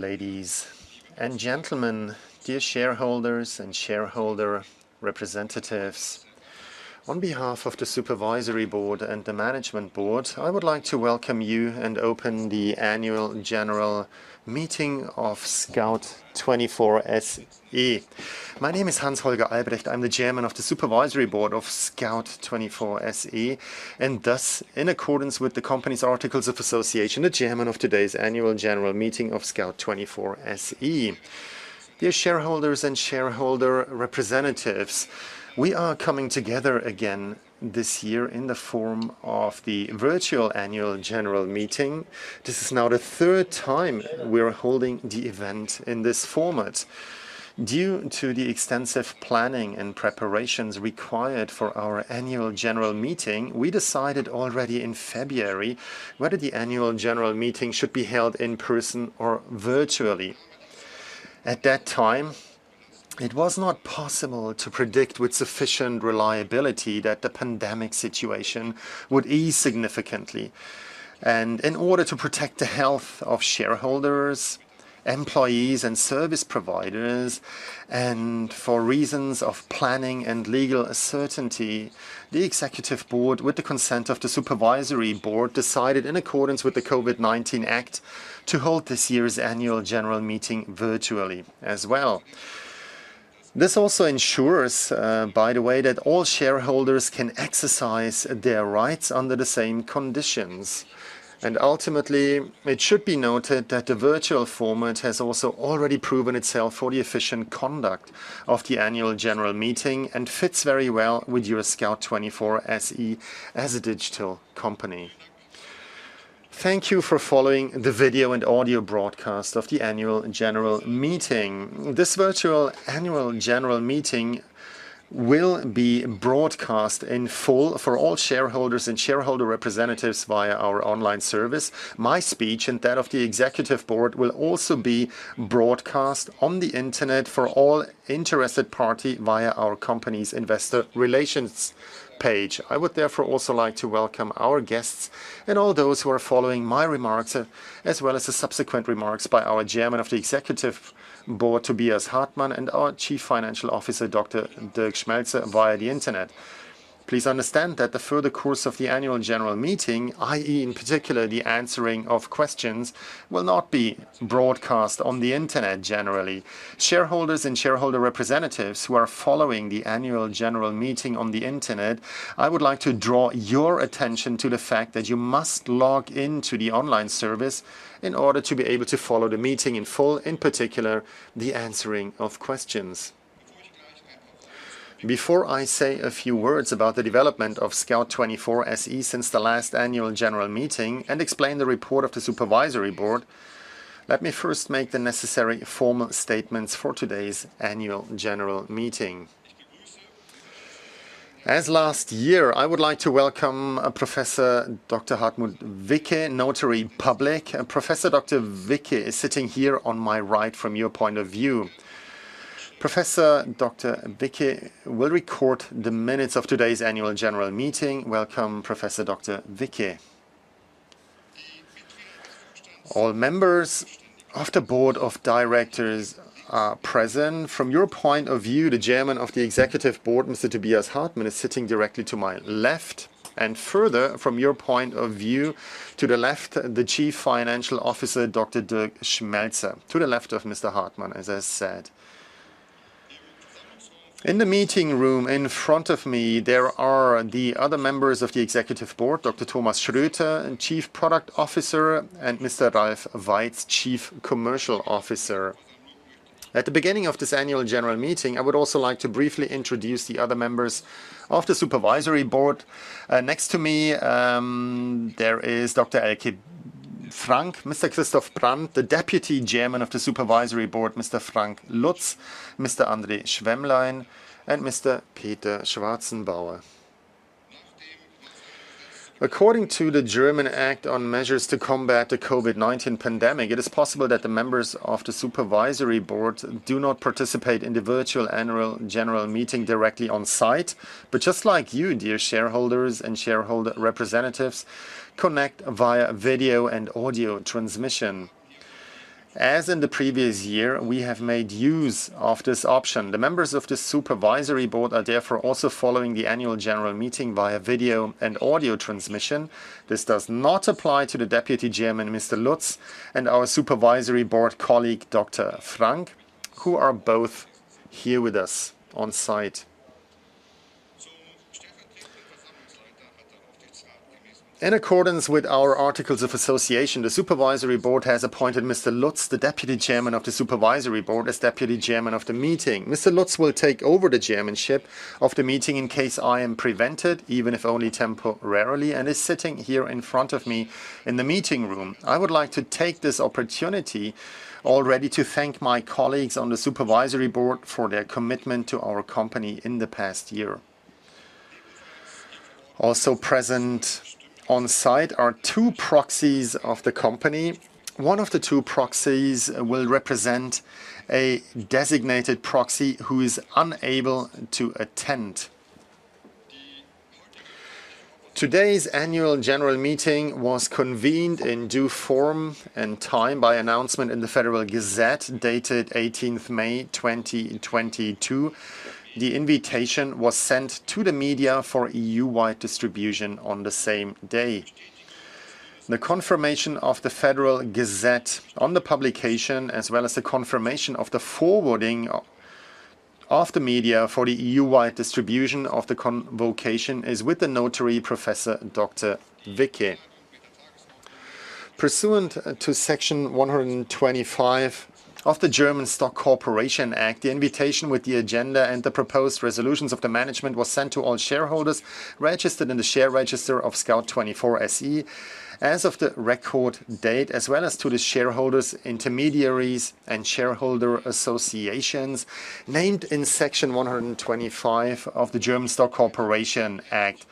Ladies and gentlemen, dear shareholders and shareholder representatives. On behalf of the supervisory board and the management board, I would like to welcome you and open the annual general meeting of Scout24 SE. My name is Hans-Holger Albrecht. I'm the Chairman of the Supervisory Board of Scout24 SE, and thus in accordance with the company's Articles of Association, the Chairman of today's annual general meeting of Scout24 SE. Dear shareholders and shareholder representatives, we are coming together again this year in the form of the virtual annual general meeting. This is now the third time we're holding the event in this format. Due to the extensive planning and preparations required for our annual general meeting, we decided already in February whether the annual general meeting should be held in person or virtually. At that time, it was not possible to predict with sufficient reliability that the pandemic situation would ease significantly. In order to protect the health of shareholders, employees, and service providers, and for reasons of planning and legal certainty, the executive board, with the consent of the supervisory board, decided in accordance with the COVID-19 Act to hold this year's annual general meeting virtually as well. This also ensures, by the way, that all shareholders can exercise their rights under the same conditions. Ultimately, it should be noted that the virtual format has also already proven itself for the efficient conduct of the annual general meeting and fits very well with your Scout24 SE as a digital company. Thank you for following the video and audio broadcast of the annual general meeting. This virtual annual general meeting will be broadcast in full for all shareholders and shareholder representatives via our online service. My speech and that of the executive board will also be broadcast on the internet for all interested parties via our company's investor relations page. I would therefore also like to welcome our guests and all those who are following my remarks, as well as the subsequent remarks by our Chairman of the Executive Board, Tobias Hartmann, and our Chief Financial Officer, Dr. Dirk Schmelzer, via the internet. Please understand that the further course of the annual general meeting, i.e., in particular the answering of questions, will not be broadcast on the internet generally. Shareholders and shareholder representatives who are following the annual general meeting on the internet, I would like to draw your attention to the fact that you must log in to the online service in order to be able to follow the meeting in full, in particular, the answering of questions. Before I say a few words about the development of Scout24 SE since the last annual general meeting and explain the report of the supervisory board, let me first make the necessary formal statements for today's annual general meeting. As last year, I would like to welcome Professor Dr. Hartmut Wicke, Notary Public. Professor Dr. Wicke is sitting here on my right from your point of view. Professor Dr. Wicke will record the minutes of today's annual general meeting. Welcome, Professor Dr. Wicke. All members of the board of directors are present. From your point of view, the Chairman of the Executive Board, Mr. Tobias Hartmann, is sitting directly to my left. Further from your point of view to the left, the Chief Financial Officer, Dr. Dirk Schmelzer, to the left of Mr. Hartmann, as I said. In the meeting room in front of me, there are the other members of the executive board, Dr. Thomas Schroeter, Chief Product Officer, and Mr. Ralf Weitz, Chief Commercial Officer. At the beginning of this annual general meeting, I would also like to briefly introduce the other members of the supervisory board. Next to me, there is Dr. Elke Frank, Mr. Christoph Brand, the Deputy Chairman of the Supervisory Board, Mr. Frank Lutz, Mr. André Schwämmlein, and Mr. Peter Schwarzenbauer. According to the German Act on measures to combat the COVID-19 pandemic, it is possible that the members of the supervisory board do not participate in the virtual annual general meeting directly on-site, but just like you, dear shareholders and shareholder representatives, connect via video and audio transmission. As in the previous year, we have made use of this option. The members of the supervisory board are therefore also following the annual general meeting via video and audio transmission. This does not apply to the Deputy Chairman, Mr. Frank Lutz, and our supervisory board colleague, Dr. Elke Frank, who are both here with us on-site. In accordance with our articles of association, the supervisory board has appointed Mr. Frank Lutz, the Deputy Chairman of the Supervisory Board, as Deputy Chairman of the meeting. Mr. Lutz will take over the chairmanship of the meeting in case I am prevented, even if only temporarily, and is sitting here in front of me in the meeting room. I would like to take this opportunity already to thank my colleagues on the supervisory board for their commitment to our company in the past year. Also present on-site are two proxies of the company. One of the two proxies will represent a designated proxy who is unable to attend. Today's annual general meeting was convened in due form and time by announcement in the Federal Gazette, dated 18th May 2022. The invitation was sent to the media for EU-wide distribution on the same day. The confirmation of the Federal Gazette on the publication, as well as the confirmation of the forwarding of the media for the EU-wide distribution of the convocation, is with the Notary, Professor Dr. Wicke. Pursuant to Section 125 of the German Stock Corporation Act, the invitation with the agenda and the proposed resolutions of the management was sent to all shareholders registered in the share register of Scout24 SE as of the record date, as well as to the shareholders, intermediaries, and shareholder associations named in Section 125 of the German Stock Corporation Act.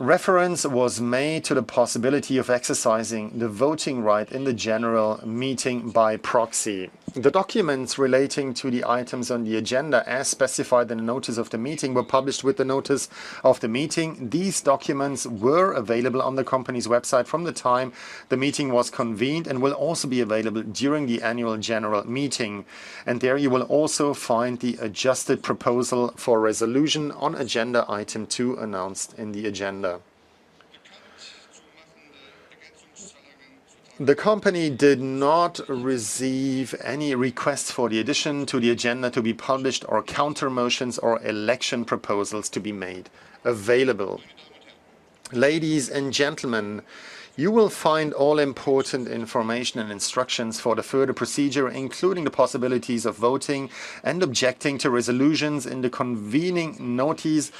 Reference was made to the possibility of exercising the voting right in the general meeting by proxy. The documents relating to the items on the agenda as specified in the notice of the meeting were published with the notice of the meeting. These documents were available on the company's website from the time the meeting was convened and will also be available during the annual general meeting. There you will also find the adjusted proposal for resolution on agenda item two announced in the agenda. The company did not receive any requests for the addition to the agenda to be published or countermotions or election proposals to be made available. Ladies and gentlemen, you will find all important information and instructions for the further procedure, including the possibilities of voting and objecting to resolutions in the convening notice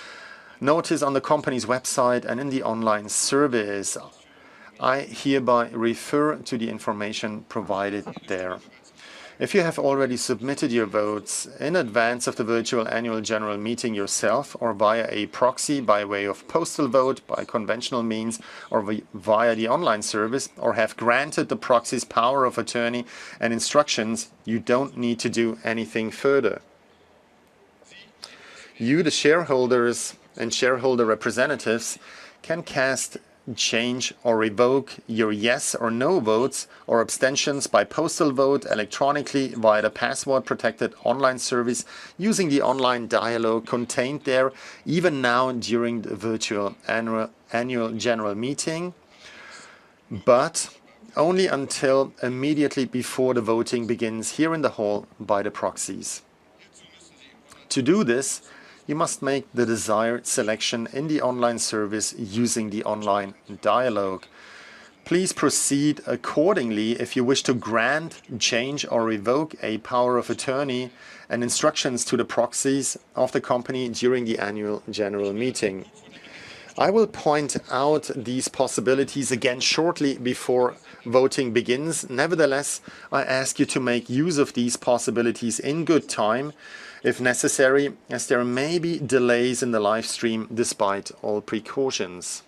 on the company's website and in the online service. I hereby refer to the information provided there. If you have already submitted your votes in advance of the virtual annual general meeting yourself or via a proxy by way of postal vote by conventional means or via the online service, or have granted the proxy's power of attorney and instructions, you don't need to do anything further. You, the shareholders and shareholder representatives, can cast, change, or revoke your yes or no votes or abstentions by postal vote electronically via the password-protected online service using the online dialog contained there even now during the virtual annual general meeting, but only until immediately before the voting begins here in the hall by the proxies. To do this, you must make the desired selection in the online service using the online dialog. Please proceed accordingly if you wish to grant, change, or revoke a power of attorney and instructions to the proxies of the company during the annual general meeting. I will point out these possibilities again shortly before voting begins. Nevertheless, I ask you to make use of these possibilities in good time, if necessary, as there may be delays in the live stream despite all precautions.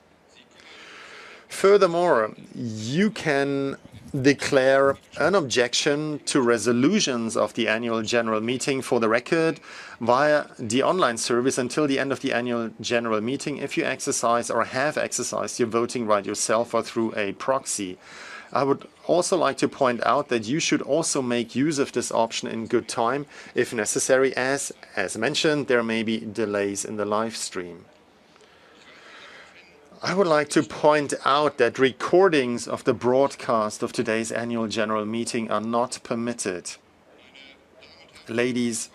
Furthermore, you can declare an objection to resolutions of the annual general meeting for the record via the online service until the end of the annual general meeting if you exercise or have exercised your voting right yourself or through a proxy. I would also like to point out that you should also make use of this option in good time, if necessary, as mentioned, there may be delays in the live stream. I would like to point out that recordings of the broadcast of today's annual general meeting are not permitted. Ladies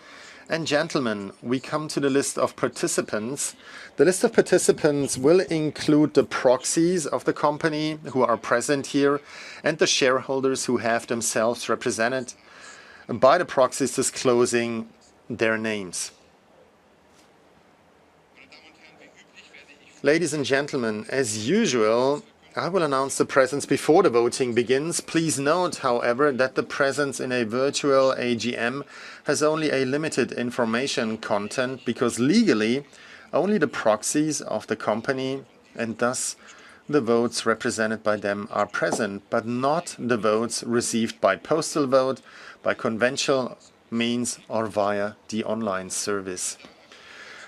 and gentlemen, we come to the list of participants. The list of participants will include the proxies of the company who are present here and the shareholders who have themselves represented by the proxies disclosing their names. Ladies and gentlemen, as usual, I will announce the presence before the voting begins. Please note, however, that the presence in a virtual AGM has only a limited information content because legally, only the proxies of the company, and thus the votes represented by them are present, but not the votes received by postal vote by conventional means or via the online service.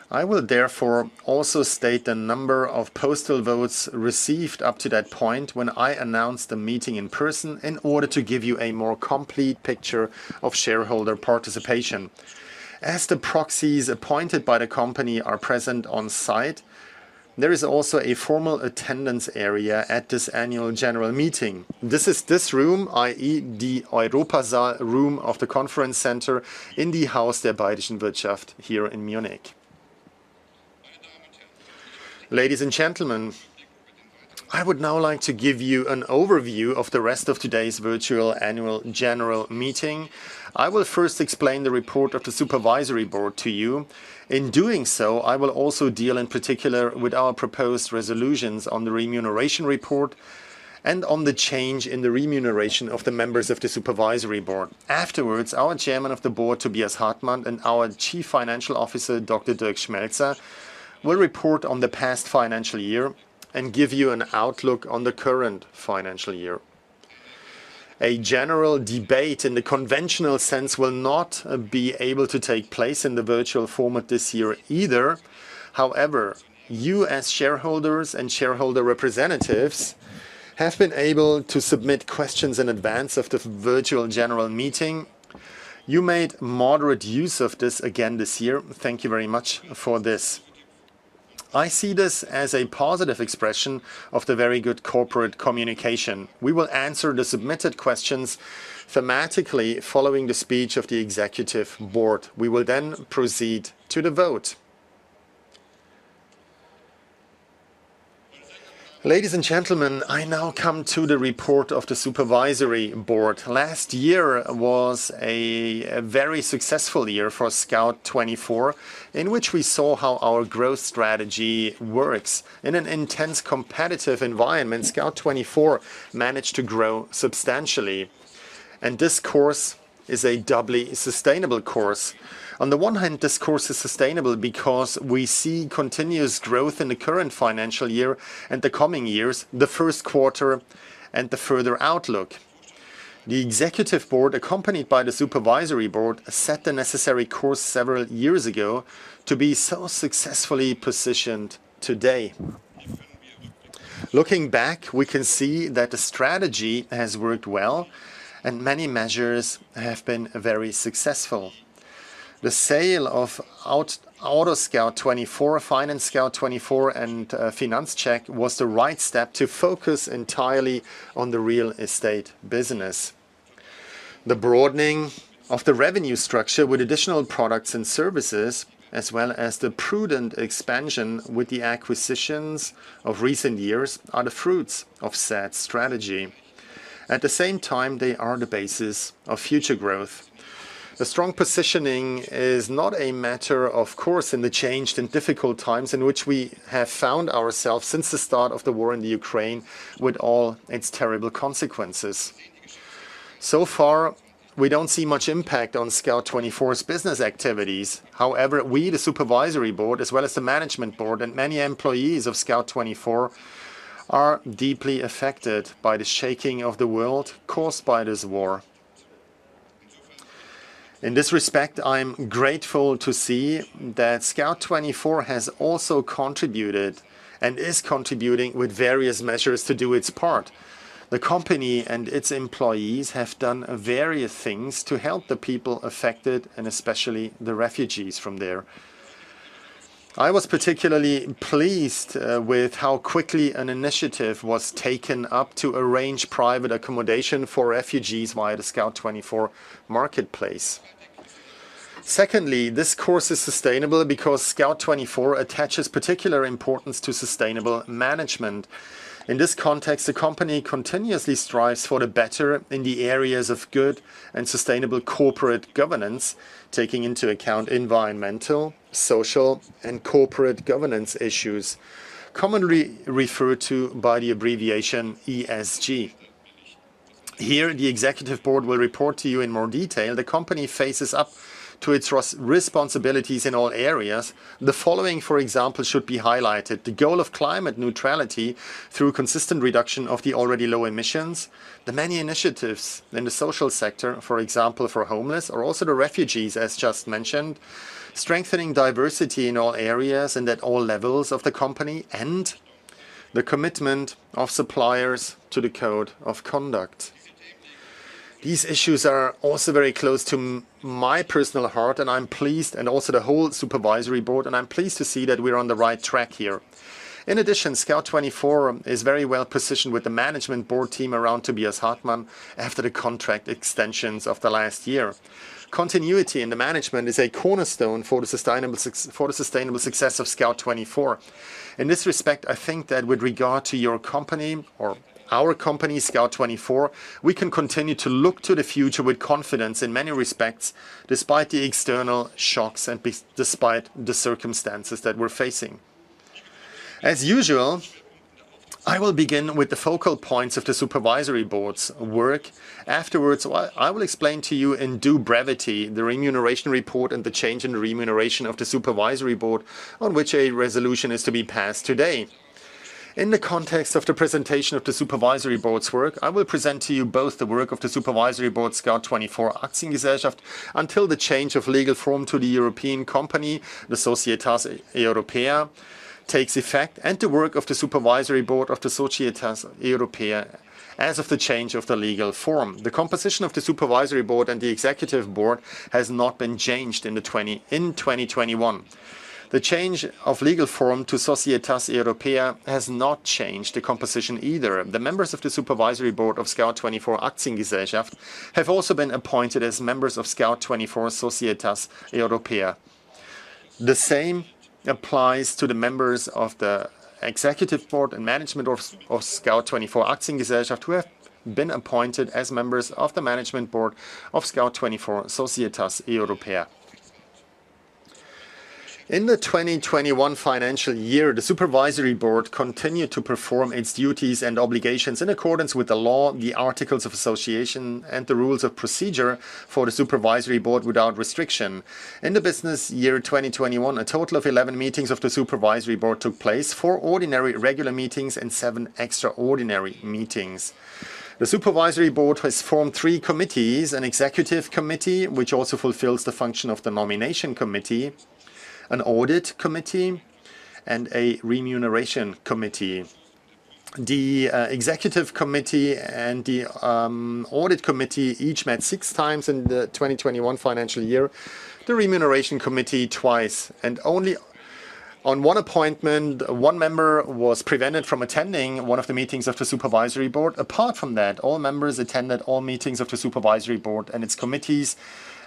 I will therefore also state the number of postal votes received up to that point when I announce the meeting in person in order to give you a more complete picture of shareholder participation. As the proxies appointed by the company are present on-site, there is also a formal attendance area at this annual general meeting. This is this room, i.e., the Europasaal room of the conference center in the Haus der Bayerischen Wirtschaft here in Munich. Ladies and gentlemen, I would now like to give you an overview of the rest of today's virtual annual general meeting. I will first explain the report of the supervisory board to you. In doing so, I will also deal in particular with our proposed resolutions on the remuneration report and on the change in the remuneration of the members of the supervisory board. Afterwards, our Chairman of the Board, Tobias Hartmann, and our Chief Financial Officer, Dr. Dirk Schmelzer, will report on the past financial year and give you an outlook on the current financial year. A general debate in the conventional sense will not be able to take place in the virtual format this year either. However, you as shareholders and shareholder representatives have been able to submit questions in advance of the virtual general meeting. You made moderate use of this again this year. Thank you very much for this. I see this as a positive expression of the very good corporate communication. We will answer the submitted questions thematically following the speech of the executive board. We will then proceed to the vote. Ladies and gentlemen, I now come to the report of the supervisory board. Last year was a very successful year for Scout24, in which we saw how our growth strategy works. In an intense competitive environment, Scout24 managed to grow substantially, and this course is a doubly sustainable course. On the one hand, this course is sustainable because we see continuous growth in the current financial year and the coming years, the first quarter and the further outlook. The executive board, accompanied by the supervisory board, set the necessary course several years ago to be so successfully positioned today. Looking back, we can see that the strategy has worked well and many measures have been very successful. The sale of AutoScout24, FinanceScout24 and FINANZCHECK was the right step to focus entirely on the real estate business. The broadening of the revenue structure with additional products and services, as well as the prudent expansion with the acquisitions of recent years, are the fruits of said strategy. At the same time, they are the basis of future growth. The strong positioning is not a matter of course in the changed and difficult times in which we have found ourselves since the start of the war in the Ukraine, with all its terrible consequences. So far, we don't see much impact on Scout24's business activities. However, we, the supervisory board, as well as the management board and many employees of Scout24, are deeply affected by the shaking of the world caused by this war. In this respect, I'm grateful to see that Scout24 has also contributed and is contributing with various measures to do its part. The company and its employees have done various things to help the people affected, and especially the refugees from there. I was particularly pleased with how quickly an initiative was taken up to arrange private accommodation for refugees via the Scout24 marketplace. Secondly, this course is sustainable because Scout24 attaches particular importance to sustainable management. In this context, the company continuously strives for the better in the areas of good and sustainable corporate governance, taking into account environmental, social, and corporate governance issues, commonly referred to by the abbreviation ESG. Here, the executive board will report to you in more detail. The company faces up to its responsibilities in all areas. The following, for example, should be highlighted: the goal of climate neutrality through consistent reduction of the already low emissions, the many initiatives in the social sector, for example, for homeless or also the refugees, as just mentioned, strengthening diversity in all areas and at all levels of the company and the commitment of suppliers to the code of conduct. These issues are also very close to my personal heart, and I'm pleased, and also the whole supervisory board, to see that we're on the right track here. In addition, Scout24 is very well positioned with the management board team around Tobias Hartmann after the contract extensions of the last year. Continuity in the management is a cornerstone for the sustainable success of Scout24. In this respect, I think that with regard to your company or our company, Scout24, we can continue to look to the future with confidence in many respects, despite the external shocks despite the circumstances that we're facing. As usual, I will begin with the focal points of the supervisory board's work. Afterwards, I will explain to you in due brevity the remuneration report and the change in remuneration of the supervisory board on which a resolution is to be passed today. In the context of the presentation of the supervisory board's work, I will present to you both the work of the supervisory board, Scout24 Aktiengesellschaft, until the change of legal form to the European company, the Societas Europaea, takes effect, and the work of the supervisory board of the Societas Europaea as of the change of the legal form. The composition of the supervisory board and the executive board has not been changed in 2021. The change of legal form to Societas Europaea has not changed the composition either. The members of the supervisory board of Scout24 Aktiengesellschaft have also been appointed as members of Scout24 Societas Europaea. The same applies to the members of the executive board and management of Scout24 Aktiengesellschaft, who have been appointed as members of the management board of Scout24 Societas Europaea. In the 2021 financial year, the supervisory board continued to perform its duties and obligations in accordance with the law, the articles of association, and the rules of procedure for the supervisory board without restriction. In the business year 2021, a total of 11 meetings of the supervisory board took place, four ordinary regular meetings and seven extraordinary meetings. The supervisory board has formed three committees: an executive committee, which also fulfills the function of the nomination committee, an audit committee, and a remuneration committee. The executive committee and the audit committee each met six times in the 2021 fiscal year, the remuneration committee twice. Only on one occasion, one member was prevented from attending one of the meetings of the supervisory board. Apart from that, all members attended all meetings of the supervisory board and its committees,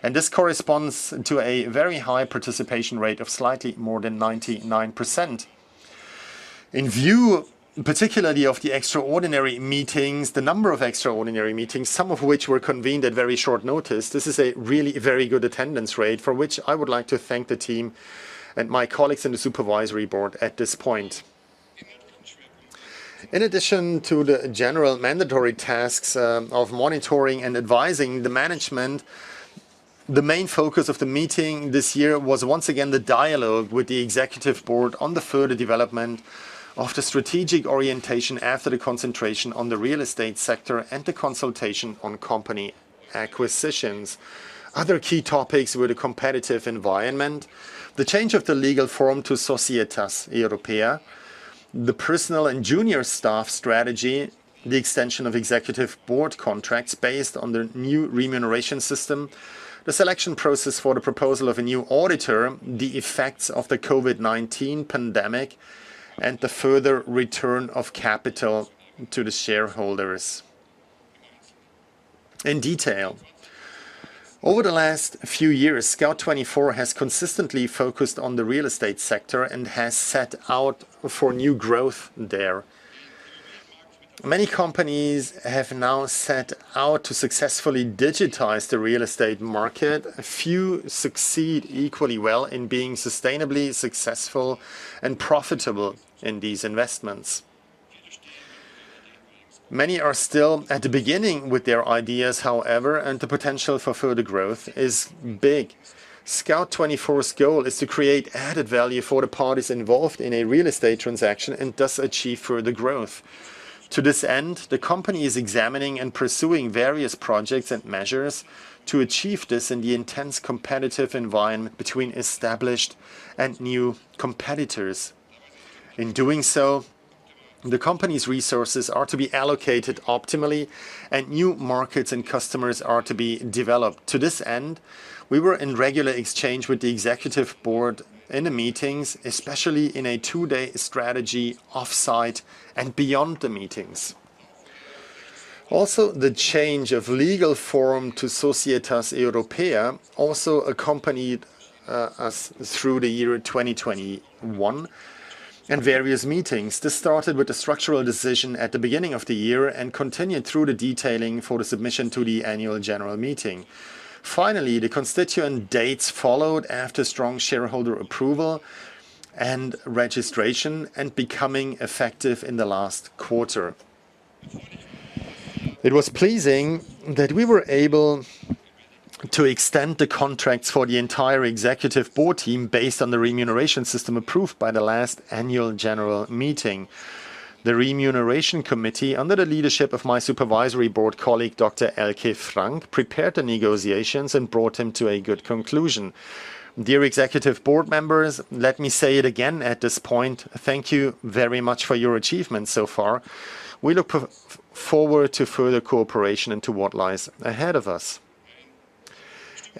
and this corresponds to a very high participation rate of slightly more than 99%. In view particularly of the extraordinary meetings, the number of extraordinary meetings, some of which were convened at very short notice, this is a really very good attendance rate for which I would like to thank the team and my colleagues in the supervisory board at this point. In addition to the general mandatory tasks of monitoring and advising the management, the main focus of the meeting this year was once again the dialogue with the executive board on the further development of the strategic orientation after the concentration on the real estate sector and the consultation on company acquisitions. Other key topics were the competitive environment, the change of the legal form to Societas Europaea, the personnel and junior staff strategy, the extension of executive board contracts based on the new remuneration system, the selection process for the proposal of a new auditor, the effects of the COVID-19 pandemic, and the further return of capital to the shareholders. In detail. Over the last few years, Scout24 has consistently focused on the real estate sector and has set out for new growth there. Many companies have now set out to successfully digitize the real estate market. Few succeed equally well in being sustainably successful and profitable in these investments. Many are still at the beginning with their ideas, however, and the potential for further growth is big. Scout24's goal is to create added value for the parties involved in a real estate transaction and thus achieve further growth. To this end, the company is examining and pursuing various projects and measures to achieve this in the intense competitive environment between established and new competitors. In doing so, the company's resources are to be allocated optimally and new markets and customers are to be developed. To this end, we were in regular exchange with the executive board in the meetings, especially in a two-day strategy off-site and beyond the meetings. Also, the change of legal form to Societas Europaea also accompanied us through the year 2021 and various meetings. This started with the structural decision at the beginning of the year and continued through the detailing for the submission to the annual general meeting. Finally, the constituent dates followed after strong shareholder approval and registration and becoming effective in the last quarter. It was pleasing that we were able to extend the contracts for the entire executive board team based on the remuneration system approved by the last annual general meeting. The remuneration committee, under the leadership of my supervisory board colleague, Dr. Elke Frank, prepared the negotiations and brought them to a good conclusion. Dear executive board members, let me say it again at this point, thank you very much for your achievements so far. We look forward to further cooperation into what lies ahead of us.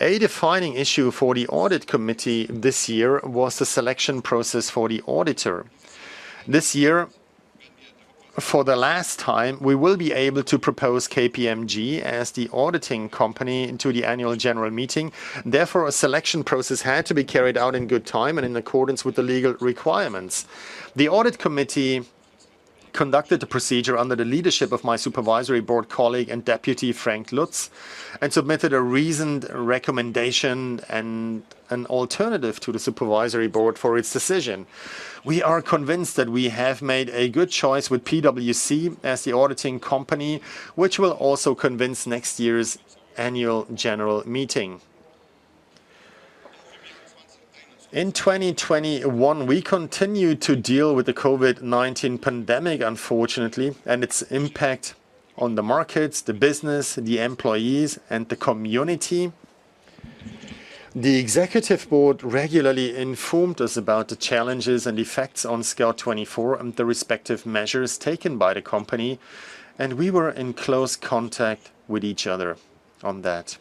A defining issue for the audit committee this year was the selection process for the auditor. This year, for the last time, we will be able to propose KPMG as the auditing company to the annual general meeting. Therefore, a selection process had to be carried out in good time and in accordance with the legal requirements. The audit committee conducted the procedure under the leadership of my supervisory board colleague and deputy, Frank Lutz, and submitted a reasoned recommendation and an alternative to the supervisory board for its decision. We are convinced that we have made a good choice with PwC as the auditing company, which will also convince next year's annual general meeting. In 2021, we continued to deal with the COVID-19 pandemic, unfortunately, and its impact on the markets, the business, the employees, and the community. The executive board regularly informed us about the challenges and effects on Scout24 and the respective measures taken by the company, and we were in close contact with each other on that.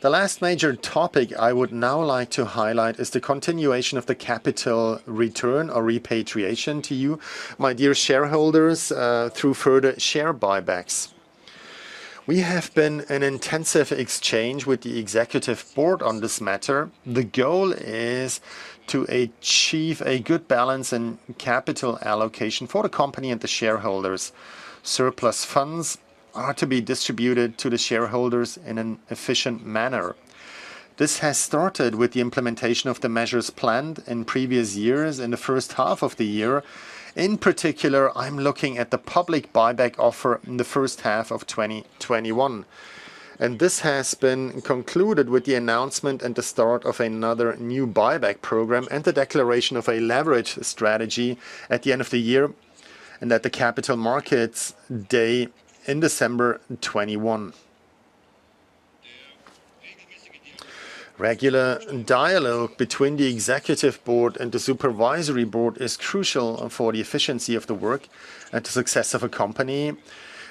The last major topic I would now like to highlight is the continuation of the capital return or repatriation to you, my dear shareholders, through further share buybacks. We have been in intensive exchange with the executive board on this matter. The goal is to achieve a good balance in capital allocation for the company and the shareholders. Surplus funds are to be distributed to the shareholders in an efficient manner. This has started with the implementation of the measures planned in previous years in the first half of the year. In particular, I'm looking at the public buyback offer in the first half of 2021. This has been concluded with the announcement and the start of another new buyback program and the declaration of a leverage strategy at the end of the year and at the Capital Markets Day in December 2021. Regular dialogue between the executive board and the supervisory board is crucial for the efficiency of the work and the success of a company.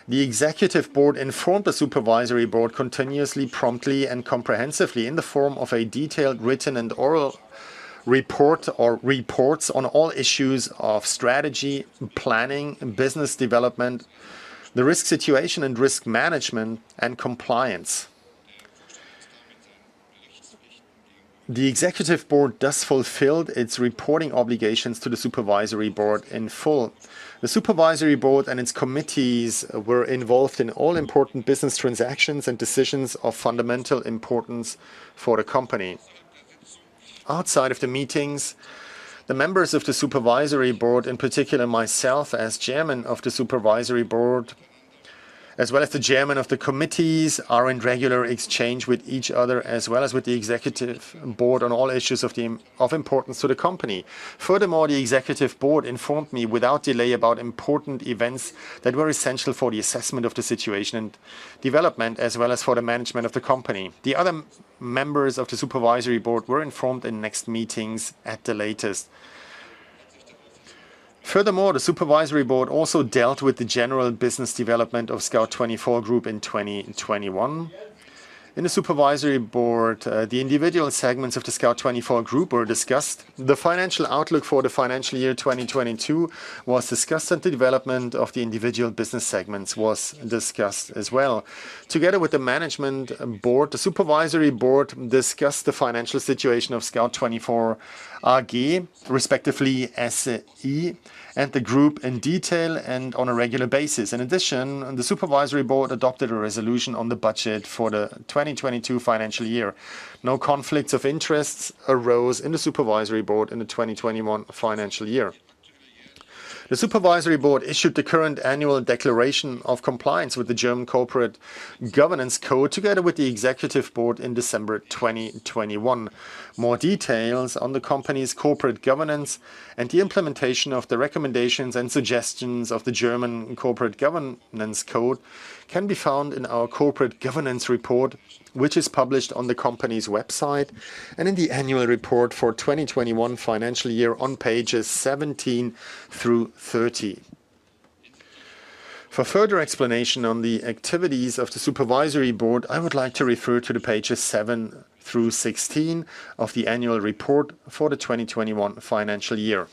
The executive board informed the supervisory board continuously, promptly, and comprehensively in the form of a detailed written and oral report or reports on all issues of strategy, planning, business development, the risk situation and risk management, and compliance. The executive board thus fulfilled its reporting obligations to the supervisory board in full. The supervisory board and its committees were involved in all important business transactions and decisions of fundamental importance for the company. Outside of the meetings, the members of the supervisory board, in particular myself as Chairman of the Supervisory Board, as well as the Chairman of the Committees, are in regular exchange with each other as well as with the executive board on all issues of importance to the company. Furthermore, the executive board informed me without delay about important events that were essential for the assessment of the situation and development as well as for the management of the company. The other members of the supervisory board were informed in next meetings at the latest. Furthermore, the supervisory board also dealt with the general business development of Scout24 Group in 2021. In the supervisory board, the individual segments of the Scout24 Group were discussed. The financial outlook for the financial year 2022 was discussed, and the development of the individual business segments was discussed as well. Together with the management board, the supervisory board discussed the financial situation of Scout24 AG, respectively SE, and the Group in detail and on a regular basis. In addition, the supervisory board adopted a resolution on the budget for the 2022 financial year. No conflicts of interest arose in the supervisory board in the 2021 financial year. The supervisory board issued the current annual declaration of compliance with the German Corporate Governance Code together with the executive board in December 2021. More details on the company's corporate governance and the implementation of the recommendations and suggestions of the German Corporate Governance Code can be found in our corporate governance report, which is published on the company's website and in the annual report for the 2021 financial year on pages 17 through 30. For further explanation on the activities of the supervisory board, I would like to refer to the pages seven through 16 of the annual report for the 2021 financial year.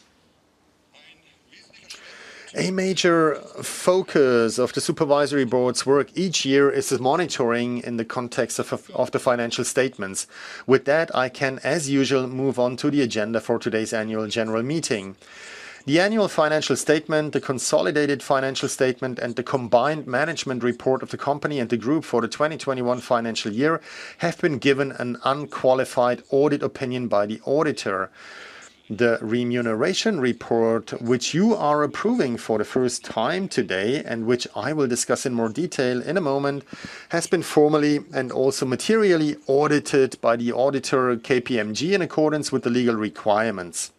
A major focus of the supervisory board's work each year is the monitoring in the context of the financial statements. With that, I can, as usual, move on to the agenda for today's annual general meeting. The annual financial statement, the consolidated financial statement, and the combined management report of the company and the Group for the 2021 financial year have been given an unqualified audit opinion by the auditor. The remuneration report, which you are approving for the first time today and which I will discuss in more detail in a moment, has been formally and also materially audited by the auditor KPMG in accordance with the legal requirements.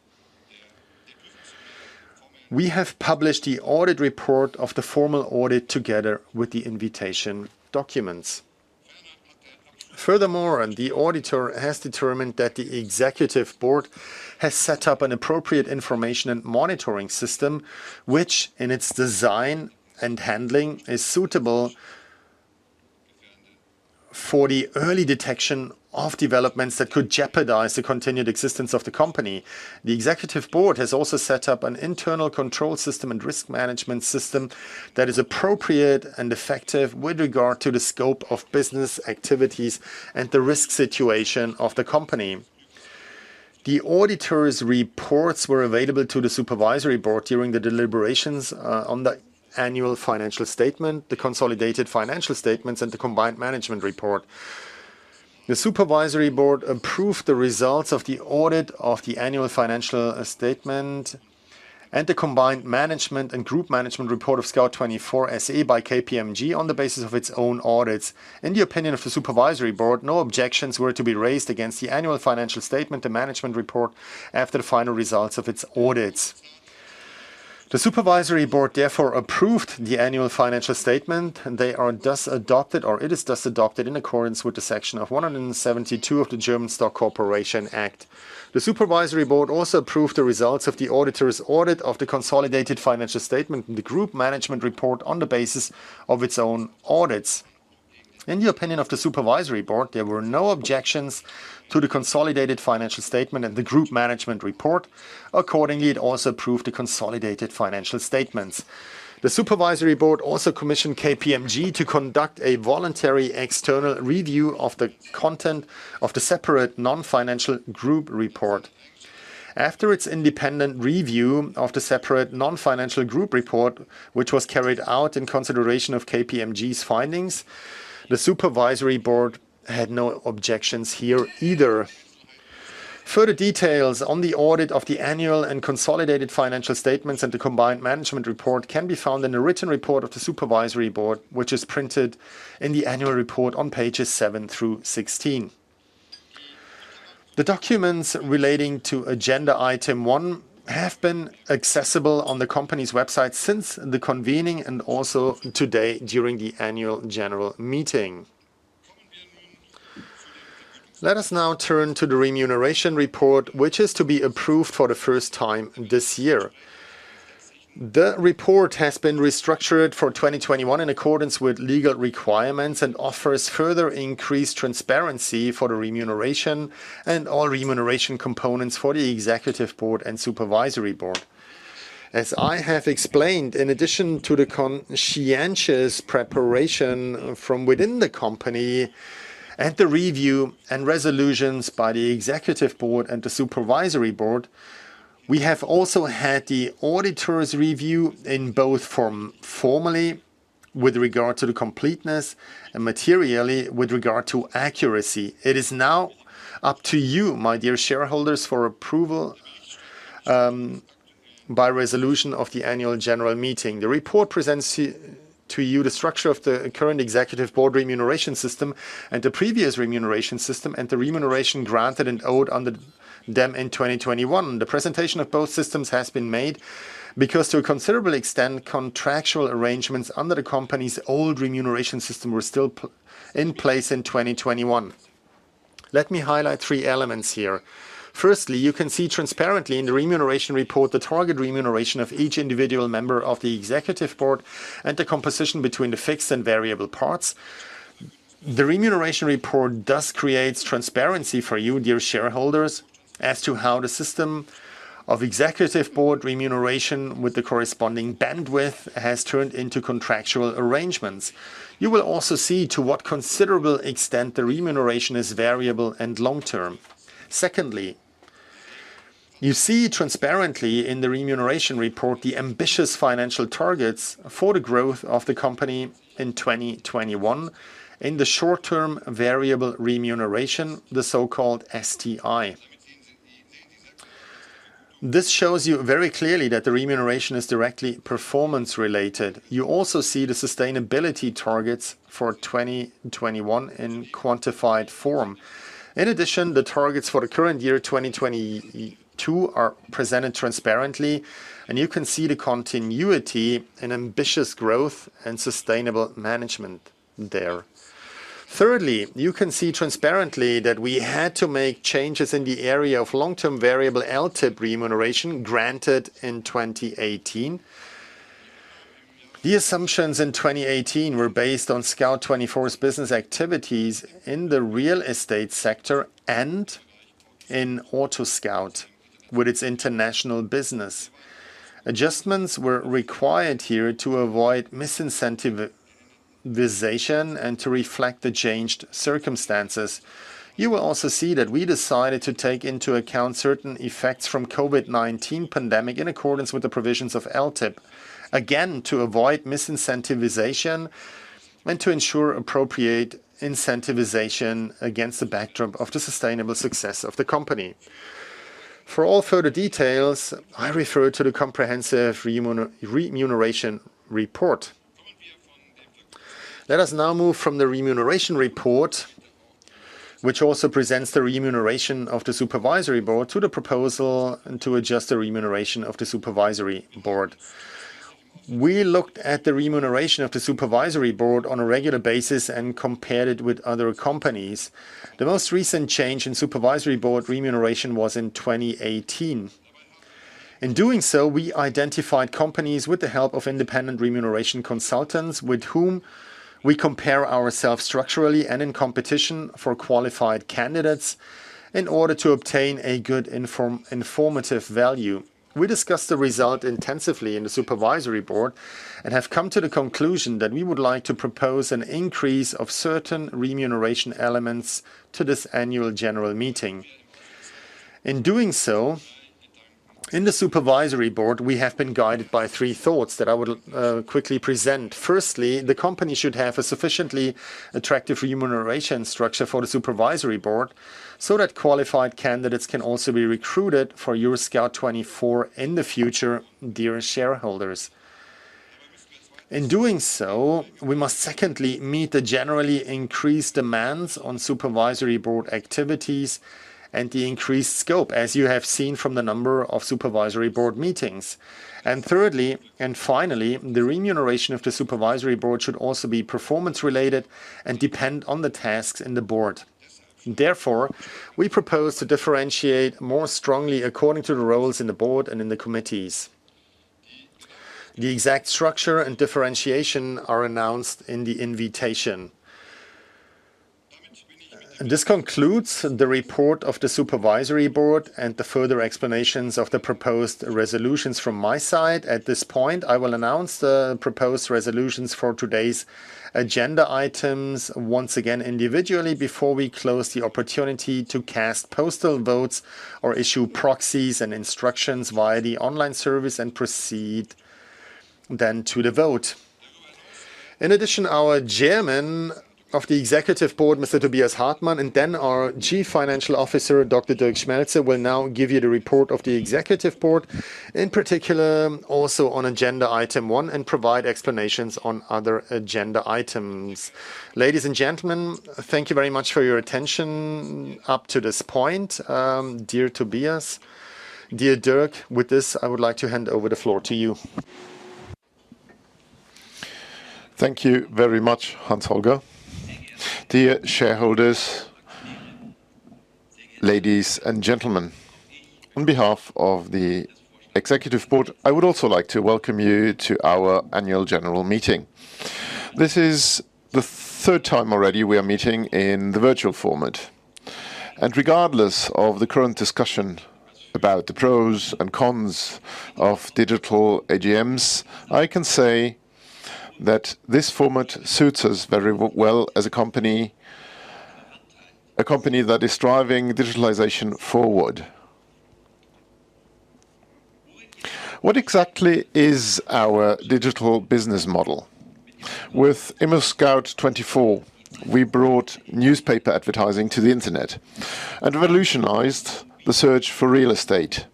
We have published the audit report of the formal audit together with the invitation documents. Furthermore, the auditor has determined that the executive board has set up an appropriate information and monitoring system, which in its design and handling is suitable for the early detection of developments that could jeopardize the continued existence of the company. The executive board has also set up an internal control system and risk management system that is appropriate and effective with regard to the scope of business activities and the risk situation of the company. The auditor's reports were available to the supervisory board during the deliberations on the annual financial statement, the consolidated financial statements, and the combined management report. The supervisory board approved the results of the audit of the annual financial statement and the combined management and group management report of Scout24 SE by KPMG on the basis of its own audits. In the opinion of the supervisory board, no objections were to be raised against the annual financial statement and management report after the final results of its audits. The supervisory board therefore approved the annual financial statement, and they are thus adopted or it is thus adopted in accordance with Section 172 of the German Stock Corporation Act. The supervisory board also approved the results of the auditor's audit of the consolidated financial statement and the group management report on the basis of its own audits. In the opinion of the supervisory board, there were no objections to the consolidated financial statement and the group management report. Accordingly, it also approved the consolidated financial statements. The supervisory board also commissioned KPMG to conduct a voluntary external review of the content of the separate non-financial group report. After its independent review of the separate non-financial group report, which was carried out in consideration of KPMG's findings, the supervisory board had no objections here either. Further details on the audit of the annual and consolidated financial statements and the combined management report can be found in the written report of the supervisory board, which is printed in the annual report on pages seven through 16. The documents relating to agenda item one have been accessible on the company's website since the convening and also today during the annual general meeting. Let us now turn to the remuneration report, which is to be approved for the first time this year. The report has been restructured for 2021 in accordance with legal requirements and offers further increased transparency for the remuneration and all remuneration components for the executive board and supervisory board. As I have explained, in addition to the conscientious preparation from within the company and the review and resolutions by the executive board and the supervisory board, we have also had the auditor's review in both formally with regard to the completeness and materially with regard to accuracy. It is now up to you, my dear shareholders, for approval, by resolution of the annual general meeting. The report presents to you the structure of the current executive board remuneration system and the previous remuneration system and the remuneration granted and owed under them in 2021. The presentation of both systems has been made because to a considerable extent, contractual arrangements under the company's old remuneration system were still put in place in 2021. Let me highlight three elements here. Firstly, you can see transparently in the remuneration report the target remuneration of each individual member of the executive board and the composition between the fixed and variable parts. The remuneration report does create transparency for you, dear shareholders, as to how the system of executive board remuneration with the corresponding bandwidth has turned into contractual arrangements. You will also see to what considerable extent the remuneration is variable and long-term. Secondly, you see transparently in the remuneration report the ambitious financial targets for the growth of the company in 2021 in the short-term variable remuneration, the so-called STI. This shows you very clearly that the remuneration is directly performance related. You also see the sustainability targets for 2021 in quantified form. In addition, the targets for the current year, 2022, are presented transparently, and you can see the continuity in ambitious growth and sustainable management there. Thirdly, you can see transparently that we had to make changes in the area of long-term variable LTIP remuneration granted in 2018. The assumptions in 2018 were based on Scout24's business activities in the real estate sector and in AutoScout with its international business. Adjustments were required here to avoid misincentivization and to reflect the changed circumstances. You will also see that we decided to take into account certain effects from COVID-19 pandemic in accordance with the provisions of LTIP, again, to avoid misincentivization and to ensure appropriate incentivization against the backdrop of the sustainable success of the company. For all further details, I refer to the comprehensive remuneration report. Let us now move from the remuneration report, which also presents the remuneration of the supervisory board to the proposal and to adjust the remuneration of the supervisory board. We looked at the remuneration of the supervisory board on a regular basis and compared it with other companies. The most recent change in supervisory board remuneration was in 2018. In doing so, we identified companies with the help of independent remuneration consultants with whom we compare ourselves structurally and in competition for qualified candidates in order to obtain a good informative value. We discussed the result intensively in the supervisory board and have come to the conclusion that we would like to propose an increase of certain remuneration elements to this annual general meeting. In doing so, in the supervisory board, we have been guided by three thoughts that I will quickly present. Firstly, the company should have a sufficiently attractive remuneration structure for the supervisory board so that qualified candidates can also be recruited for your Scout24 in the future, dear shareholders. In doing so, we must secondly meet the generally increased demands on supervisory board activities and the increased scope, as you have seen from the number of supervisory board meetings. Thirdly, and finally, the remuneration of the supervisory board should also be performance related and depend on the tasks in the board. Therefore, we propose to differentiate more strongly according to the roles in the board and in the committees. The exact structure and differentiation are announced in the invitation. This concludes the report of the supervisory board and the further explanations of the proposed resolutions from my side. At this point, I will announce the proposed resolutions for today's agenda items once again individually before we close the opportunity to cast postal votes or issue proxies and instructions via the online service and proceed then to the vote. In addition, our Chairman of the Executive Board, Mr. Tobias Hartmann, and then our Chief Financial Officer, Dr. Dirk Schmelzer, will now give you the report of the executive board, in particular also on agenda item one, and provide explanations on other agenda items. Ladies and gentlemen, thank you very much for your attention up to this point. Dear Tobias, dear Dirk, with this, I would like to hand over the floor to you. Thank you very much, Hans-Holger. Dear shareholders, ladies and gentlemen. On behalf of the executive board, I would also like to welcome you to our annual general meeting. This is the third time already we are meeting in the virtual format. Regardless of the current discussion about the pros and cons of digital AGMs, I can say that this format suits us very well as a company that is driving digitalization forward. What exactly is our digital business model? With ImmoScout24, we brought newspaper advertising to the internet and revolutionized the search for real estate.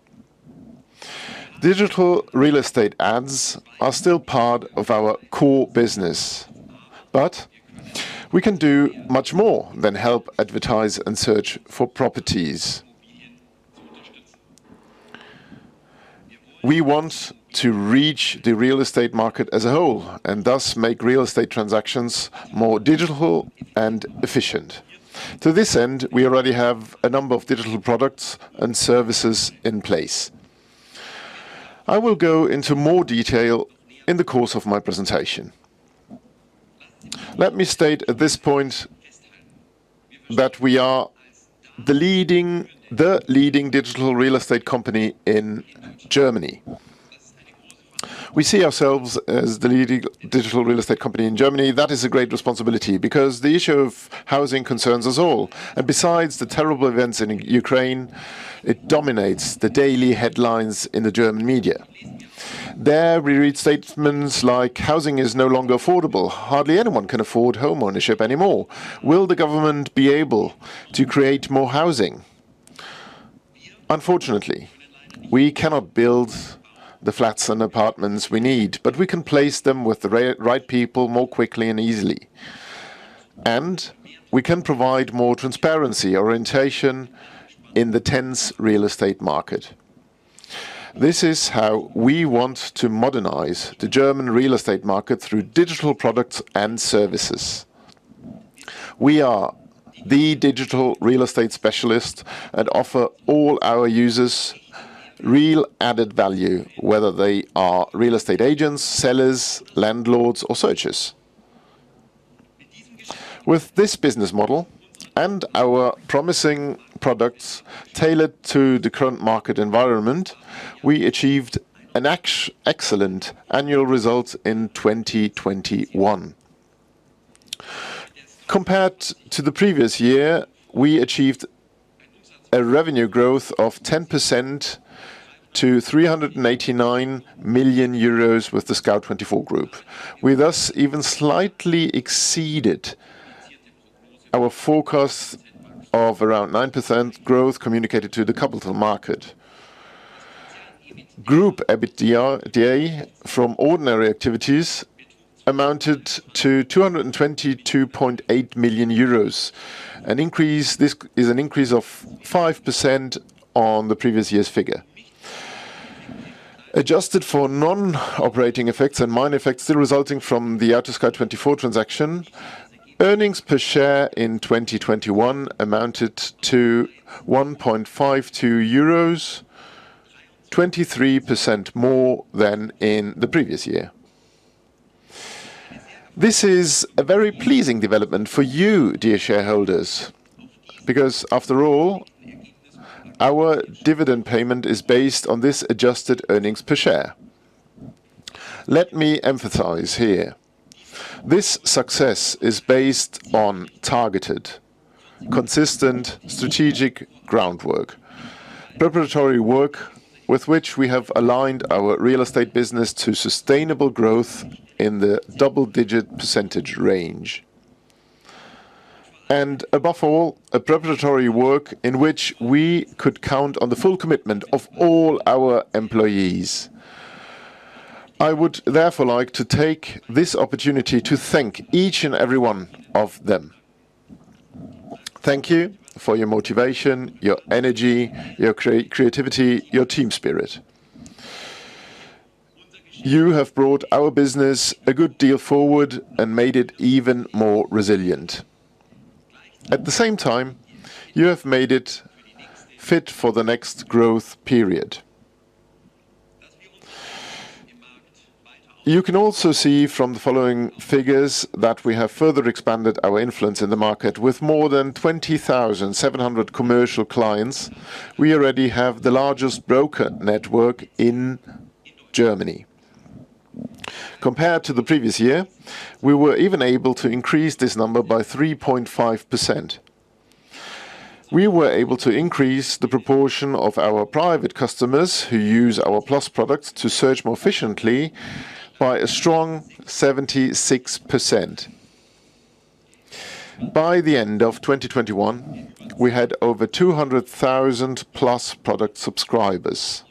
Digital real estate ads are still part of our core business, but we can do much more than help advertise and search for properties. We want to reach the real estate market as a whole and thus make real estate transactions more digital and efficient. To this end, we already have a number of digital products and services in place. I will go into more detail in the course of my presentation. Let me state at this point that we are the leading digital real estate company in Germany. We see ourselves as the leading digital real estate company in Germany. That is a great responsibility because the issue of housing concerns us all. Besides the terrible events in Ukraine, it dominates the daily headlines in the German media. There we read statements like, "Housing is no longer affordable. Hardly anyone can afford homeownership anymore. Will the government be able to create more housing?" Unfortunately, we cannot build the flats and apartments we need, but we can place them with the right people more quickly and easily. We can provide more transparency, orientation in the tense real estate market. This is how we want to modernize the German real estate market through digital products and services. We are the digital real estate specialist and offer all our users real added value, whether they are real estate agents, sellers, landlords or searchers. With this business model and our promising products tailored to the current market environment, we achieved an excellent annual result in 2021. Compared to the previous year, we achieved a revenue growth of 10% to 389 million euros with the Scout24 Group. We thus even slightly exceeded our forecast of around 9% growth communicated to the capital market. Group EBITDA from ordinary activities amounted to 222.8 million euros, an increase of 5% on the previous year's figure. Adjusted for non-operating effects and minor effects still resulting from the AutoScout24 transaction, earnings per share in 2021 amounted to 1.52 euros, 23% more than in the previous year. This is a very pleasing development for you, dear shareholders, because after all, our dividend payment is based on this adjusted earnings per share. Let me emphasize here, this success is based on targeted, consistent strategic groundwork. Preparatory work with which we have aligned our real estate business to sustainable growth in the double-digit percentage range. Above all, a preparatory work in which we could count on the full commitment of all our employees. I would therefore like to take this opportunity to thank each and every one of them. Thank you for your motivation, your energy, your creativity, your team spirit. You have brought our business a good deal forward and made it even more resilient. At the same time, you have made it fit for the next growth period. You can also see from the following figures that we have further expanded our influence in the market. With more than 20,700 commercial clients, we already have the largest broker network in Germany. Compared to the previous year, we were even able to increase this number by 3.5%. We were able to increase the proportion of our private customers who use our Plus products to search more efficiently by a strong 76%. By the end of 2021, we had over 200,000 Plus product subscribers.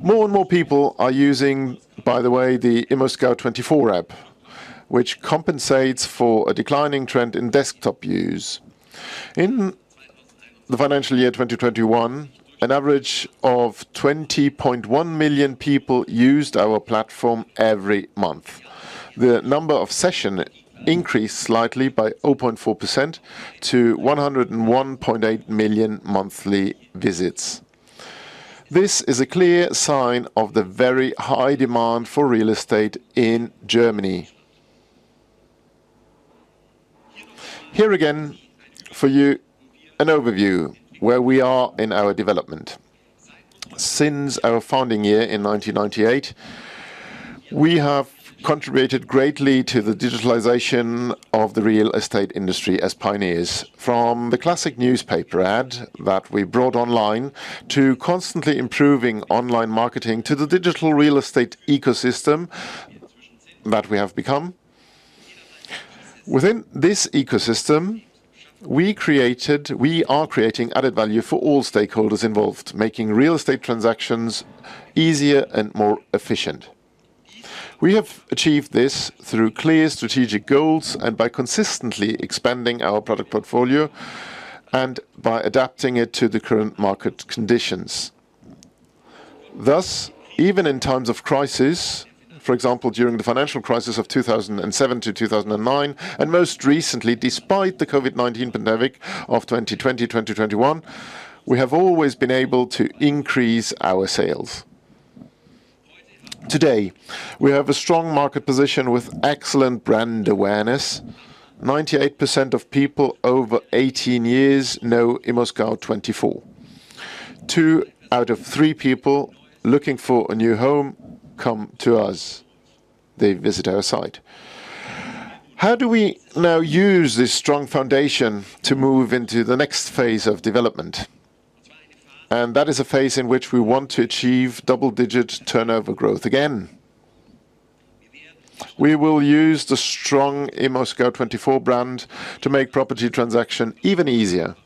More and more people are using, by the way, the ImmoScout24 app, which compensates for a declining trend in desktop use. In the financial year 2021, an average of 20.1 million people used our platform every month. The number of sessions increased slightly by 0.4% to 101.8 million monthly visits. This is a clear sign of the very high demand for real estate in Germany. Here again for you, an overview where we are in our development. Since our founding year in 1998, we have contributed greatly to the digitalization of the real estate industry as pioneers. From the classic newspaper ad that we brought online to constantly improving online marketing to the digital real estate ecosystem that we have become. Within this ecosystem, we are creating added value for all stakeholders involved, making real estate transactions easier and more efficient. We have achieved this through clear strategic goals and by consistently expanding our product portfolio and by adapting it to the current market conditions. Thus, even in times of crisis, for example, during the financial crisis of 2007 to 2009, and most recently, despite the COVID-19 pandemic of 2020, 2021, we have always been able to increase our sales. Today, we have a strong market position with excellent brand awareness. 98% of people over 18 years know ImmoScout24. Two out of three people looking for a new home come to us. They visit our site. How do we now use this strong foundation to move into the next phase of development? That is a phase in which we want to achieve double-digit turnover growth again. We will use the strong ImmoScout24 brand to make property transaction even easier.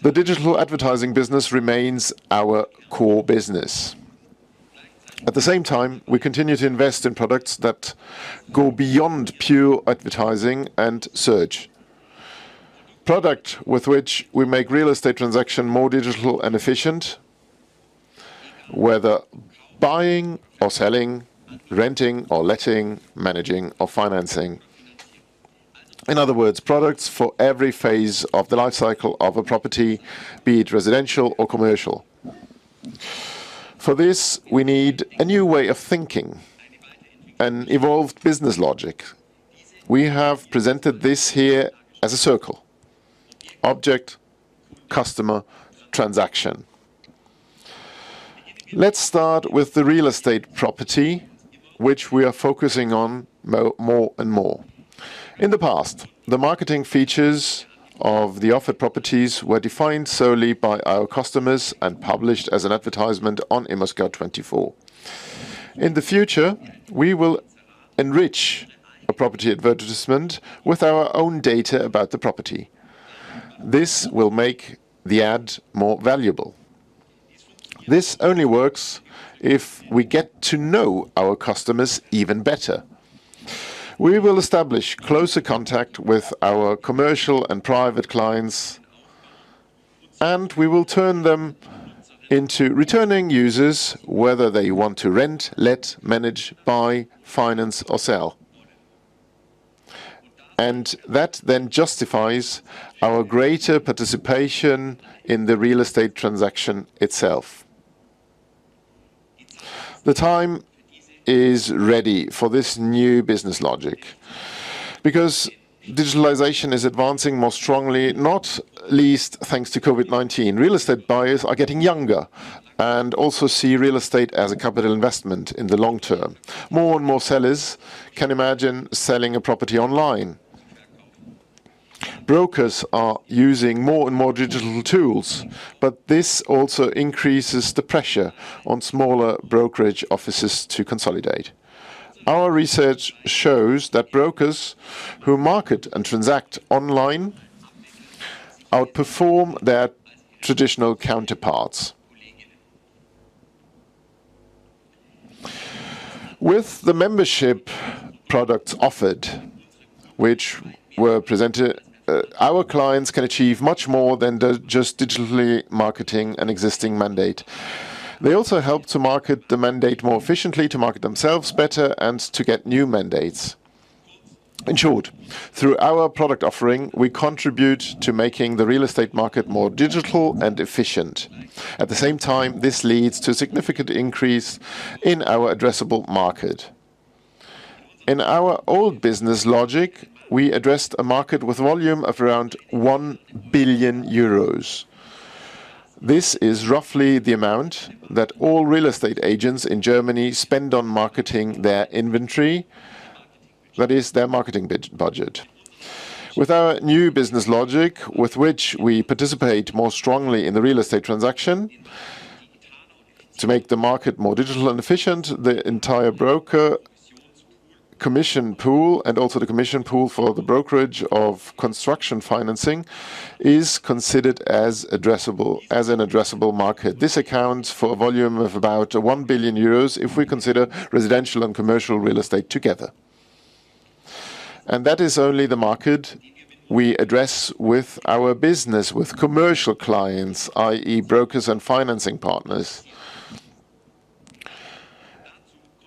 The digital advertising business remains our core business. At the same time, we continue to invest in products that go beyond pure advertising and search. Products with which we make real estate transactions more digital and efficient, whether buying or selling, renting or letting, managing or financing. In other words, products for every phase of the life cycle of a property, be it residential or commercial. For this, we need a new way of thinking, an evolved business logic. We have presented this here as a circle, object, customer, transaction. Let's start with the real estate property, which we are focusing on more and more. In the past, the marketing features of the offered properties were defined solely by our customers and published as an advertisement on ImmoScout24. In the future, we will enrich a property advertisement with our own data about the property. This will make the ad more valuable. This only works if we get to know our customers even better. We will establish closer contact with our commercial and private clients, and we will turn them into returning users, whether they want to rent, let, manage, buy, finance or sell. That then justifies our greater participation in the real estate transaction itself. The time is ready for this new business logic because digitalization is advancing more strongly, not least, thanks to COVID-19. Real estate buyers are getting younger and also see real estate as a capital investment in the long term. More and more sellers can imagine selling a property online. Brokers are using more and more digital tools, but this also increases the pressure on smaller brokerage offices to consolidate. Our research shows that brokers who market and transact online outperform their traditional counterparts. With the membership products offered, which were presented, our clients can achieve much more than just digitally marketing an existing mandate. They also help to market the mandate more efficiently, to market themselves better, and to get new mandates. In short, through our product offering, we contribute to making the real estate market more digital and efficient. At the same time, this leads to a significant increase in our addressable market. In our old business logic, we addressed a market with volume of around 1 billion euros. This is roughly the amount that all real estate agents in Germany spend on marketing their inventory. That is their marketing budget. With our new business logic, with which we participate more strongly in the real estate transaction to make the market more digital and efficient, the entire broker commission pool and also the commission pool for the brokerage of construction financing is considered as an addressable market. This accounts for a volume of about 1 billion euros if we consider residential and commercial real estate together. That is only the market we address with our business, with commercial clients, i.e., brokers and financing partners.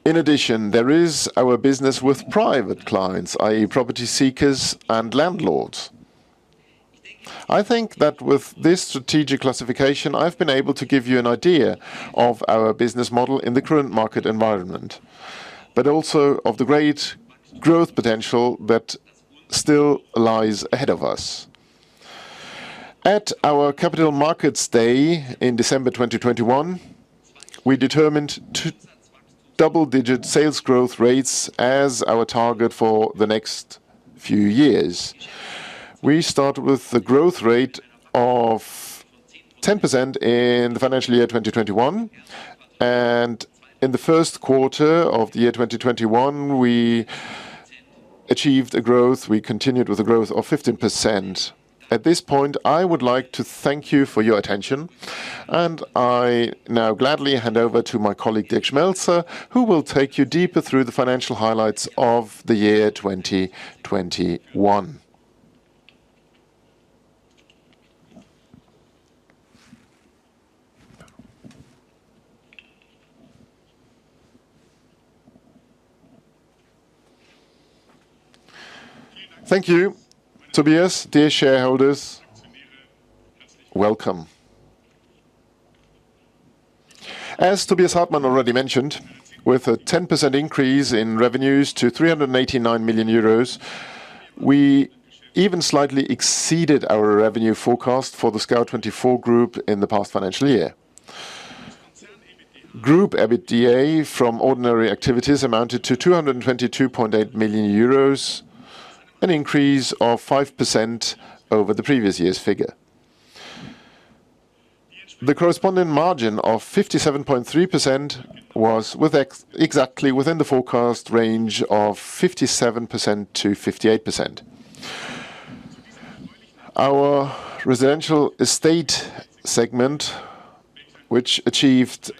In addition, there is our business with private clients, i.e., property seekers and landlords. I think that with this strategic classification, I've been able to give you an idea of our business model in the current market environment, but also of the great growth potential that still lies ahead of us. At our Capital Markets Day in December 2021, we determined double-digit sales growth rates as our target for the next few years. We start with the growth rate of 10% in the financial year 2021, and in the first quarter of 2021, we achieved a growth. We continued with a growth of 15%. At this point, I would like to thank you for your attention, and I now gladly hand over to my colleague, Dirk Schmelzer, who will take you deeper through the financial highlights of 2021. Thank you, Tobias. Dear shareholders, welcome. As Tobias Hartmann already mentioned, with a 10% increase in revenues to 389 million euros, we even slightly exceeded our revenue forecast for the Scout24 Group in the past financial year. Group EBITDA from ordinary activities amounted to 222.8 million euros, an increase of 5% over the previous year's figure. The corresponding margin of 57.3% was exactly within the forecast range of 57%-58%. Our residential estate segment, which achieved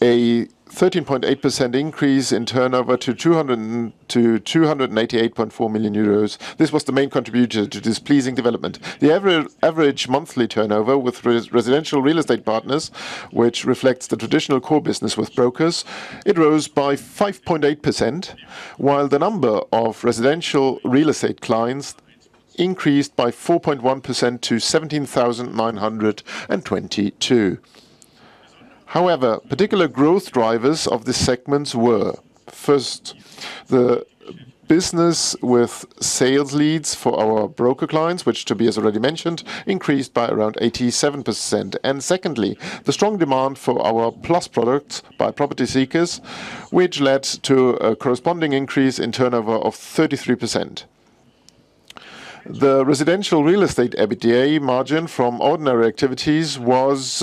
a 13.8% increase in turnover to 288.4 million euros. This was the main contributor to this pleasing development. The average monthly turnover with residential real estate partners, which reflects the traditional core business with brokers, it rose by 5.8%, while the number of residential real estate clients increased by 4.1% to 17,922. However, particular growth drivers of the segments were, first, the business with sales leads for our broker clients, which Tobias already mentioned, increased by around 87%. Secondly, the strong demand for our Plus products by property seekers, which led to a corresponding increase in turnover of 33%. The residential real estate EBITDA margin from ordinary activities was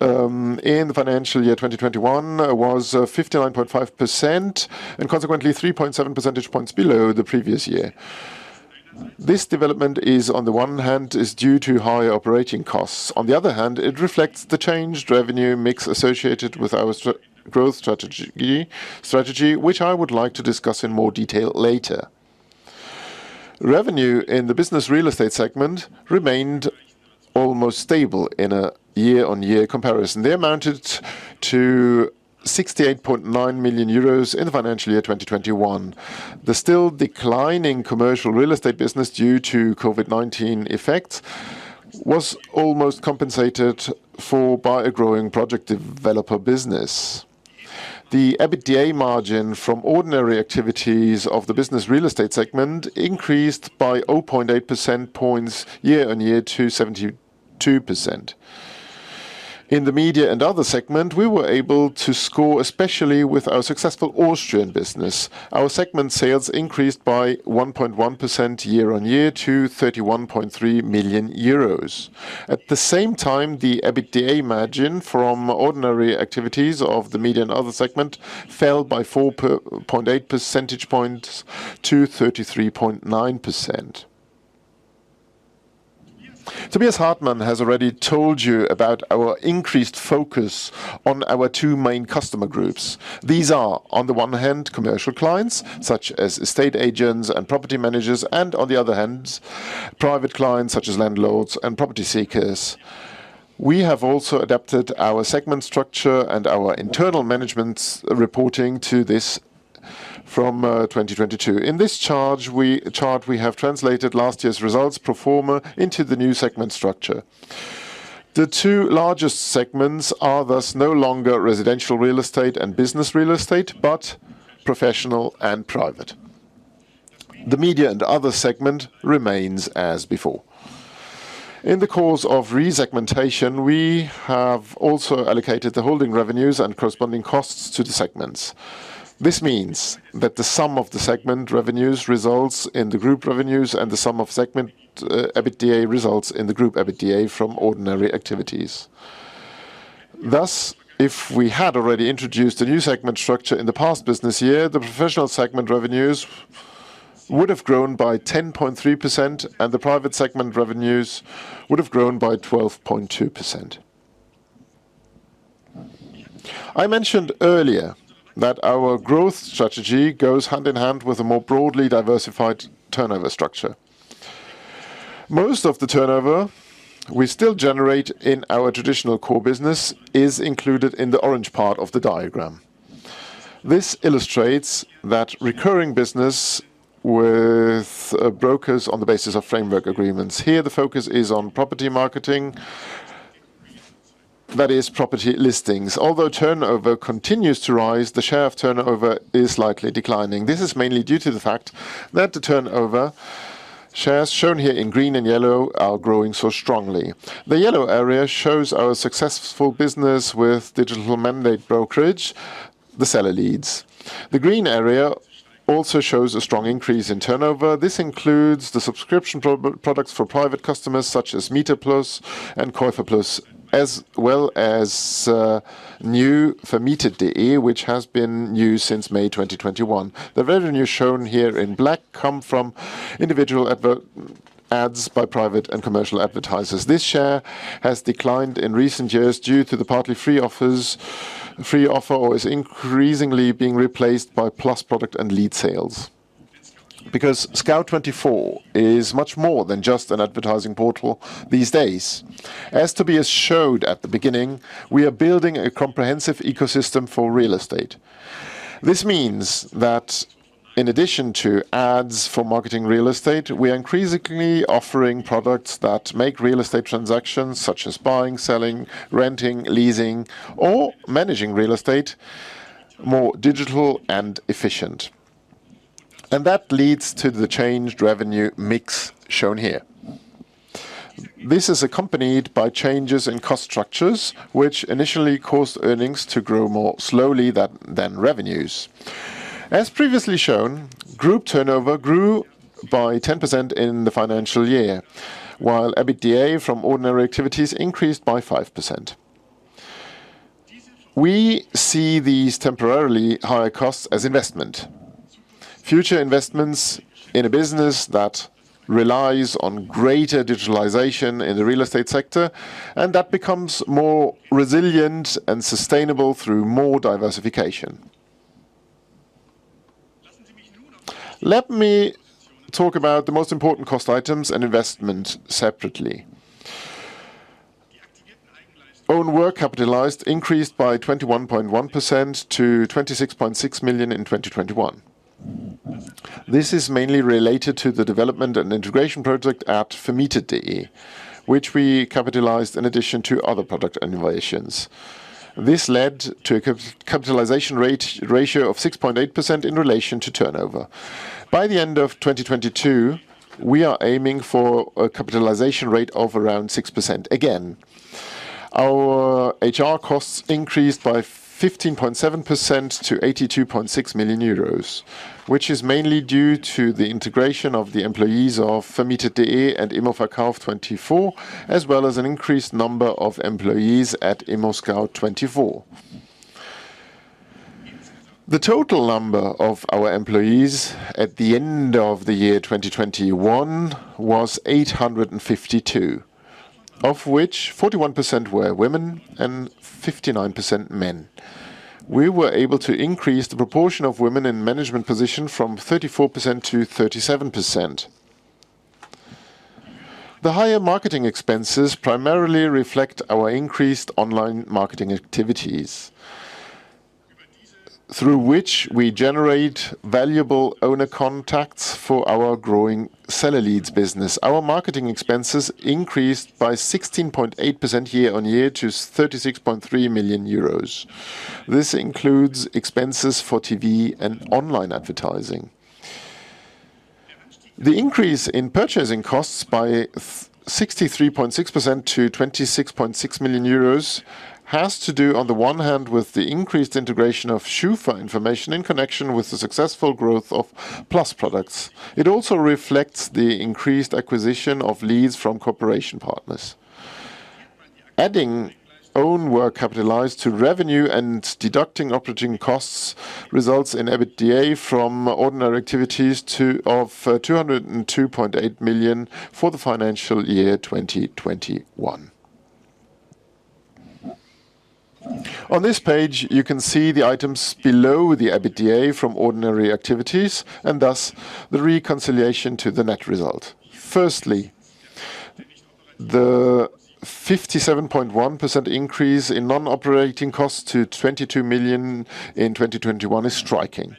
in the financial year 2021 was 59.5% and consequently 3.7 percentage points below the previous year. This development is, on the one hand, due to higher operating costs. On the other hand, it reflects the changed revenue mix associated with our growth strategy, which I would like to discuss in more detail later. Revenue in the business real estate segment remained almost stable in a year-on-year comparison. They amounted to 68.9 million euros in the financial year 2021. The still declining commercial real estate business, due to COVID-19 effects, was almost compensated for by a growing project developer business. The EBITDA margin from ordinary activities of the business real estate segment increased by 0.8 percentage points year-on-year to 72%. In the media and other segment, we were able to score, especially with our successful Austrian business. Our segment sales increased by 1.1% year-on-year to 31.3 million euros. At the same time, the EBITDA margin from ordinary activities of the media and other segment fell by 4.8 percentage points to 33.9%. Tobias Hartmann has already told you about our increased focus on our two main customer groups. These are, on the one hand, commercial clients such as estate agents and property managers, and on the other hand, private clients such as landlords and property seekers. We have also adapted our segment structure and our internal management's reporting to this from 2022. In this chart, we have translated last year's results pro forma into the new segment structure. The two largest segments are thus no longer residential real estate and business real estate, but professional and private. The media and other segment remains as before. In the course of resegmentation, we have also allocated the holding revenues and corresponding costs to the segments. This means that the sum of the segment revenues results in the group revenues and the sum of segment EBITDA results in the group EBITDA from ordinary activities. Thus, if we had already introduced a new segment structure in the past business year, the professional segment revenues would have grown by 10.3% and the private segment revenues would have grown by 12.2%. I mentioned earlier that our growth strategy goes hand in hand with a more broadly diversified turnover structure. Most of the turnover we still generate in our traditional core business is included in the orange part of the diagram. This illustrates that recurring business with brokers on the basis of framework agreements. Here, the focus is on property marketing. That is property listings. Although turnover continues to rise, the share of turnover is likely declining. This is mainly due to the fact that the turnover shares shown here in green and yellow are growing so strongly. The yellow area shows our successful business with digital mandate brokerage, the seller leads. The green area also shows a strong increase in turnover. This includes the subscription pro-products for private customers such as MieterPlus and KäuferPlus, as well as new Vermietet.de, which has been new since May 2021. The revenue shown here in black come from individual ads by private and commercial advertisers. This share has declined in recent years due to the partly free offers. Free offer is increasingly being replaced by Plus product and lead sales. Because Scout24 is much more than just an advertising portal these days. As Tobias showed at the beginning, we are building a comprehensive ecosystem for real estate. This means that in addition to ads for marketing real estate, we are increasingly offering products that make real estate transactions, such as buying, selling, renting, leasing or managing real estate more digital and efficient. That leads to the changed revenue mix shown here. This is accompanied by changes in cost structures, which initially caused earnings to grow more slowly than revenues. As previously shown, group turnover grew by 10% in the financial year, while EBITDA from ordinary activities increased by 5%. We see these temporarily higher costs as investment. Future investments in a business that relies on greater digitalization in the real estate sector, and that becomes more resilient and sustainable through more diversification. Let me talk about the most important cost items and investment separately. Own work capitalized increased by 21.1% to 26.6 million in 2021. This is mainly related to the development and integration project at Vermietet.de, which we capitalized in addition to other product innovations. This led to a capitalization rate ratio of 6.8% in relation to turnover. By the end of 2022, we are aiming for a capitalization rate of around 6% again. Our HR costs increased by 15.7% to 82.6 million euros, which is mainly due to the integration of the employees of Vermietet.de and Immoverkauf24, as well as an increased number of employees at ImmoScout24. The total number of our employees at the end of the year 2021 was 852, of which 41% were women and 59% men. We were able to increase the proportion of women in management position from 34% to 37%. The higher marketing expenses primarily reflect our increased online marketing activities, through which we generate valuable owner contacts for our growing seller leads business. Our marketing expenses increased by 16.8% year-on-year to 36.3 million euros. This includes expenses for TV and online advertising. The increase in purchasing costs by 63.6% to 26.6 million euros has to do, on the one hand, with the increased integration of SCHUFA information in connection with the successful growth of Plus products. It also reflects the increased acquisition of leads from cooperation partners. Adding own work capitalized to revenue and deducting operating costs results in EBITDA from ordinary activities of 202.8 million for the financial year 2021. On this page, you can see the items below the EBITDA from ordinary activities and thus the reconciliation to the net result. Firstly, the 57.1% increase in non-operating costs to 22 million in 2021 is striking.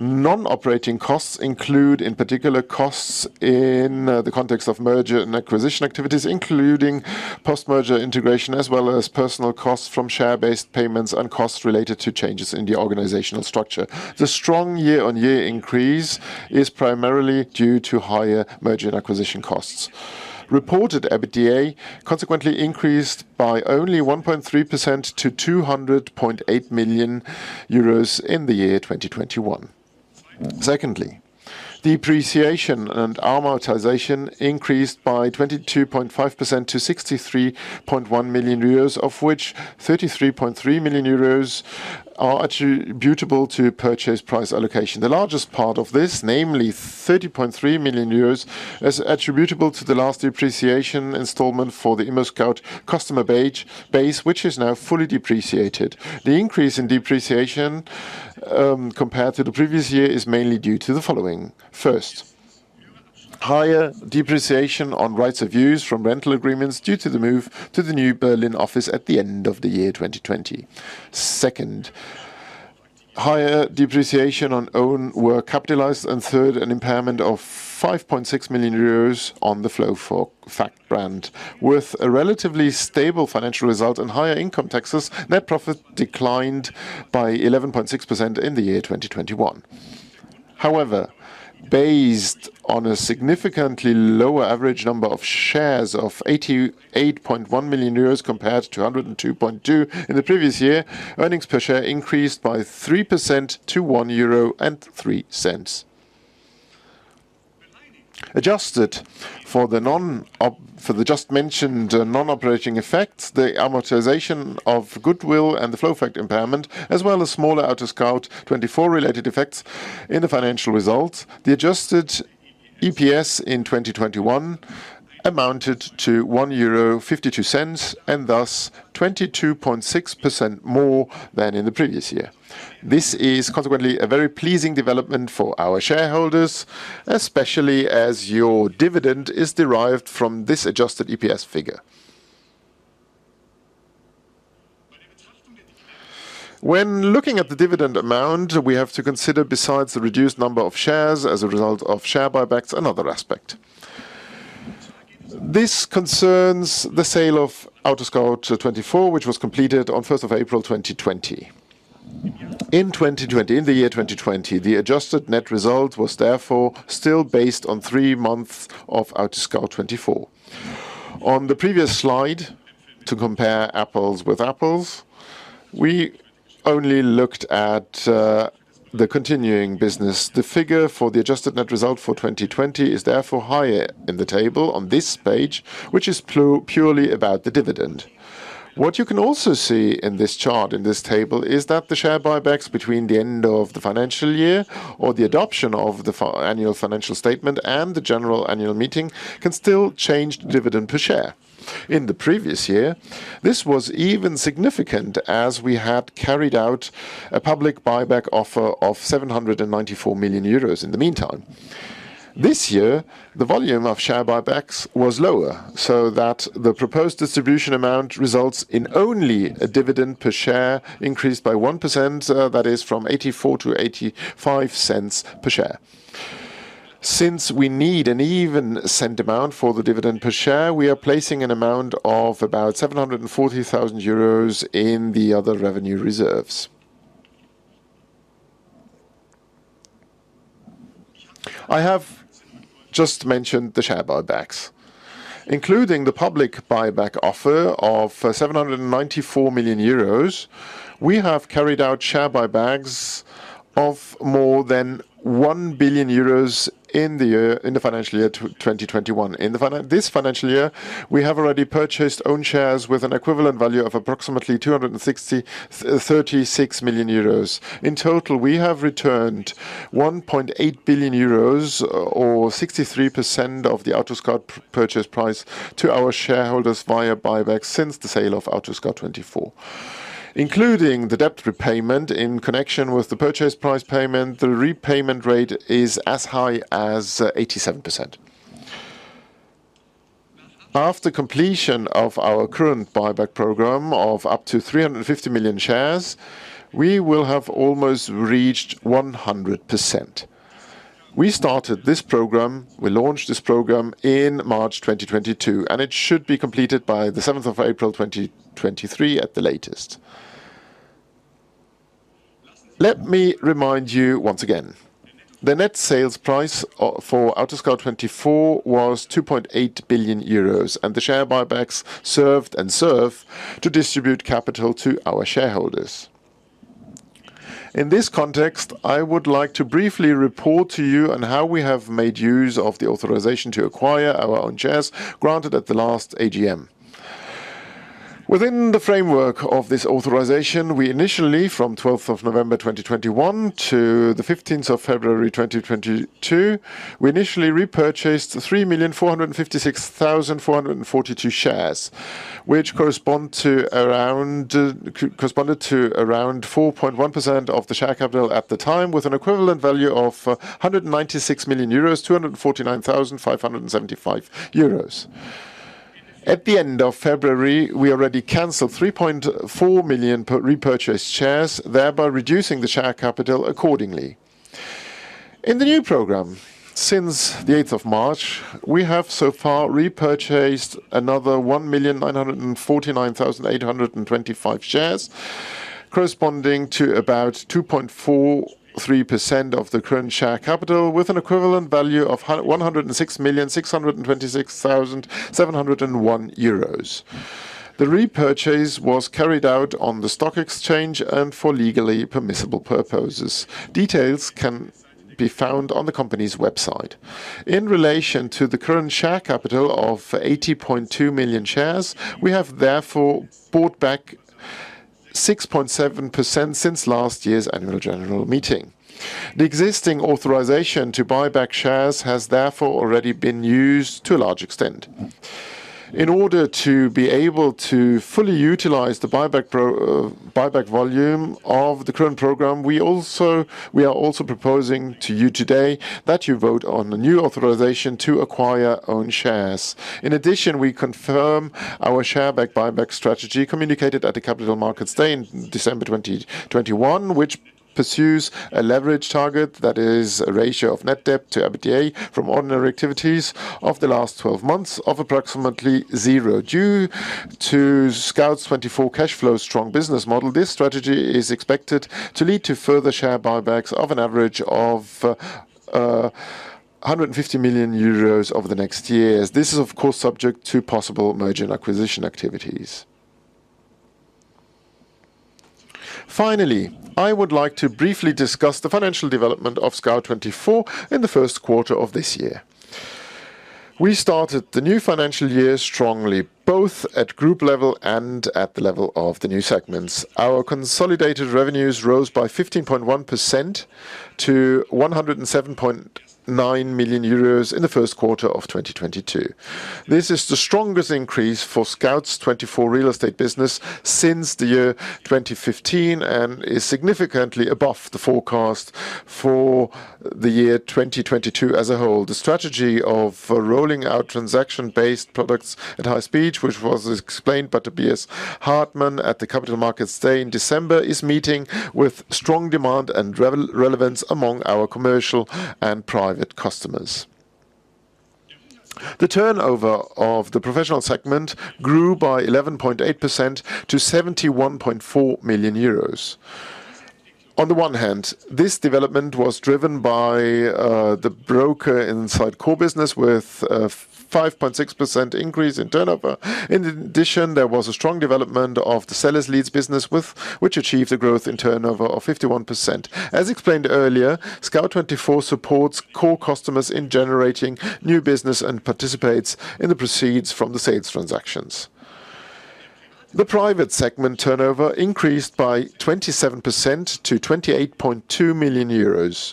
Non-operating costs include, in particular, costs in the context of merger and acquisition activities, including post-merger integration, as well as personal costs from share-based payments and costs related to changes in the organizational structure. The strong year-on-year increase is primarily due to higher merger and acquisition costs. Reported EBITDA consequently increased by only 1.3% to 200.8 million euros in the year 2021. Secondly, depreciation and amortization increased by 22.5% to 63.1 million euros, of which 33.3 million euros are attributable to purchase price allocation. The largest part of this, namely 30.3 million euros, is attributable to the last depreciation installment for the ImmoScout customer base, which is now fully depreciated. The increase in depreciation, compared to the previous year, is mainly due to the following. First, higher depreciation on rights of use from rental agreements due to the move to the new Berlin office at the end of the year 2020. Second, higher depreciation on own work capitalized. Third, an impairment of 5.6 million euros on the FlowFact brand. With a relatively stable financial result and higher income taxes, net profit declined by 11.6% in the year 2021. However, based on a significantly lower average number of shares of 88.1 million compared to 102.2 million in the previous year, earnings per share increased by 3% to EUR 1.03. Adjusted for the just mentioned non-operating effects, the amortization of goodwill and the FlowFact impairment, as well as smaller AutoScout24 related effects in the financial results, the adjusted EPS in 2021 amounted to 1.52 euro, and thus 22.6% more than in the previous year. This is consequently a very pleasing development for our shareholders, especially as your dividend is derived from this adjusted EPS figure. When looking at the dividend amount, we have to consider besides the reduced number of shares as a result of share buybacks, another aspect. This concerns the sale of AutoScout24, which was completed on 1st of April 2020. In 2020, in the year 2020, the adjusted net result was therefore still based on three months of AutoScout24. On the previous slide, to compare apples with apples, we only looked at the continuing business. The figure for the adjusted net result for 2020 is therefore higher in the table on this page, which is purely about the dividend. What you can also see in this chart, in this table, is that the share buybacks between the end of the financial year or the adoption of the annual financial statement and the general annual meeting can still change dividend per share. In the previous year, this was even significant, as we had carried out a public buyback offer of 794 million euros in the meantime. This year, the volume of share buybacks was lower, so that the proposed distribution amount results in only a dividend per share increased by 1%, that is from 0.84 to 0.85 per share. Since we need an even cent amount for the dividend per share, we are placing an amount of about 740,000 euros in the other revenue reserves. I have just mentioned the share buybacks. Including the public buyback offer of 794 million euros, we have carried out share buybacks of more than 1 billion euros in the year, in the financial year 2021. In this financial year, we have already purchased own shares with an equivalent value of approximately 260.36 million euros. In total, we have returned 1.8 billion euros, or 63% of the AutoScout24 purchase price, to our shareholders via buybacks since the sale of AutoScout24. Including the debt repayment in connection with the purchase price payment, the repayment rate is as high as 87%. After completion of our current buyback program of up to 350 million shares, we will have almost reached 100%. We started this program, we launched this program in March 2022, and it should be completed by the 7th of April 2023 at the latest. Let me remind you once again. The net sales price for AutoScout24 was 2.8 billion euros, and the share buybacks served and serve to distribute capital to our shareholders. In this context, I would like to briefly report to you on how we have made use of the authorization to acquire our own shares granted at the last AGM. Within the framework of this authorization, from the 12th of November 2021 to the 15th of February 2022, we repurchased 3,456,442 shares, which corresponded to around 4.1% of the share capital at the time, with an equivalent value of 196 million euros, 249,575 euros. At the end of February, we already canceled 3.4 million repurchased shares, thereby reducing the share capital accordingly. In the new program, since the 8th of March, we have so far repurchased another 1,949,825 shares. Corresponding to about 2.43% of the current share capital with an equivalent value of 106,626,701 euros. The repurchase was carried out on the stock exchange and for legally permissible purposes. Details can be found on the company's website. In relation to the current share capital of 80.2 million shares, we have therefore bought back 6.7% since last year's annual general meeting. The existing authorization to buy back shares has therefore already been used to a large extent. In order to be able to fully utilize the buyback volume of the current program, we are also proposing to you today that you vote on the new authorization to acquire own shares. In addition, we confirm our share buyback strategy communicated at the Capital Markets Day in December 2021, which pursues a leverage target that is a ratio of net debt to EBITDA from ordinary activities of the last 12 months of approximately zero. Due to Scout24 cash flow strong business model, this strategy is expected to lead to further share buybacks of an average of 150 million euros over the next years. This is, of course, subject to possible merger and acquisition activities. Finally, I would like to briefly discuss the financial development of Scout24 in the first quarter of this year. We started the new financial year strongly, both at group level and at the level of the new segments. Our consolidated revenues rose by 15.1% to 107.9 million euros in the first quarter of 2022. This is the strongest increase for Scout24 real estate business since the year 2015 and is significantly above the forecast for the year 2022 as a whole. The strategy of rolling out transaction-based products at high speed, which was explained by Tobias Hartmann at the Capital Markets Day in December, is meeting with strong demand and relevance among our commercial and private customers. The turnover of the professional segment grew by 11.8% to 71.4 million euros. On the one hand, this development was driven by the with a 5.6% increase in turnover. In addition, there was a strong development of the seller's leads business, which achieved a growth in turnover of 51%. As explained earlier, Scout24 supports core customers in generating new business and participates in the proceeds from the sales transactions. The private segment turnover increased by 27% to 28.2 million euros.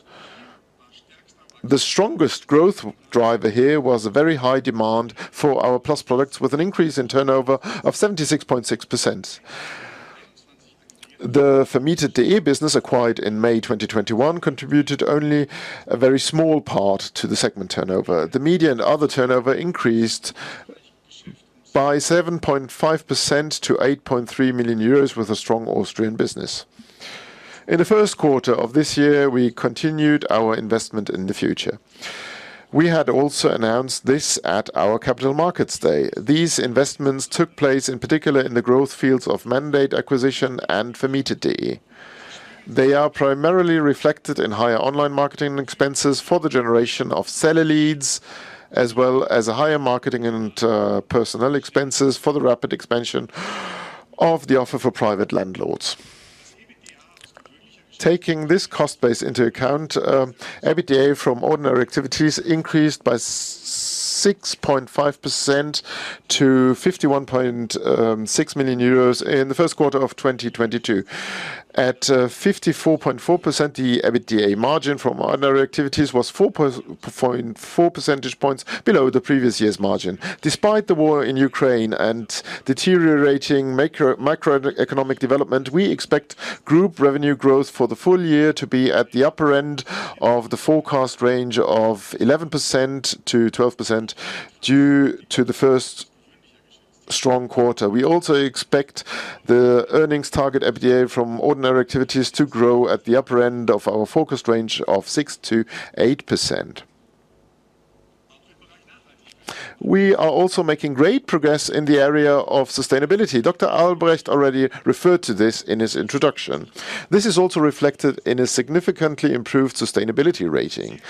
The strongest growth driver here was a very high demand for our Plus products, with an increase in turnover of 76.6%. The Vermietet.de business acquired in May 2021 contributed only a very small part to the segment turnover. The media and other turnover increased by 7.5% to 8.3 million euros, with a strong Austrian business. In the first quarter of this year, we continued our investment in the future. We had also announced this at our Capital Markets Day. These investments took place in particular in the growth fields of mandate acquisition and Vermietet.de. They are primarily reflected in higher online marketing expenses for the generation of seller leads, as well as higher marketing and personnel expenses for the rapid expansion of the offer for private landlords. Taking this cost base into account, EBITDA from ordinary activities increased by 6.5% to 51.6 million euros in the first quarter of 2022. At 54.4%, the EBITDA margin from ordinary activities was 4.4 percentage points below the previous year's margin. Despite the war in Ukraine and deteriorating macroeconomic development, we expect group revenue growth for the full year to be at the upper end of the forecast range of 11%-12% due to the first strong quarter. We also expect the earnings target EBITDA from ordinary activities to grow at the upper end of our focused range of 6%-8%. We are also making great progress in the area of sustainability. Dr. Albrecht already referred to this in his introduction. This is also reflected in a significantly improved sustainability rating.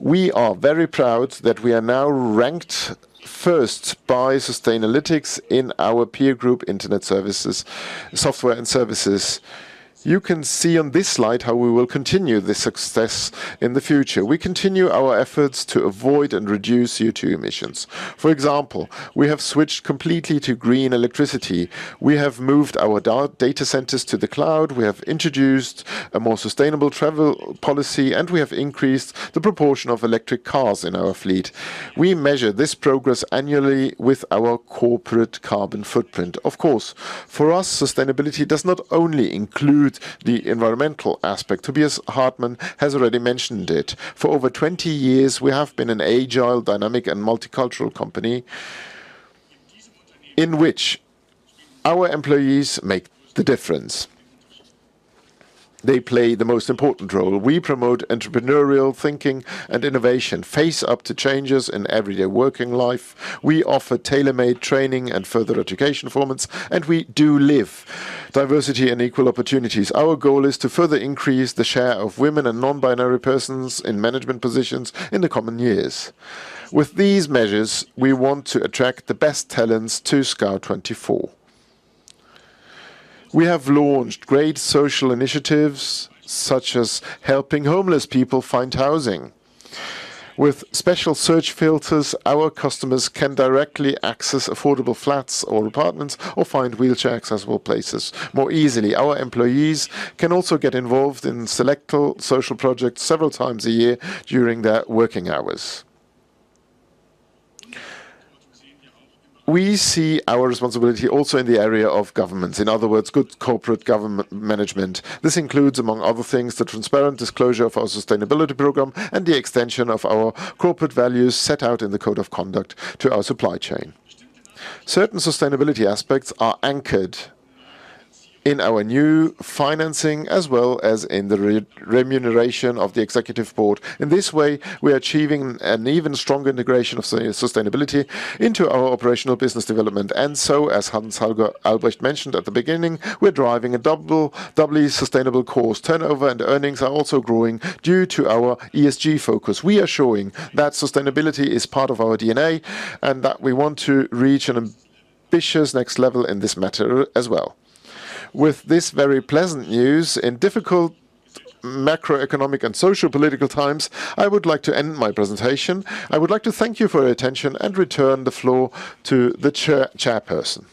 We are very proud that we are now ranked first by Sustainalytics in our peer group, internet services, software and services. You can see on this slide how we will continue this success in the future. We continue our efforts to avoid and reduce CO₂ emissions. For example, we have switched completely to green electricity. We have moved our data centers to the cloud. We have introduced a more sustainable travel policy, and we have increased the proportion of electric cars in our fleet. We measure this progress annually with our corporate carbon footprint. Of course, for us, sustainability does not only include the environmental aspect. Tobias Hartmann has already mentioned it. For over 20 years, we have been an agile, dynamic, and multicultural company in which our employees make the difference. They play the most important role. We promote entrepreneurial thinking and innovation, face up to changes in everyday working life. We offer tailor-made training and further education performance, and we do live diversity and equal opportunities. Our goal is to further increase the share of women and non-binary persons in management positions in the coming years. With these measures, we want to attract the best talents to Scout24. We have launched great social initiatives, such as helping homeless people find housing. With special search filters, our customers can directly access affordable flats or apartments or find wheelchair-accessible places more easily. Our employees can also get involved in select social projects several times a year during their working hours. We see our responsibility also in the area of governments, in other words, good corporate governance. This includes, among other things, the transparent disclosure of our sustainability program and the extension of our corporate values set out in the code of conduct to our supply chain. Certain sustainability aspects are anchored in our new financing as well as in the remuneration of the executive board. In this way, we are achieving an even stronger integration of sustainability into our operational business development. As Hans-Holger Albrecht mentioned at the beginning, we're driving a doubly sustainable course. Turnover and earnings are also growing due to our ESG focus. We are showing that sustainability is part of our DNA and that we want to reach an ambitious next level in this matter as well. With this very pleasant news in difficult macroeconomic and sociopolitical times, I would like to end my presentation. I would like to thank you for your attention and return the floor to the chairperson.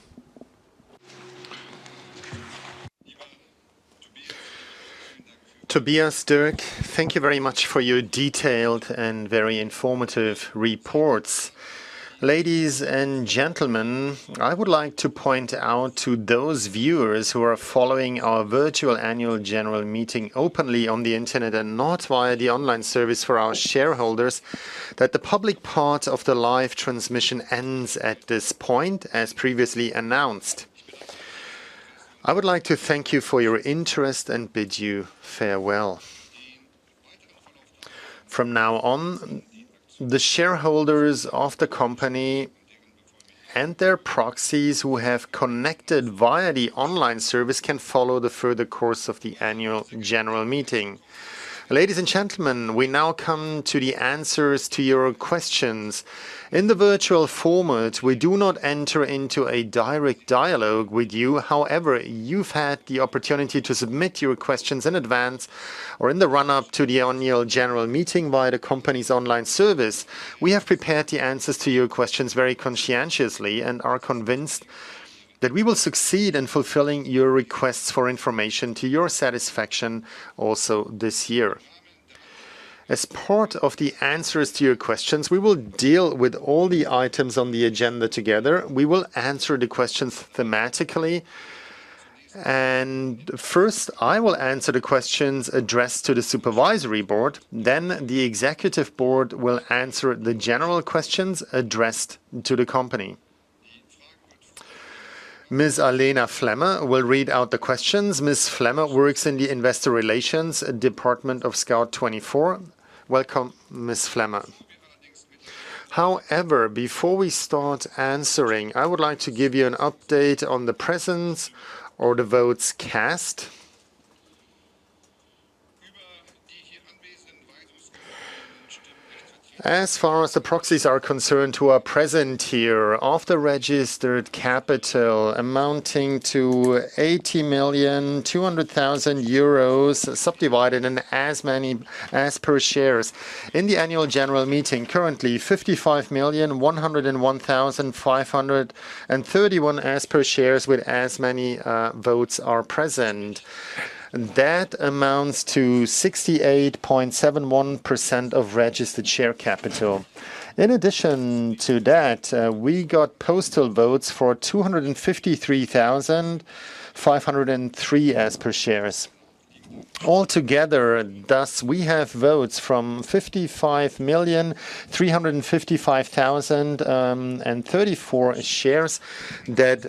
Tobias, Dirk, thank you very much for your detailed and very informative reports. Ladies and gentlemen, I would like to point out to those viewers who are following our virtual annual general meeting openly on the internet and not via the online service for our shareholders that the public part of the live transmission ends at this point, as previously announced. I would like to thank you for your interest and bid you farewell. From now on, the shareholders of the company and their proxies who have connected via the online service can follow the further course of the annual general meeting. Ladies and gentlemen, we now come to the answers to your questions. In the virtual format, we do not enter into a direct dialogue with you. However, you've had the opportunity to submit your questions in advance or in the run-up to the annual general meeting via the company's online service. We have prepared the answers to your questions very conscientiously and are convinced that we will succeed in fulfilling your requests for information to your satisfaction also this year. As part of the answers to your questions, we will deal with all the items on the agenda together. We will answer the questions thematically. First, I will answer the questions addressed to the supervisory board. Then the executive board will answer the general questions addressed to the company. Ms. Alena Flemmer will read out the questions. Ms. Flemmer works in the investor relations department of Scout24. Welcome, Ms. Flemmer. However, before we start answering, I would like to give you an update on the presence or the votes cast. As far as the proxies are concerned who are present here, of the registered capital amounting to 80.2 million, subdivided into as many no-par shares. In the annual general meeting, currently 55,101,531 no-par shares with as many votes are present. That amounts to 68.71% of registered share capital. In addition to that, we got postal votes for 253,503 no-par shares. All together, thus we have votes from 55,355,034 shares that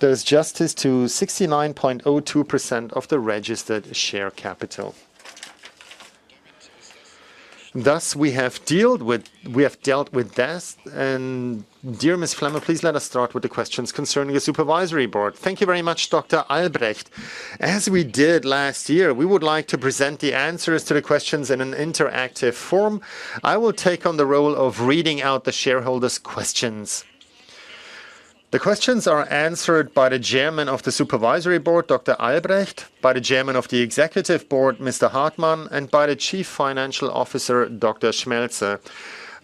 does justice to 69.02% of the registered share capital. We have dealt with that. Dear Ms. Alena Flemmer, please let us start with the questions concerning the supervisory board. Thank you very much, Dr. Albrecht. As we did last year, we would like to present the answers to the questions in an interactive form. I will take on the role of reading out the shareholders' questions. The questions are answered by the Chairman of the Supervisory Board, Dr. Albrecht, by the Chairman of the Executive Board, Mr. Hartmann, and by the Chief Financial Officer, Dr. Schmelzer.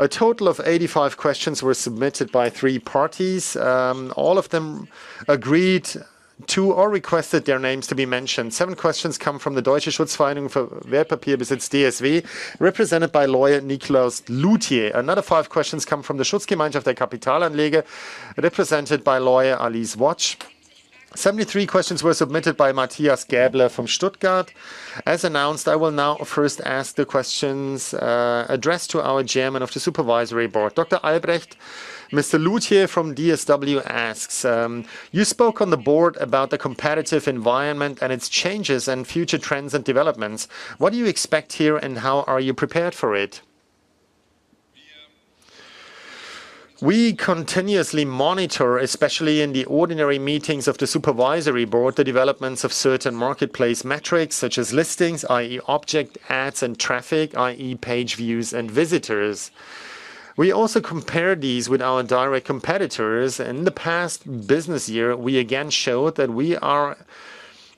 A total of 85 questions were submitted by three parties. All of them agreed to or requested their names to be mentioned. Seven questions come from the Deutsche Schutzvereinigung für Wertpapierbesitz DSW, represented by lawyer Nikolaus Lütje. Another five questions come from the Schutzgemeinschaft der Kapitalanleger, represented by lawyer Alice Wotsch. 73 questions were submitted by Matthias Gaebler from Stuttgart. As announced, I will now first ask the questions addressed to our Chairman of the Supervisory Board. Dr. Albrecht, Mr. Lütje from DSW asks, "You spoke on the board about the competitive environment and its changes and future trends and developments. What do you expect here, and how are you prepared for it?" We continuously monitor, especially in the ordinary meetings of the supervisory board, the developments of certain marketplace metrics, such as listings, i.e., object ads, and traffic, i.e., page views and visitors. We also compare these with our direct competitors. In the past business year, we again showed that we are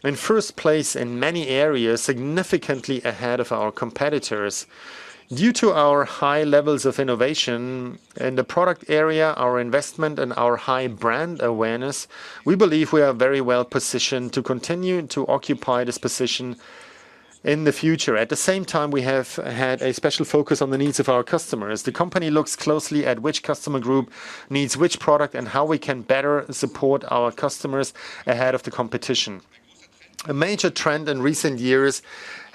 in first place in many areas, significantly ahead of our competitors. Due to our high levels of innovation in the product area, our investment, and our high brand awareness, we believe we are very well-positioned to continue to occupy this position in the future. At the same time, we have had a special focus on the needs of our customers. The company looks closely at which customer group needs which product and how we can better support our customers ahead of the competition. A major trend in recent years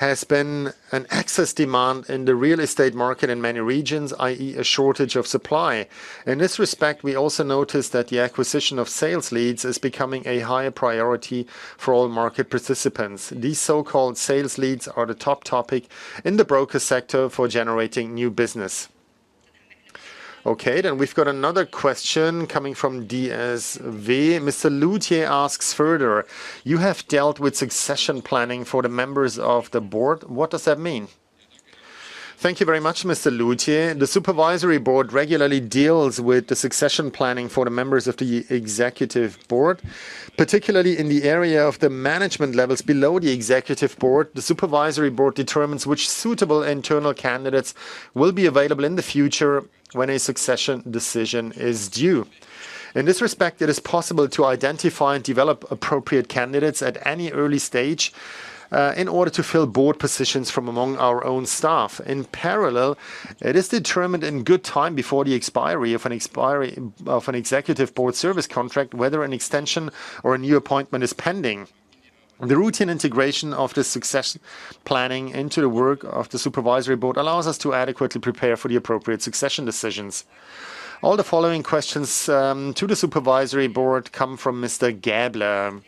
has been an excess demand in the real estate market in many regions, i.e., a shortage of supply. In this respect, we also noticed that the acquisition of sales leads is becoming a higher priority for all market participants. These so-called sales leads are the top topic in the broker sector for generating new business. Okay, we've got another question coming from DSW. Mr. Lütje asks further, "You have dealt with succession planning for the members of the board. What does that mean?" Thank you very much, Mr. Lütje. The supervisory board regularly deals with the succession planning for the members of the executive board. Particularly in the area of the management levels below the executive board, the supervisory board determines which suitable internal candidates will be available in the future when a succession decision is due. In this respect, it is possible to identify and develop appropriate candidates at any early stage, in order to fill board positions from among our own staff. In parallel, it is determined in good time before the expiry of an executive board service contract, whether an extension or a new appointment is pending. The routine integration of the success planning into the work of the supervisory board allows us to adequately prepare for the appropriate succession decisions. All the following questions to the supervisory board come from Mr. Gaebler.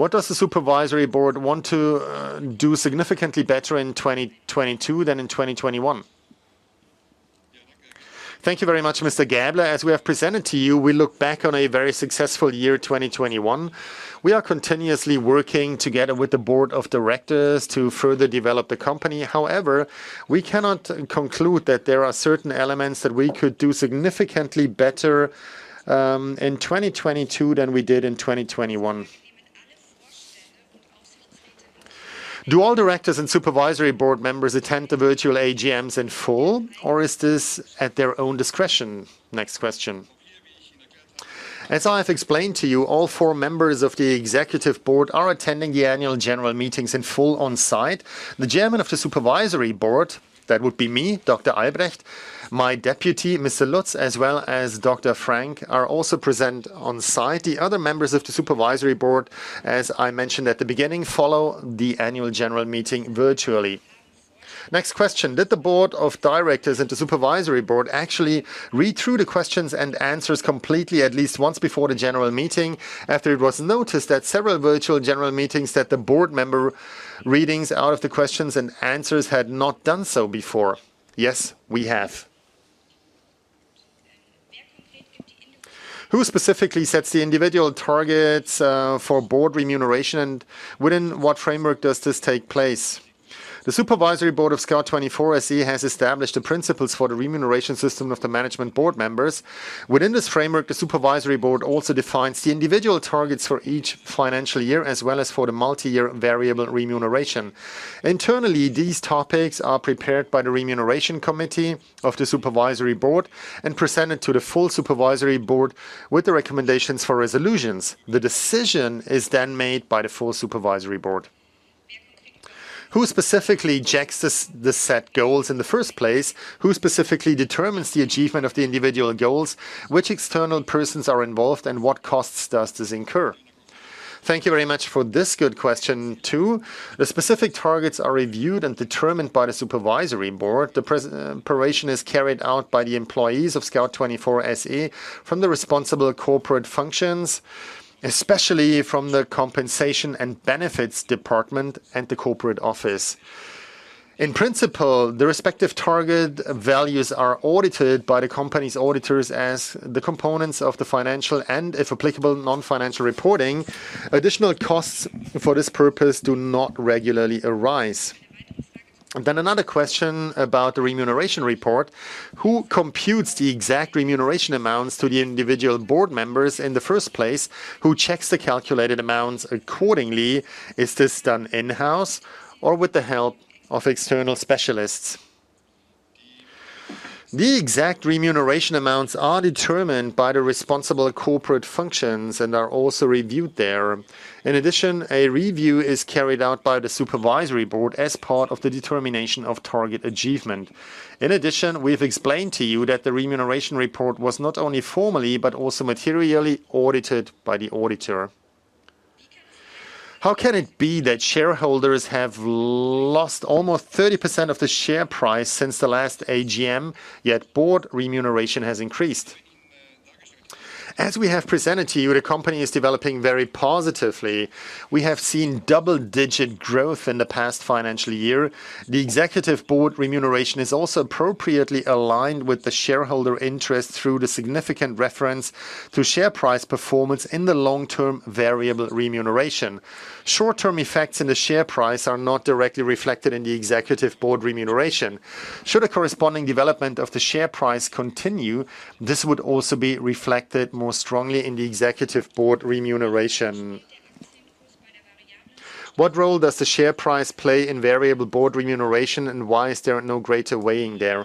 "What does the supervisory board want to do significantly better in 2022 than in 2021?" Thank you very much, Mr. Gaebler. As we have presented to you, we look back on a very successful year, 2021. We are continuously working together with the board of directors to further develop the company. However, we cannot conclude that there are certain elements that we could do significantly better, in 2022 than we did in 2021. "Do all directors and supervisory board members attend the virtual AGMs in full, or is this at their own discretion?" Next question. As I have explained to you, all four members of the executive board are attending the annual general meetings in full on-site. The Chairman of the Supervisory Board, that would be me, Dr. Albrecht, my Deputy, Mr. Lutz, as well as Dr. Frank, are also present on-site. The other members of the supervisory board, as I mentioned at the beginning, follow the annual general meeting virtually. Next question: "Did the board of directors and the supervisory board actually read through the questions and answers completely at least once before the general meeting after it was noticed at several virtual general meetings that the board member reading out the questions and answers had not done so before?" Yes, we have. "Who specifically sets the individual targets for board remuneration, and within what framework does this take place?" The supervisory board of Scout24 SE has established the principles for the remuneration system of the management board members. Within this framework, the supervisory board also defines the individual targets for each financial year as well as for the multi-year variable remuneration. Internally, these topics are prepared by the remuneration committee of the supervisory board and presented to the full supervisory board with the recommendations for resolutions. The decision is then made by the full supervisory board. Who specifically checks the set goals in the first place? Who specifically determines the achievement of the individual goals? Which external persons are involved, and what costs does this incur?" Thank you very much for this good question too. The specific targets are reviewed and determined by the supervisory board. Preparation is carried out by the employees of Scout24 SE from the responsible corporate functions, especially from the compensation and benefits department and the corporate office. In principle, the respective target values are audited by the company's auditors as the components of the financial and, if applicable, non-financial reporting. Additional costs for this purpose do not regularly arise. Another question about the remuneration report. "Who computes the exact remuneration amounts to the individual board members in the first place? Who checks the calculated amounts accordingly? Is this done in-house or with the help of external specialists?" The exact remuneration amounts are determined by the responsible corporate functions and are also reviewed there. In addition, a review is carried out by the supervisory board as part of the determination of target achievement. In addition, we've explained to you that the remuneration report was not only formally, but also materially audited by the auditor. How can it be that shareholders have lost almost 30% of the share price since the last AGM, yet board remuneration has increased? As we have presented to you, the company is developing very positively. We have seen double-digit growth in the past financial year. The executive board remuneration is also appropriately aligned with the shareholder interest through the significant reference to share price performance in the long-term variable remuneration. Short-term effects in the share price are not directly reflected in the executive board remuneration. Should a corresponding development of the share price continue, this would also be reflected more strongly in the executive board remuneration. What role does the share price play in variable board remuneration, and why is there no greater weighing there?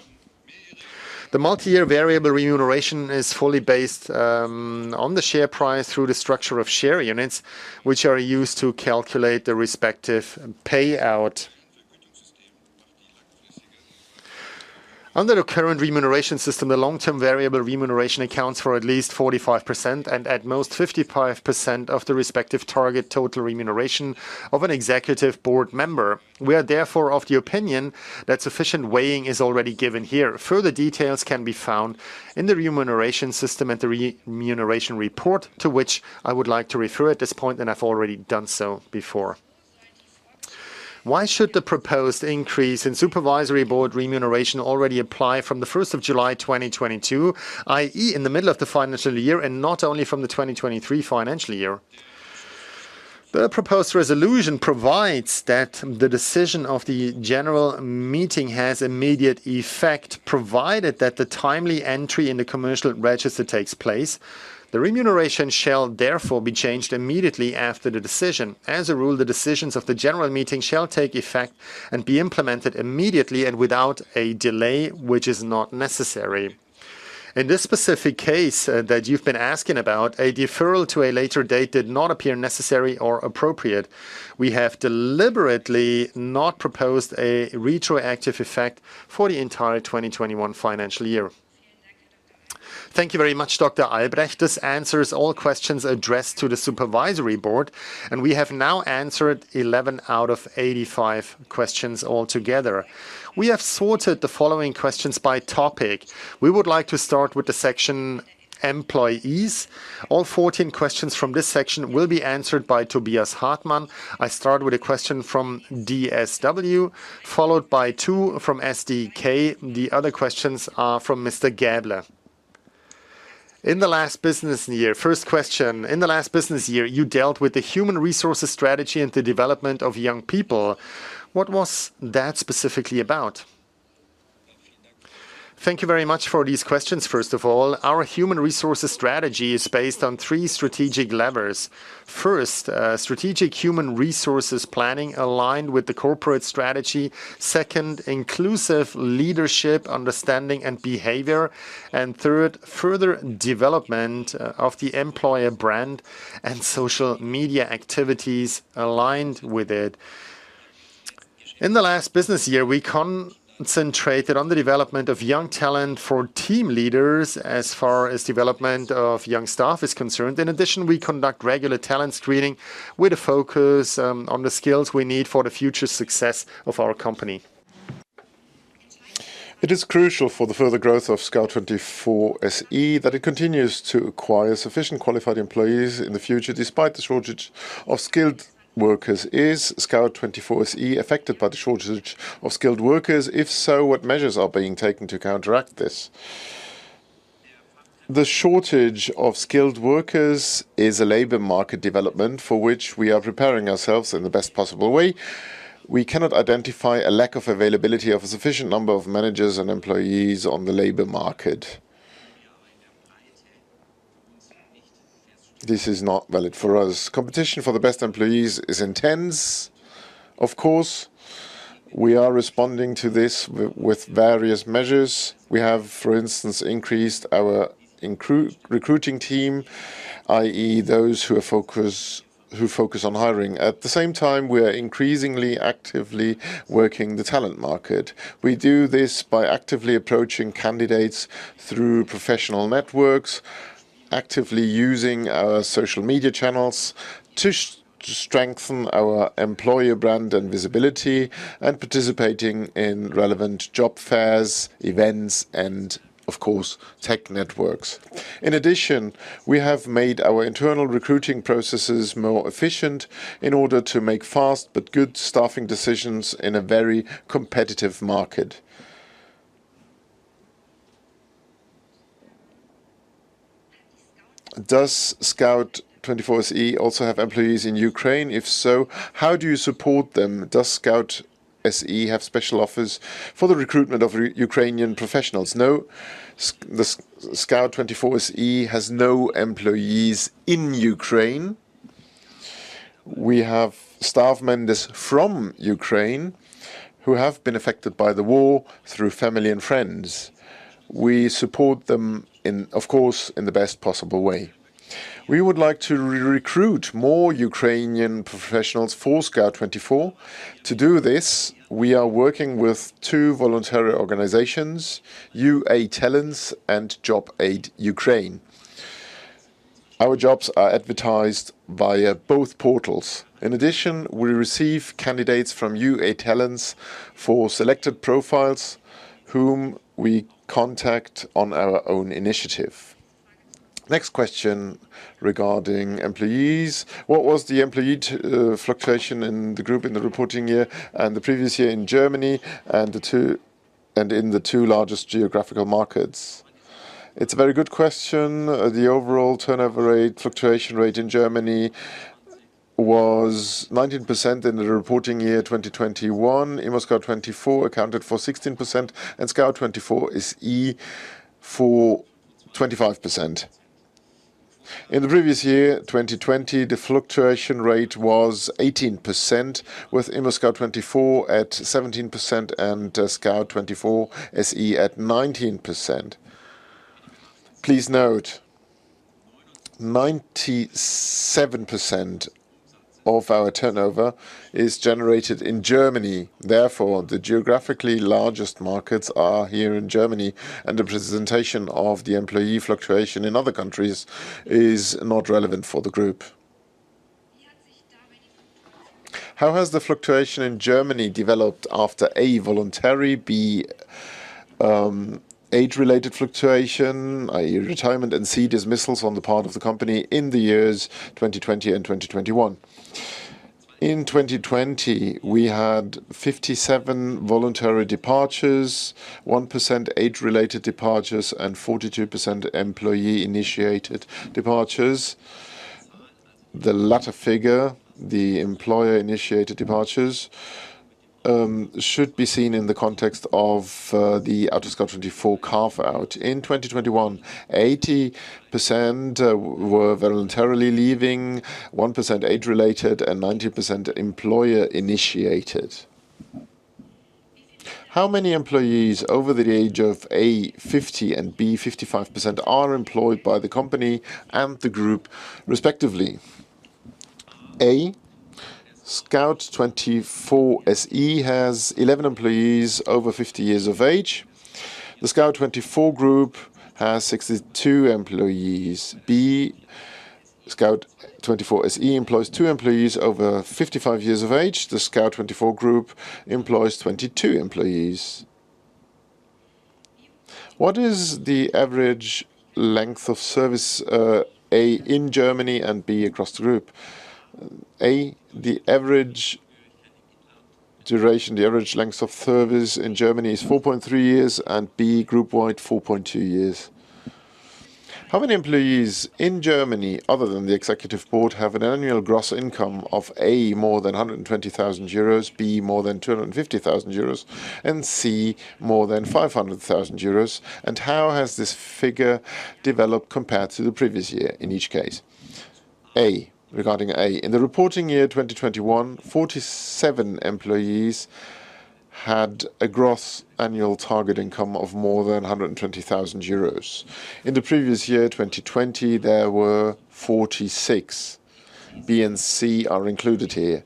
The multi-year variable remuneration is fully based on the share price through the structure of share units, which are used to calculate the respective payout. Under the current remuneration system, the long-term variable remuneration accounts for at least 45% and at most 55% of the respective target total remuneration of an executive board member. We are therefore of the opinion that sufficient weighing is already given here. Further details can be found in the remuneration system and the remuneration report, to which I would like to refer at this point, and I've already done so before. Why should the proposed increase in supervisory board remuneration already apply from 1st of July, 2022, i.e., in the middle of the financial year and not only from the 2023 financial year? The proposed resolution provides that the decision of the general meeting has immediate effect, provided that the timely entry in the commercial register takes place. The remuneration shall therefore be changed immediately after the decision. As a rule, the decisions of the general meeting shall take effect and be implemented immediately and without a delay which is not necessary. In this specific case that you've been asking about, a deferral to a later date did not appear necessary or appropriate. We have deliberately not proposed a retroactive effect for the entire 2021 financial year. Thank you very much, Dr. Albrecht. This answers all questions addressed to the supervisory board, and we have now answered 11 out of 85 questions altogether. We have sorted the following questions by topic. We would like to start with the section employees. All 14 questions from this section will be answered by Tobias Hartmann. I start with a question from DSW, followed by two from SdK. The other questions are from Mr. Gaebler. In the last business year. First question: In the last business year, you dealt with the human resources strategy and the development of young people. What was that specifically about? Thank you very much for these questions, first of all. Our human resources strategy is based on three strategic levers. First, strategic human resources planning aligned with the corporate strategy. Second, inclusive leadership, understanding, and behavior. Third, further development of the employer brand and social media activities aligned with it. In the last business year, we concentrated on the development of young talent for team leaders as far as development of young staff is concerned. In addition, we conduct regular talent screening with a focus on the skills we need for the future success of our company. It is crucial for the further growth of Scout24 SE that it continues to acquire sufficient qualified employees in the future, despite the shortage of skilled workers. Is Scout24 SE affected by the shortage of skilled workers? If so, what measures are being taken to counteract this? The shortage of skilled workers is a labor market development for which we are preparing ourselves in the best possible way. We cannot identify a lack of availability of a sufficient number of managers and employees on the labor market. This is not valid for us. Competition for the best employees is intense, of course. We are responding to this with various measures. We have, for instance, increased our recruiting team, i.e., those who focus on hiring. At the same time, we are increasingly actively working the talent market. We do this by actively approaching candidates through professional networks, actively using our social media channels to strengthen our employer brand and visibility, and participating in relevant job fairs, events, and of course, tech networks. In addition, we have made our internal recruiting processes more efficient in order to make fast but good staffing decisions in a very competitive market. Does Scout24 SE also have employees in Ukraine? If so, how do you support them? Does Scout24 SE have special offers for the recruitment of Ukrainian professionals? No, Scout24 SE has no employees in Ukraine. We have staff members from Ukraine who have been affected by the war through family and friends. We support them, of course, in the best possible way. We would like to recruit more Ukrainian professionals for Scout24. To do this, we are working with two voluntary organizations, UAtalents and Job Aid Ukraine. Our jobs are advertised via both portals. In addition, we receive candidates from UAtalents for selected profiles whom we contact on our own initiative. Next question regarding employees. What was the employee fluctuation in the group in the reporting year and the previous year in Germany and the two largest geographical markets? It's a very good question. The overall turnover rate, fluctuation rate in Germany was 19% in the reporting year 2021. ImmoScout24 accounted for 16%, and Scout24 SE for 25%. In the previous year, 2020, the fluctuation rate was 18%, with ImmoScout24 at 17% and Scout24 SE at 19%. Please note, 97% of our turnover is generated in Germany. Therefore, the geographically largest markets are here in Germany, and the presentation of the employee fluctuation in other countries is not relevant for the group. How has the fluctuation in Germany developed after A, voluntary, B, age-related fluctuation, i.e. retirement, and C, dismissals on the part of the company in the years 2020 and 2021? In 2020, we had 57 voluntary departures, 1% age-related departures, and 42% employee-initiated departures. The latter figure, the employer-initiated departures, should be seen in the context of the AutoScout24 carve-out. In 2021, 80% were voluntarily leaving, 1% age-related, and 90% employer-initiated. How many employees over the age of A, 50, and B, 55 are employed by the company and the group respectively? A, Scout24 SE has 11 employees over 50 years of age. The Scout24 Group has 62 employees. B, Scout24 SE employs two employees over 55 years of age. The Scout24 Group employs 22 employees. What is the average length of service, A, in Germany and B, across the group? A, the average duration, the average length of service in Germany is 4.3 years, and B, group-wide, 4.2 years. How many employees in Germany, other than the executive board, have an annual gross income of A, more than 120,000 euros, B, more than 250,000 euros, and C, more than 500,000 euros? And how has this figure developed compared to the previous year in each case? A, regarding A. In the reporting year 2021, 47 employees had a gross annual target income of more than 120,000 euros. In the previous year, 2020, there were 46. B and C are included here.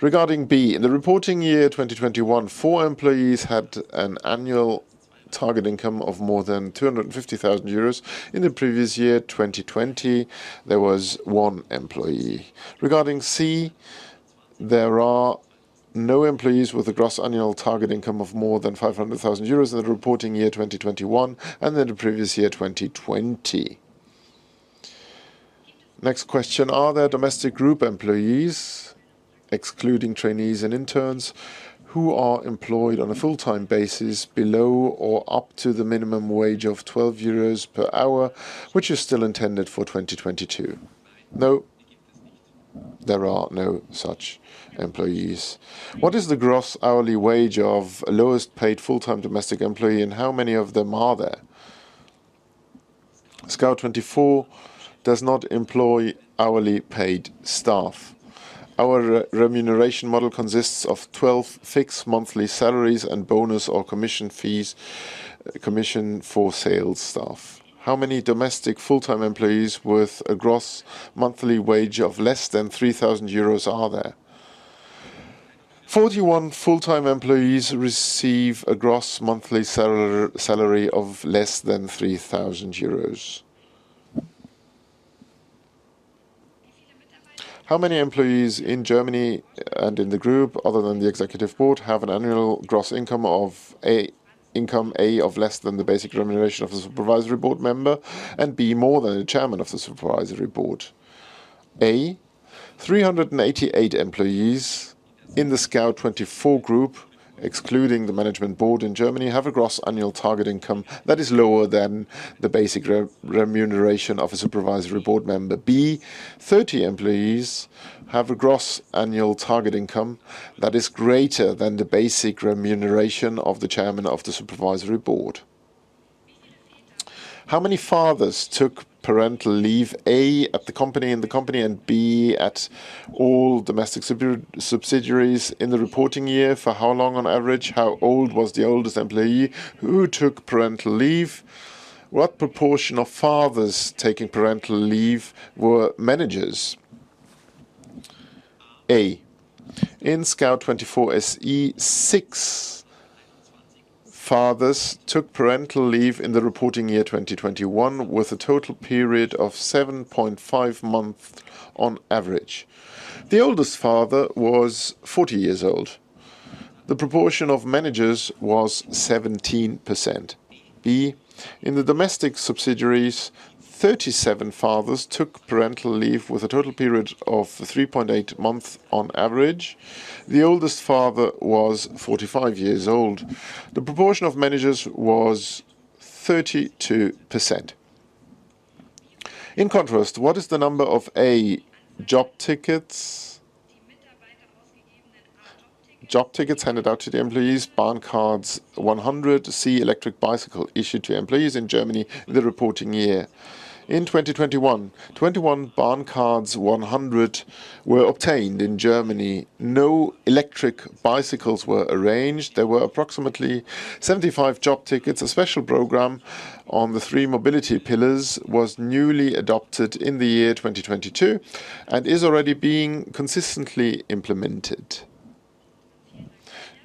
Regarding B, in the reporting year 2021, four employees had an annual target income of more than 250,000 euros. In the previous year, 2020, there was one employee. Regarding C, there are no employees with a gross annual target income of more than 500,000 euros in the reporting year 2021 and in the previous year, 2020. Next question. Are there domestic group employees, excluding trainees and interns, who are employed on a full-time basis below or up to the minimum wage of 12 euros per hour, which is still intended for 2022? No. There are no such employees. What is the gross hourly wage of lowest paid full-time domestic employee, and how many of them are there? Scout24 does not employ hourly paid staff. Our remuneration model consists of 12 fixed monthly salaries and bonus or commission fees, commission for sales staff. How many domestic full-time employees with a gross monthly wage of less than 3,000 euros are there? 41 full-time employees receive a gross monthly salary of less than 3,000 euros. How many employees in Germany and in the group, other than the executive board, have an annual gross income of A, income A of less than the basic remuneration of the supervisory board member, and B, more than the chairman of the supervisory board? A, 388 employees in the Scout24 Group, excluding the management board in Germany, have a gross annual target income that is lower than the basic remuneration of a supervisory board member. B, 30 employees have a gross annual target income that is greater than the basic remuneration of the chairman of the supervisory board. How many fathers took parental leave A, at the company, and B, at all domestic subsidiaries in the reporting year? For how long on average? How old was the oldest employee who took parental leave? What proportion of fathers taking parental leave were managers? A, in Scout24 SE, six fathers took parental leave in the reporting year 2021, with a total period of 7.5 months on average. The oldest father was 40 years old. The proportion of managers was 17%. B, in the domestic subsidiaries, 37 fathers took parental leave with a total period of 3.8 months on average. The oldest father was 45 years old. The proportion of managers was 32%. In contrast, what is the number of A, job tickets? Job tickets handed out to the employees. BahnCards 100. Electric bicycles issued to employees in Germany the reporting year. In 2021, 21 BahnCards 100 were obtained in Germany. No electric bicycles were arranged. There were approximately 75 job tickets. A special program on the three mobility pillars was newly adopted in the year 2022 and is already being consistently implemented.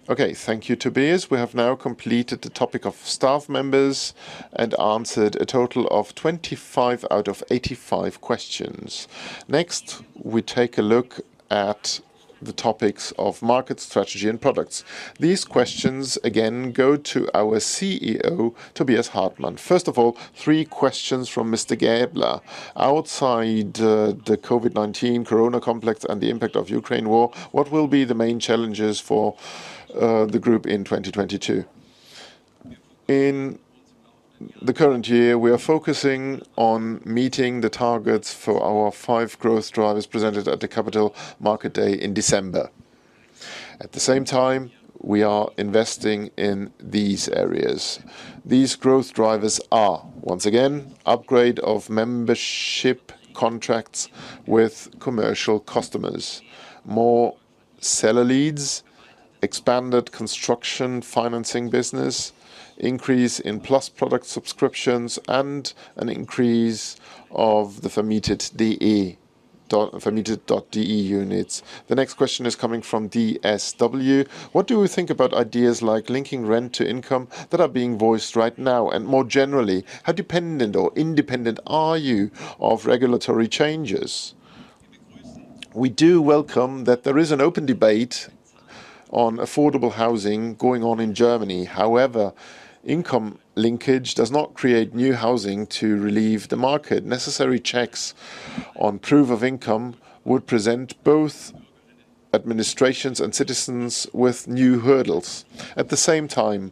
Okay, thank you, Tobias. We have now completed the topic of staff members and answered a total of 25 out of 85 questions. Next, we take a look at the topics of market strategy and products. These questions, again, go to our CEO, Tobias Hartmann. First of all, three questions from Mr. Gaebler. Outside the COVID-19 Corona complex and the impact of Ukraine war, what will be the main challenges for the group in 2022? In the current year, we are focusing on meeting the targets for our five growth drivers presented at the Capital Markets Day in December. At the same time, we are investing in these areas. These growth drivers are, once again, upgrade of membership contracts with commercial customers, more seller leads, expanded construction financing business, increase in Plus product subscriptions, and an increase of the Vermietet.de units. The next question is coming from DSW. What do we think about ideas like linking rent to income that are being voiced right now? And more generally, how dependent or independent are you of regulatory changes? We do welcome that there is an open debate on affordable housing going on in Germany. However, income linkage does not create new housing to relieve the market. Necessary checks on proof of income would present both administrations and citizens with new hurdles. At the same time,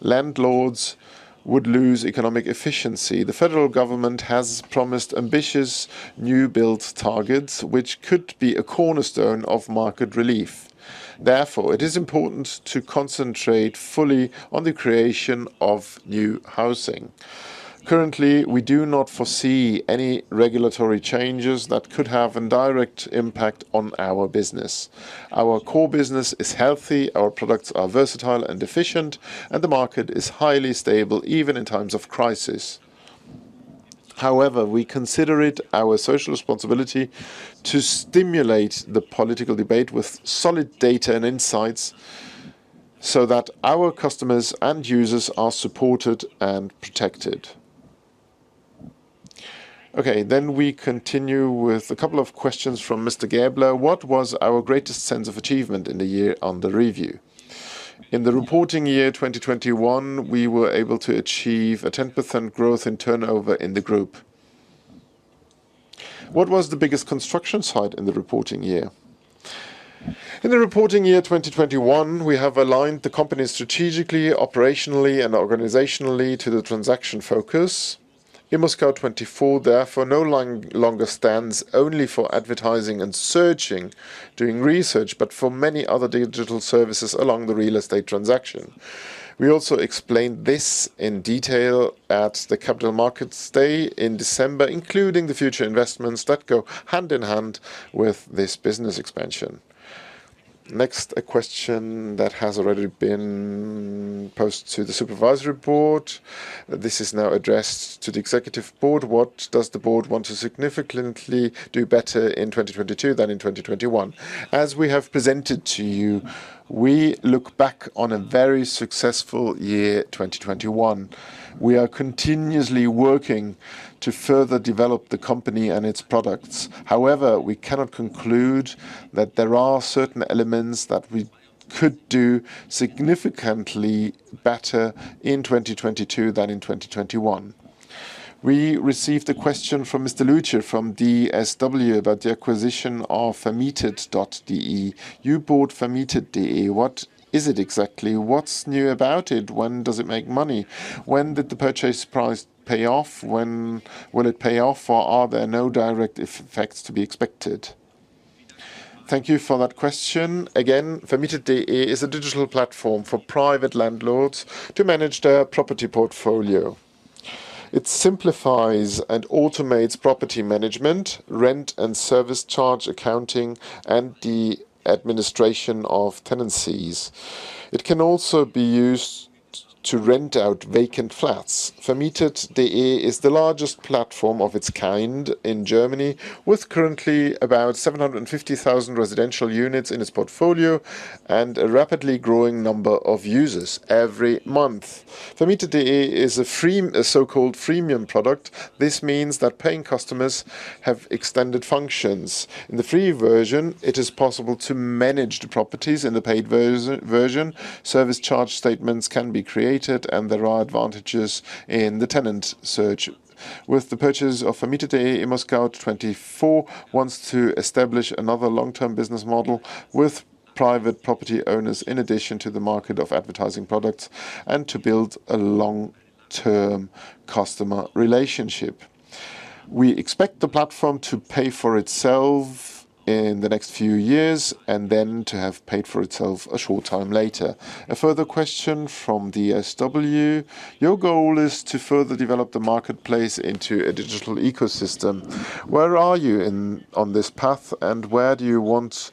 landlords would lose economic efficiency. The federal government has promised ambitious new build targets, which could be a cornerstone of market relief. Therefore, it is important to concentrate fully on the creation of new housing. Currently, we do not foresee any regulatory changes that could have a direct impact on our business. Our core business is healthy, our products are versatile and efficient, and the market is highly stable, even in times of crisis. However, we consider it our social responsibility to stimulate the political debate with solid data and insights so that our customers and users are supported and protected. Okay, we continue with a couple of questions from Mr. Gaebler. What was our greatest sense of achievement in the year under review? In the reporting year, 2021, we were able to achieve a 10% growth in turnover in the group. What was the biggest construction site in the reporting year? In the reporting year, 2021, we have aligned the company strategically, operationally, and organizationally to the transaction focus. ImmoScout24, therefore, no longer stands only for advertising and searching, doing research, but for many other digital services along the real estate transaction. We also explained this in detail at the Capital Markets Day in December, including the future investments that go hand in hand with this business expansion. Next, a question that has already been posed to the supervisory board. This is now addressed to the executive board. What does the board want to significantly do better in 2022 than in 2021? As we have presented to you, we look back on a very successful year, 2021. We are continuously working to further develop the company and its products. However, we cannot conclude that there are certain elements that we could do significantly better in 2022 than in 2021. We received a question from Mr. Lütje from DSW about the acquisition of Vermietet.de. You bought Vermietet.de. What is it exactly? What's new about it? When does it make money? When did the purchase price pay off? When will it pay off? Or are there no direct effects to be expected? Thank you for that question. Again, Vermietet.de is a digital platform for private landlords to manage their property portfolio. It simplifies and automates property management, rent and service charge accounting, and the administration of tenancies. It can also be used to rent out vacant flats. Vermietet.de is the largest platform of its kind in Germany, with currently about 750,000 residential units in its portfolio and a rapidly growing number of users every month. Vermietet.de is a so-called freemium product. This means that paying customers have extended functions. In the free version, it is possible to manage the properties. In the paid version, service charge statements can be created, and there are advantages in the tenant search. With the purchase of Vermietet.de, ImmoScout24 wants to establish another long-term business model with private property owners in addition to the market of advertising products and to build a long-term customer relationship. We expect the platform to pay for itself in the next few years and then to have paid for itself a short time later. A further question from DSW. Your goal is to further develop the marketplace into a digital ecosystem. Where are you on this path, and where do you want this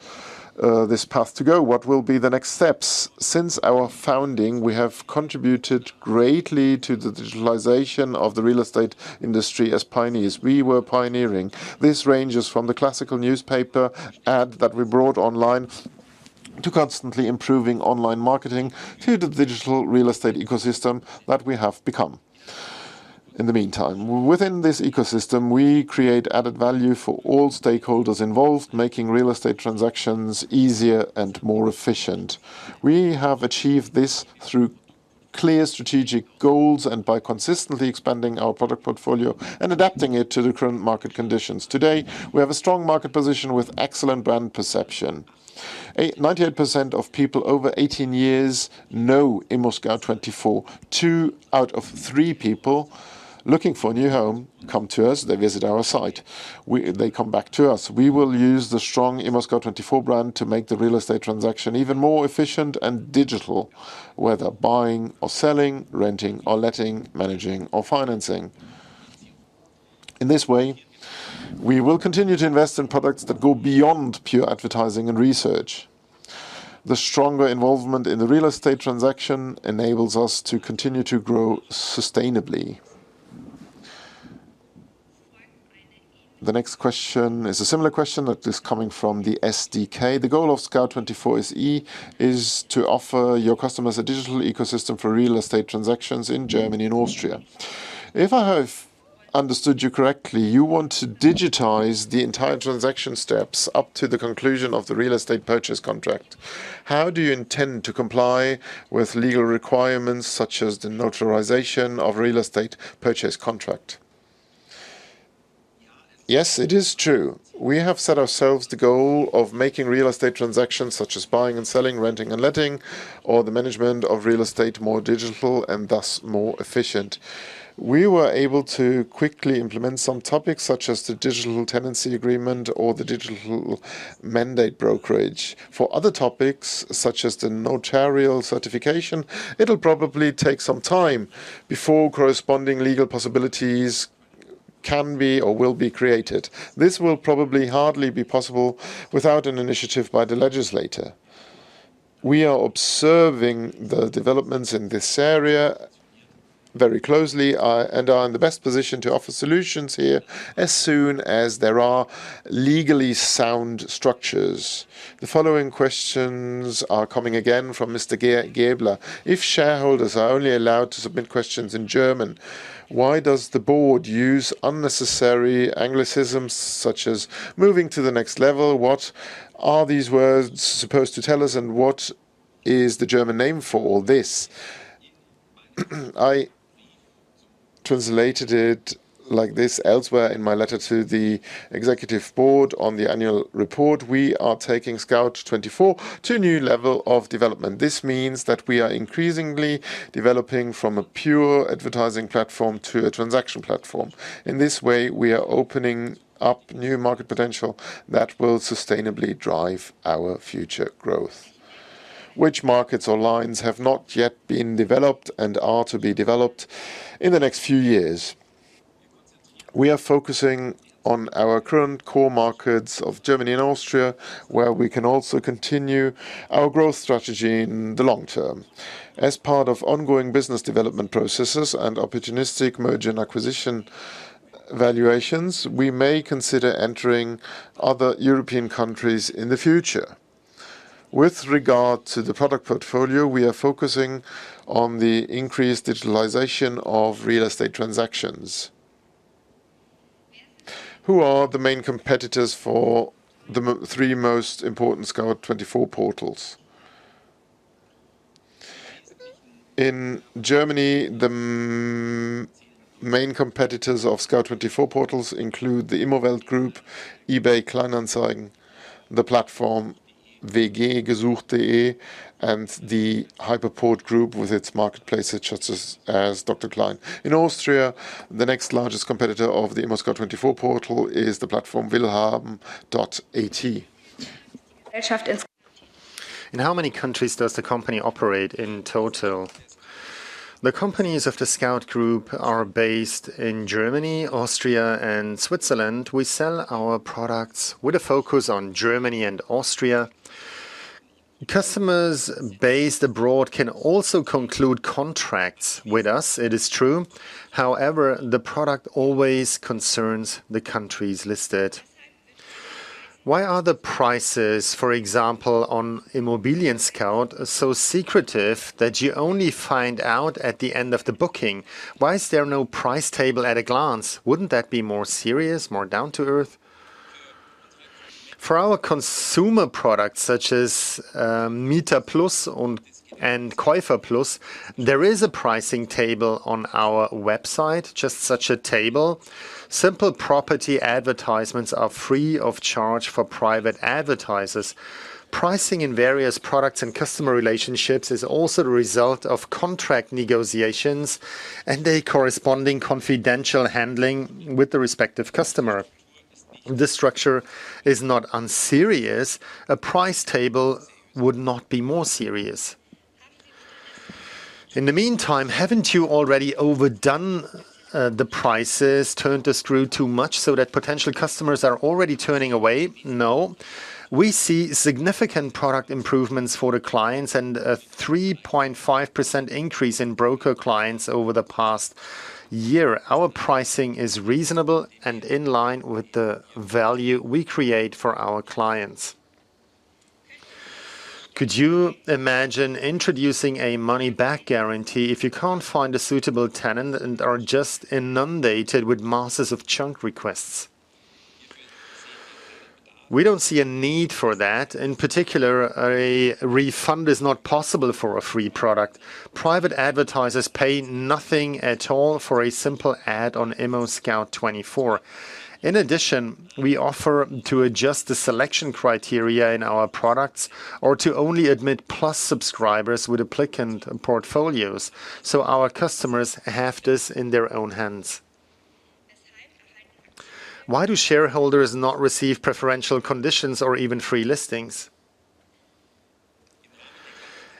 path to go? What will be the next steps? Since our founding, we have contributed greatly to the digitalization of the real estate industry as pioneers. We were pioneering. This ranges from the classical newspaper ad that we brought online to constantly improving online marketing to the digital real estate ecosystem that we have become. In the meantime, within this ecosystem, we create added value for all stakeholders involved, making real estate transactions easier and more efficient. We have achieved this through clear strategic goals and by consistently expanding our product portfolio and adapting it to the current market conditions. Today, we have a strong market position with excellent brand perception. 98% of people over 18 years know ImmoScout24. Two out of three people looking for a new home come to us. They visit our site. They come back to us. We will use the strong ImmoScout24 brand to make the real estate transaction even more efficient and digital, whether buying or selling, renting or letting, managing or financing. In this way, we will continue to invest in products that go beyond pure advertising and research. The stronger involvement in the real estate transaction enables us to continue to grow sustainably. The next question is a similar question that is coming from the SdK. The goal of Scout24 SE is to offer your customers a digital ecosystem for real estate transactions in Germany and Austria. If I have understood you correctly, you want to digitize the entire transaction steps up to the conclusion of the real estate purchase contract. How do you intend to comply with legal requirements such as the notarization of real estate purchase contract? Yes, it is true. We have set ourselves the goal of making real estate transactions, such as buying and selling, renting and letting, or the management of real estate, more digital and thus more efficient. We were able to quickly implement some topics, such as the digital tenancy agreement or the digital mandate brokerage. For other topics, such as the notarial certification, it'll probably take some time before corresponding legal possibilities can be or will be created. This will probably hardly be possible without an initiative by the legislator. We are observing the developments in this area very closely, and are in the best position to offer solutions here as soon as there are legally sound structures. The following questions are coming again from Mr. Gaebler. If shareholders are only allowed to submit questions in German, why does the board use unnecessary anglicisms such as moving to the next level? What are these words supposed to tell us, and what is the German name for all this? I translated it like this elsewhere in my letter to the executive board on the annual report. We are taking Scout24 to a new level of development. This means that we are increasingly developing from a pure advertising platform to a transaction platform. In this way, we are opening up new market potential that will sustainably drive our future growth. Which markets or lines have not yet been developed and are to be developed in the next few years? We are focusing on our current core markets of Germany and Austria, where we can also continue our growth strategy in the long term. As part of ongoing business development processes and opportunistic merger and acquisition valuations, we may consider entering other European countries in the future. With regard to the product portfolio, we are focusing on the increased digitalization of real estate transactions. Who are the main competitors for the three most important Scout24 portals? In Germany, the main competitors of Scout24 portals include the Immowelt Group, eBay Kleinanzeigen, the platform WG-Gesucht.de, and the Hypoport Group with its marketplace, such as Dr. Klein. In Austria, the next largest competitor of the ImmoScout24 portal is the platform willhaben.at. In how many countries does the company operate in total? The companies of the Scout24 Group are based in Germany, Austria, and Switzerland. We sell our products with a focus on Germany and Austria. Customers based abroad can also conclude contracts with us, it is true. However, the product always concerns the countries listed. Why are the prices, for example, on ImmoScout24 so secretive that you only find out at the end of the booking? Why is there no price table at a glance? Wouldn't that be more serious, more down to earth? For our consumer products, such as MieterPlus and KäuferPlus, there is a pricing table on our website, just such a table. Simple property advertisements are free of charge for private advertisers. Pricing in various products and customer relationships is also the result of contract negotiations and a corresponding confidential handling with the respective customer. This structure is not unserious. A price table would not be more serious. In the meantime, haven't you already overdone the prices, turned the screw too much, so that potential customers are already turning away? No. We see significant product improvements for the clients and a 3.5% increase in broker clients over the past year. Our pricing is reasonable and in line with the value we create for our clients. Could you imagine introducing a money-back guarantee if you can't find a suitable tenant and are just inundated with masses of junk requests? We don't see a need for that. In particular, a refund is not possible for a free product. Private advertisers pay nothing at all for a simple ad on ImmoScout24. In addition, we offer to adjust the selection criteria in our products or to only admit Plus subscribers with applicant portfolios, so our customers have this in their own hands. Why do shareholders not receive preferential conditions or even free listings?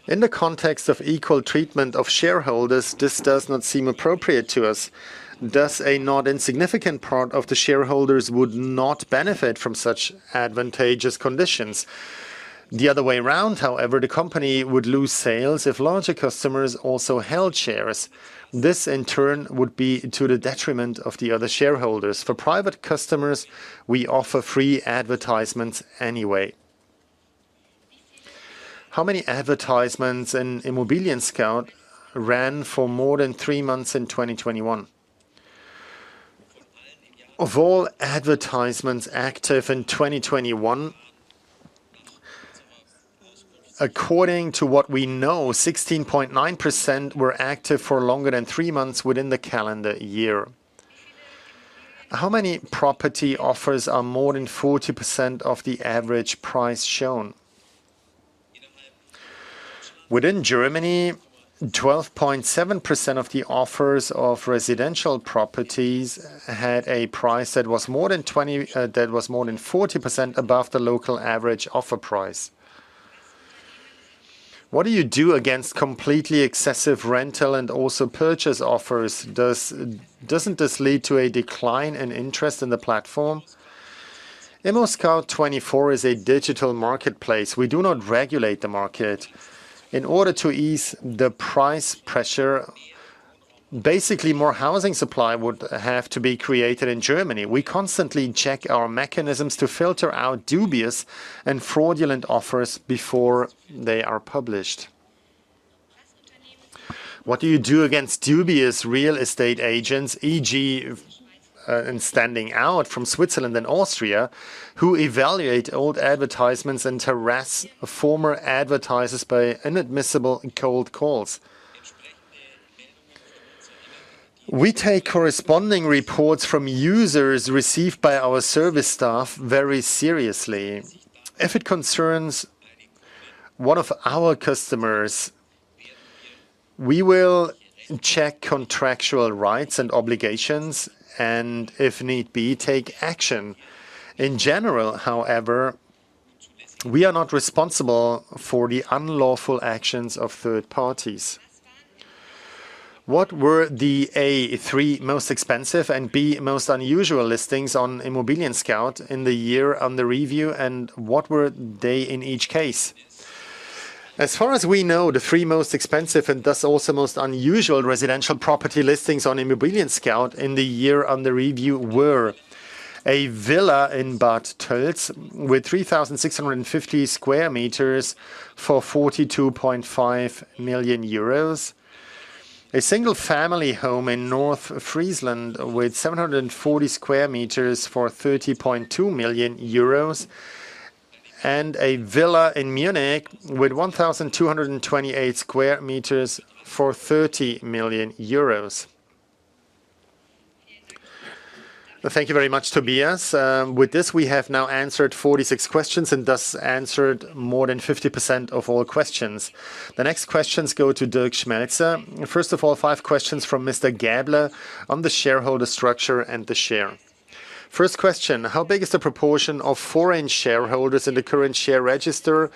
In the context of equal treatment of shareholders, this does not seem appropriate to us. Thus, a not insignificant part of the shareholders would not benefit from such advantageous conditions. The other way around, however, the company would lose sales if larger customers also held shares. This, in turn, would be to the detriment of the other shareholders. For private customers, we offer free advertisements anyway. How many advertisements in ImmoScout24 ran for more than three months in 2021? Of all advertisements active in 2021, according to what we know, 16.9% were active for longer than three months within the calendar year. How many property offers are more than 40% of the average price shown? Within Germany, 12.7% of the offers of residential properties had a price that was more than 40% above the local average offer price. What do you do against completely excessive rental and also purchase offers? Doesn't this lead to a decline in interest in the platform? ImmoScout24 is a digital marketplace. We do not regulate the market. In order to ease the price pressure, basically, more housing supply would have to be created in Germany. We constantly check our mechanisms to filter out dubious and fraudulent offers before they are published. What do you do against dubious real estate agents, e.g., in Switzerland and Austria, who evaluate old advertisements and harass former advertisers by inadmissible cold calls? We take corresponding reports from users received by our service staff very seriously. If it concerns one of our customers, we will check contractual rights and obligations and, if need be, take action. In general, however, we are not responsible for the unlawful actions of third parties. What were the, A, three most expensive and, B, most unusual listings on ImmoScout24 in the year under review, and what were they in each case? As far as we know, the three most expensive and thus also most unusual residential property listings on ImmoScout24 in the year under review were a villa in Bad Tölz with 3,650 sq m for 42.5 million euros, a single-family home in Nordfriesland with 740 sq m for 30.2 million euros, and a villa in Munich with 1,228 sq m for 30 million euros. Thank you very much, Tobias. With this, we have now answered 46 questions and thus answered more than 50% of all questions. The next questions go to Dirk Schmelzer. First of all, five questions from Mr. Gaebler on the shareholder structure and the share. First question: How big is the proportion of foreign shareholders in the current share register,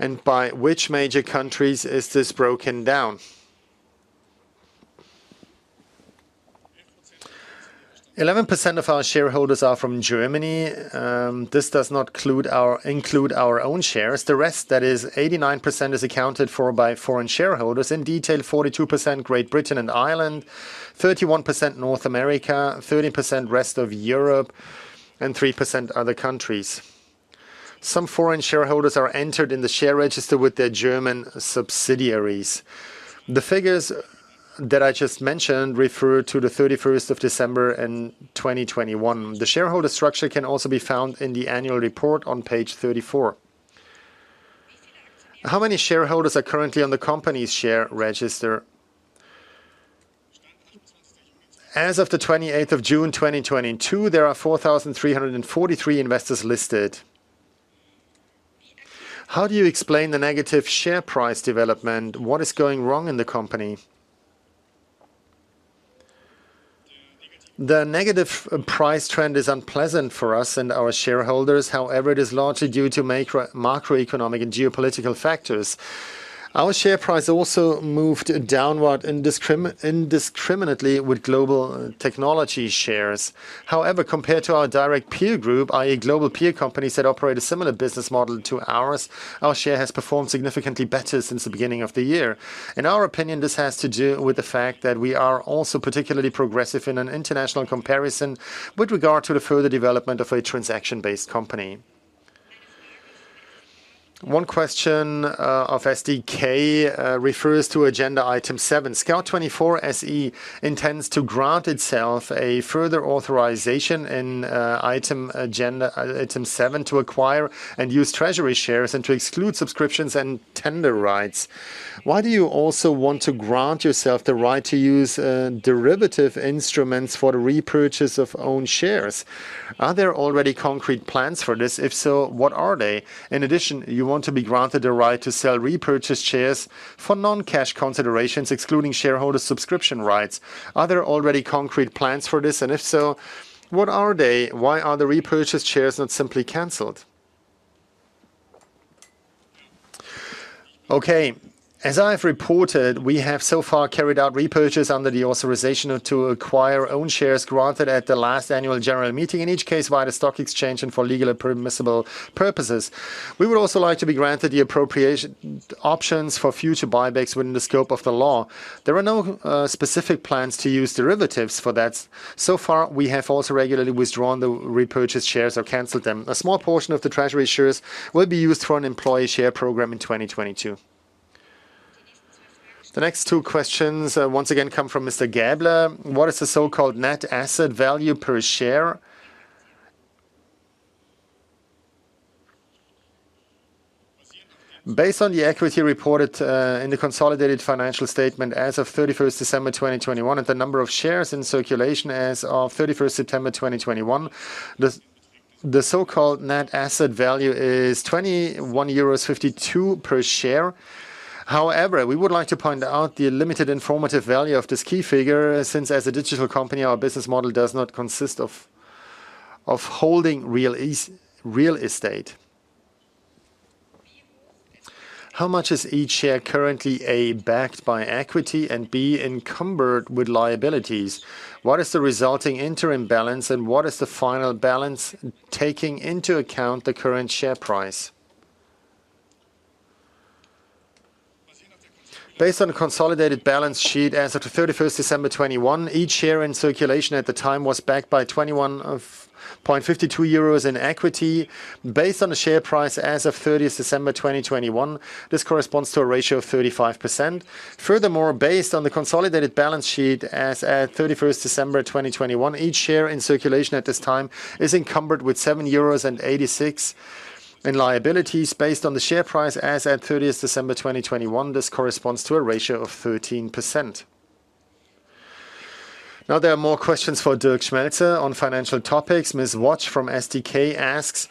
and by which major countries is this broken down? 11% of our shareholders are from Germany. This does not include our own shares. The rest, that is 89%, is accounted for by foreign shareholders. In detail, 42% Great Britain and Ireland, 31% North America, 30% rest of Europe, and 3% other countries. Some foreign shareholders are entered in the share register with their German subsidiaries. The figures that I just mentioned refer to the 31st of December in 2021. The shareholder structure can also be found in the annual report on page 34. How many shareholders are currently on the company's share register? As of the 28th of June 2022, there are 4,343 investors listed. How do you explain the negative share price development? What is going wrong in the company? The negative price trend is unpleasant for us and our shareholders. However, it is largely due to macro, macroeconomic and geopolitical factors. Our share price also moved downward indiscriminately with global technology shares. However, compared to our direct peer group, i.e., global peer companies that operate a similar business model to ours, our share has performed significantly better since the beginning of the year. In our opinion, this has to do with the fact that we are also particularly progressive in an international comparison with regard to the further development of a transaction-based company. One question of SdK refers to agenda item seven. Scout24 SE intends to grant itself a further authorization in item seven to acquire and use treasury shares and to exclude subscriptions and tender rights. Why do you also want to grant yourself the right to use derivative instruments for the repurchase of own shares? Are there already concrete plans for this? If so, what are they? In addition, you want to be granted a right to sell repurchase shares for non-cash considerations, excluding shareholder subscription rights. Are there already concrete plans for this, and if so, what are they? Why are the repurchased shares not simply canceled? As I have reported, we have so far carried out repurchases under the authorization to acquire own shares granted at the last annual general meeting, in each case via the stock exchange and for legally permissible purposes. We would also like to be granted the appropriation options for future buybacks within the scope of the law. There are no specific plans to use derivatives for that. So far, we have also regularly withdrawn the repurchased shares or canceled them. A small portion of the treasury shares will be used for an employee share program in 2022. The next two questions once again come from Mr. Gaebler. What is the so-called net asset value per share? Based on the equity reported in the consolidated financial statement as of 31st December 2021 and the number of shares in circulation as of 31st September 2021, the so-called net asset value is 21.52 euros per share. However, we would like to point out the limited informative value of this key figure, since as a digital company, our business model does not consist of holding real estate. How much is each share currently, A, backed by equity, and B, encumbered with liabilities? What is the resulting interim balance, and what is the final balance taking into account the current share price? Based on the consolidated balance sheet as of 31st December 2021, each share in circulation at the time was backed by 21.52 euros in equity. Based on the share price as of 30th December 2021, this corresponds to a ratio of 35%. Furthermore, based on the consolidated balance sheet as at 31st December 2021, each share in circulation at this time is encumbered with 7.86 euros in liabilities. Based on the share price as at 30th December 2021, this corresponds to a ratio of 13%. Now there are more questions for Dirk Schmelzer on financial topics. Ms. Wotsch from SdK asks,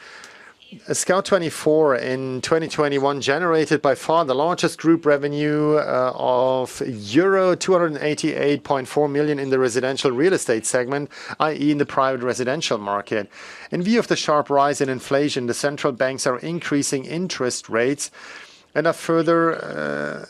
"Scout24 in 2021 generated by far the largest group revenue of euro 288.4 million in the residential real estate segment, i.e., in the private residential market. In view of the sharp rise in inflation, the central banks are increasing interest rates and a further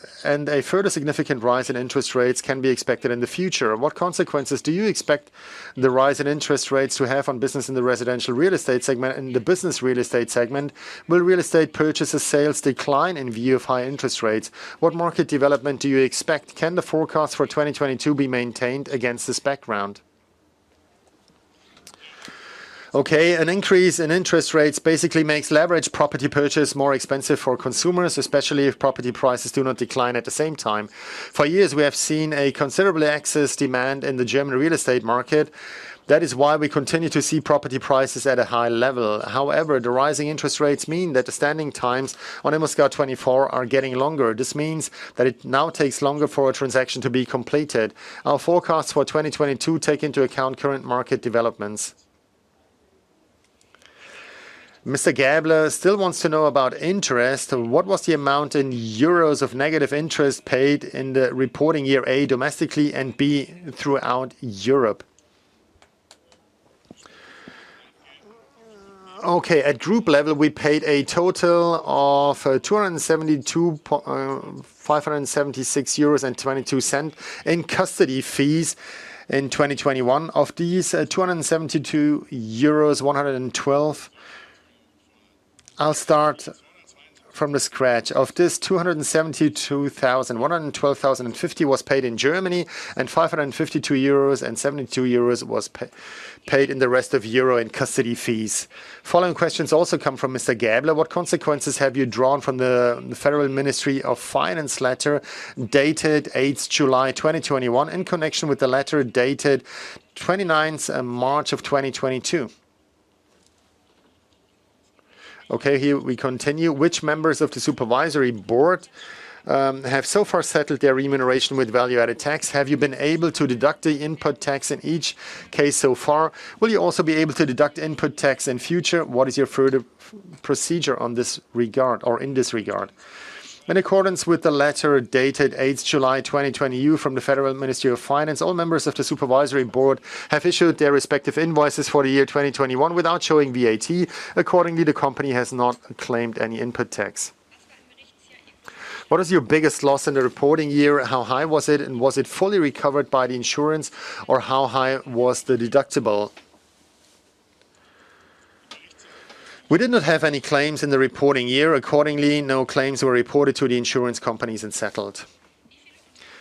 significant rise in interest rates can be expected in the future. What consequences do you expect the rise in interest rates to have on business in the residential real estate segment and the business real estate segment? Will real estate purchases sales decline in view of high interest rates? What market development do you expect? Can the forecast for 2022 be maintained against this background?" Okay. An increase in interest rates basically makes leveraged property purchase more expensive for consumers, especially if property prices do not decline at the same time. For years, we have seen a considerable excess demand in the German real estate market. That is why we continue to see property prices at a high level. However, the rising interest rates mean that the standing times on Scout24 are getting longer. This means that it now takes longer for a transaction to be completed. Our forecasts for 2022 take into account current market developments. Mr. Gaebler still wants to know about interest. What was the amount in euros of negative interest paid in the reporting year, A, domestically, and B, throughout Europe? Okay. At group level, we paid a total of 272,576.22 euros in custody fees in 2021. I'll start from scratch. Of this 272,000, 112,050 was paid in Germany and 552 euros and 72 euros was paid in the rest of Europe in custody fees. Following questions also come from Mr. Gaebler. What consequences have you drawn from the Federal Ministry of Finance letter dated 8th July 2021 in connection with the letter dated 29th March 2022? Okay, here we continue. Which members of the supervisory board have so far settled their remuneration with value-added tax? Have you been able to deduct the input tax in each case so far? Will you also be able to deduct input tax in future? What is your further procedure in this regard? In accordance with the letter dated 8th July 2022 from the Federal Ministry of Finance, all members of the supervisory board have issued their respective invoices for the year 2021 without showing VAT. Accordingly, the company has not claimed any input tax. What is your biggest loss in the reporting year? How high was it, and was it fully recovered by the insurance, or how high was the deductible? We did not have any claims in the reporting year. Accordingly, no claims were reported to the insurance companies and settled.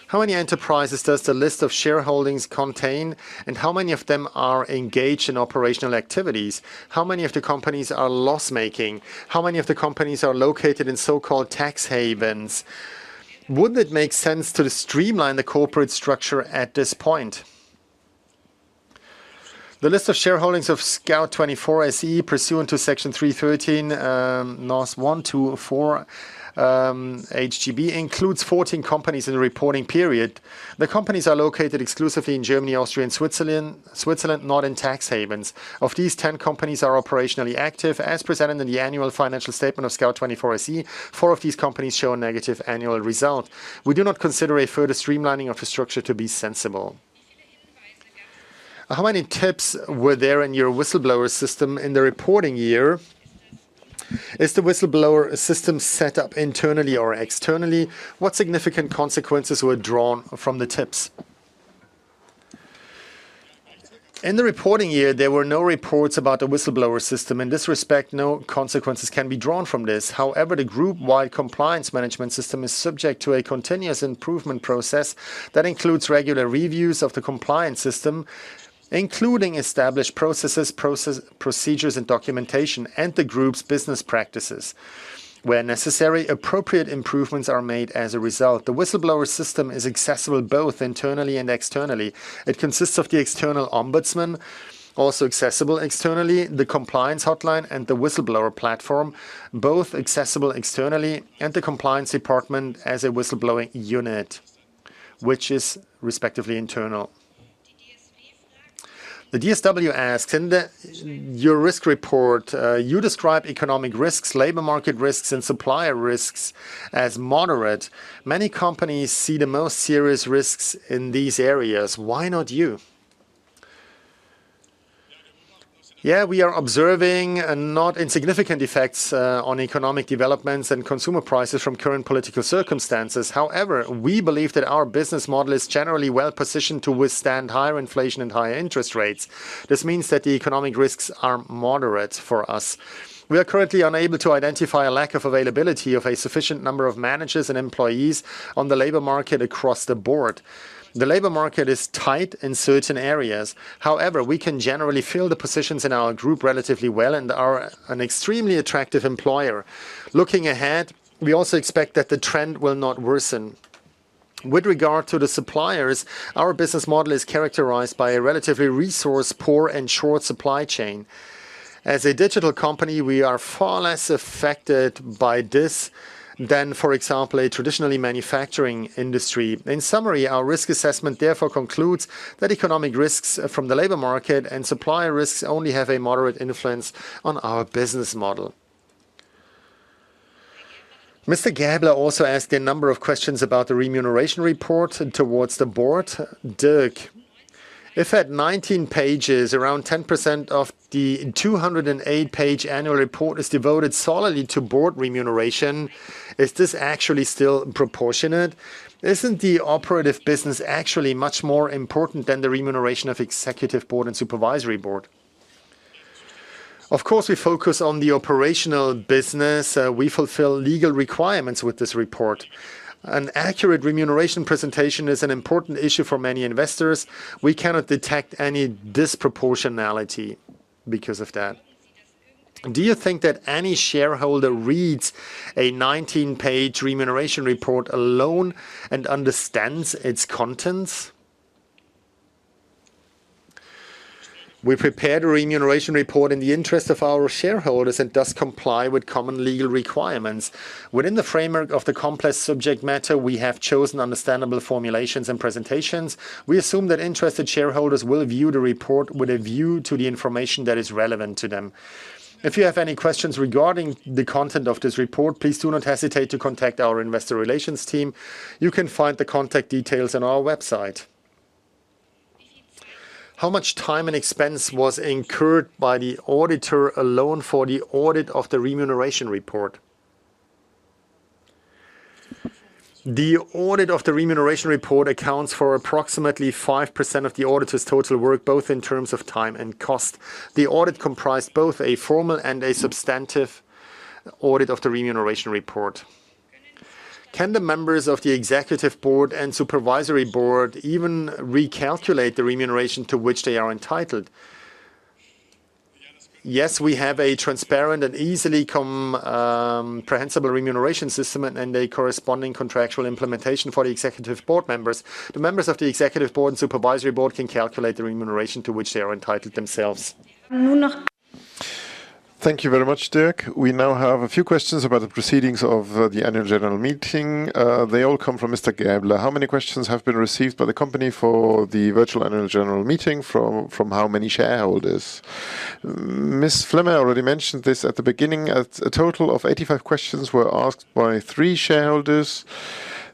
How many enterprises does the list of shareholdings contain, and how many of them are engaged in operational activities? How many of the companies are loss-making? How many of the companies are located in so-called tax havens? Wouldn't it make sense to streamline the corporate structure at this point? The list of shareholdings of Scout24 SE pursuant to Section 313, Nos. one to four, HGB includes 14 companies in the reporting period. The companies are located exclusively in Germany, Austria, and Switzerland, not in tax havens. Of these, 10 companies are operationally active. As presented in the annual financial statement of Scout24 SE, four of these companies show a negative annual result. We do not consider a further streamlining of the structure to be sensible. How many tips were there in your whistleblower system in the reporting year? Is the whistleblower system set up internally or externally? What significant consequences were drawn from the tips? In the reporting year, there were no reports about the whistleblower system. In this respect, no consequences can be drawn from this. However, the group-wide compliance management system is subject to a continuous improvement process that includes regular reviews of the compliance system, including established processes, procedures, and documentation, and the group's business practices. Where necessary, appropriate improvements are made as a result. The whistleblower system is accessible both internally and externally. It consists of the external ombudsman, also accessible externally, the compliance hotline and the whistleblower platform, both accessible externally, and the compliance department as a whistleblowing unit, which is respectively internal. The DSW asked, "In your risk report, you describe economic risks, labor market risks, and supplier risks as moderate. Many companies see the most serious risks in these areas. Why not you?" Yeah, we are observing not insignificant effects on economic developments and consumer prices from current political circumstances. However, we believe that our business model is generally well-positioned to withstand higher inflation and higher interest rates. This means that the economic risks are moderate for us. We are currently unable to identify a lack of availability of a sufficient number of managers and employees on the labor market across the board. The labor market is tight in certain areas. However, we can generally fill the positions in our group relatively well and are an extremely attractive employer. Looking ahead, we also expect that the trend will not worsen. With regard to the suppliers, our business model is characterized by a relatively resource-poor and short supply chain. As a digital company, we are far less affected by this than, for example, a traditional manufacturing industry. In summary, our risk assessment therefore concludes that economic risks from the labor market and supplier risks only have a moderate influence on our business model. Mr. Gaebler also asked a number of questions about the remuneration report towards the board. Dirk: If at 19 pages, around 10% of the 208-page annual report is devoted solely to board remuneration, is this actually still proportionate? Isn't the operative business actually much more important than the remuneration of executive board and supervisory board? Of course, we focus on the operational business. We fulfill legal requirements with this report. An accurate remuneration presentation is an important issue for many investors. We cannot detect any disproportionality because of that. Do you think that any shareholder reads a 19-page remuneration report alone and understands its contents? We prepared a remuneration report in the interest of our shareholders and does comply with common legal requirements. Within the framework of the complex subject matter, we have chosen understandable formulations and presentations. We assume that interested shareholders will view the report with a view to the information that is relevant to them. If you have any questions regarding the content of this report, please do not hesitate to contact our investor relations team. You can find the contact details on our website. How much time and expense was incurred by the auditor alone for the audit of the remuneration report? The audit of the remuneration report accounts for approximately 5% of the auditor's total work, both in terms of time and cost. The audit comprised both a formal and a substantive audit of the remuneration report. Can the members of the executive board and supervisory board even recalculate the remuneration to which they are entitled? Yes, we have a transparent and easily comprehensible remuneration system and a corresponding contractual implementation for the executive board members. The members of the executive board and supervisory board can calculate the remuneration to which they are entitled themselves. Thank you very much, Dirk. We now have a few questions about the proceedings of the annual general meeting. They all come from Mr. Gaebler. How many questions have been received by the company for the virtual annual general meeting from how many shareholders? Ms. Flemmer already mentioned this at the beginning. A total of 85 questions were asked by three shareholders.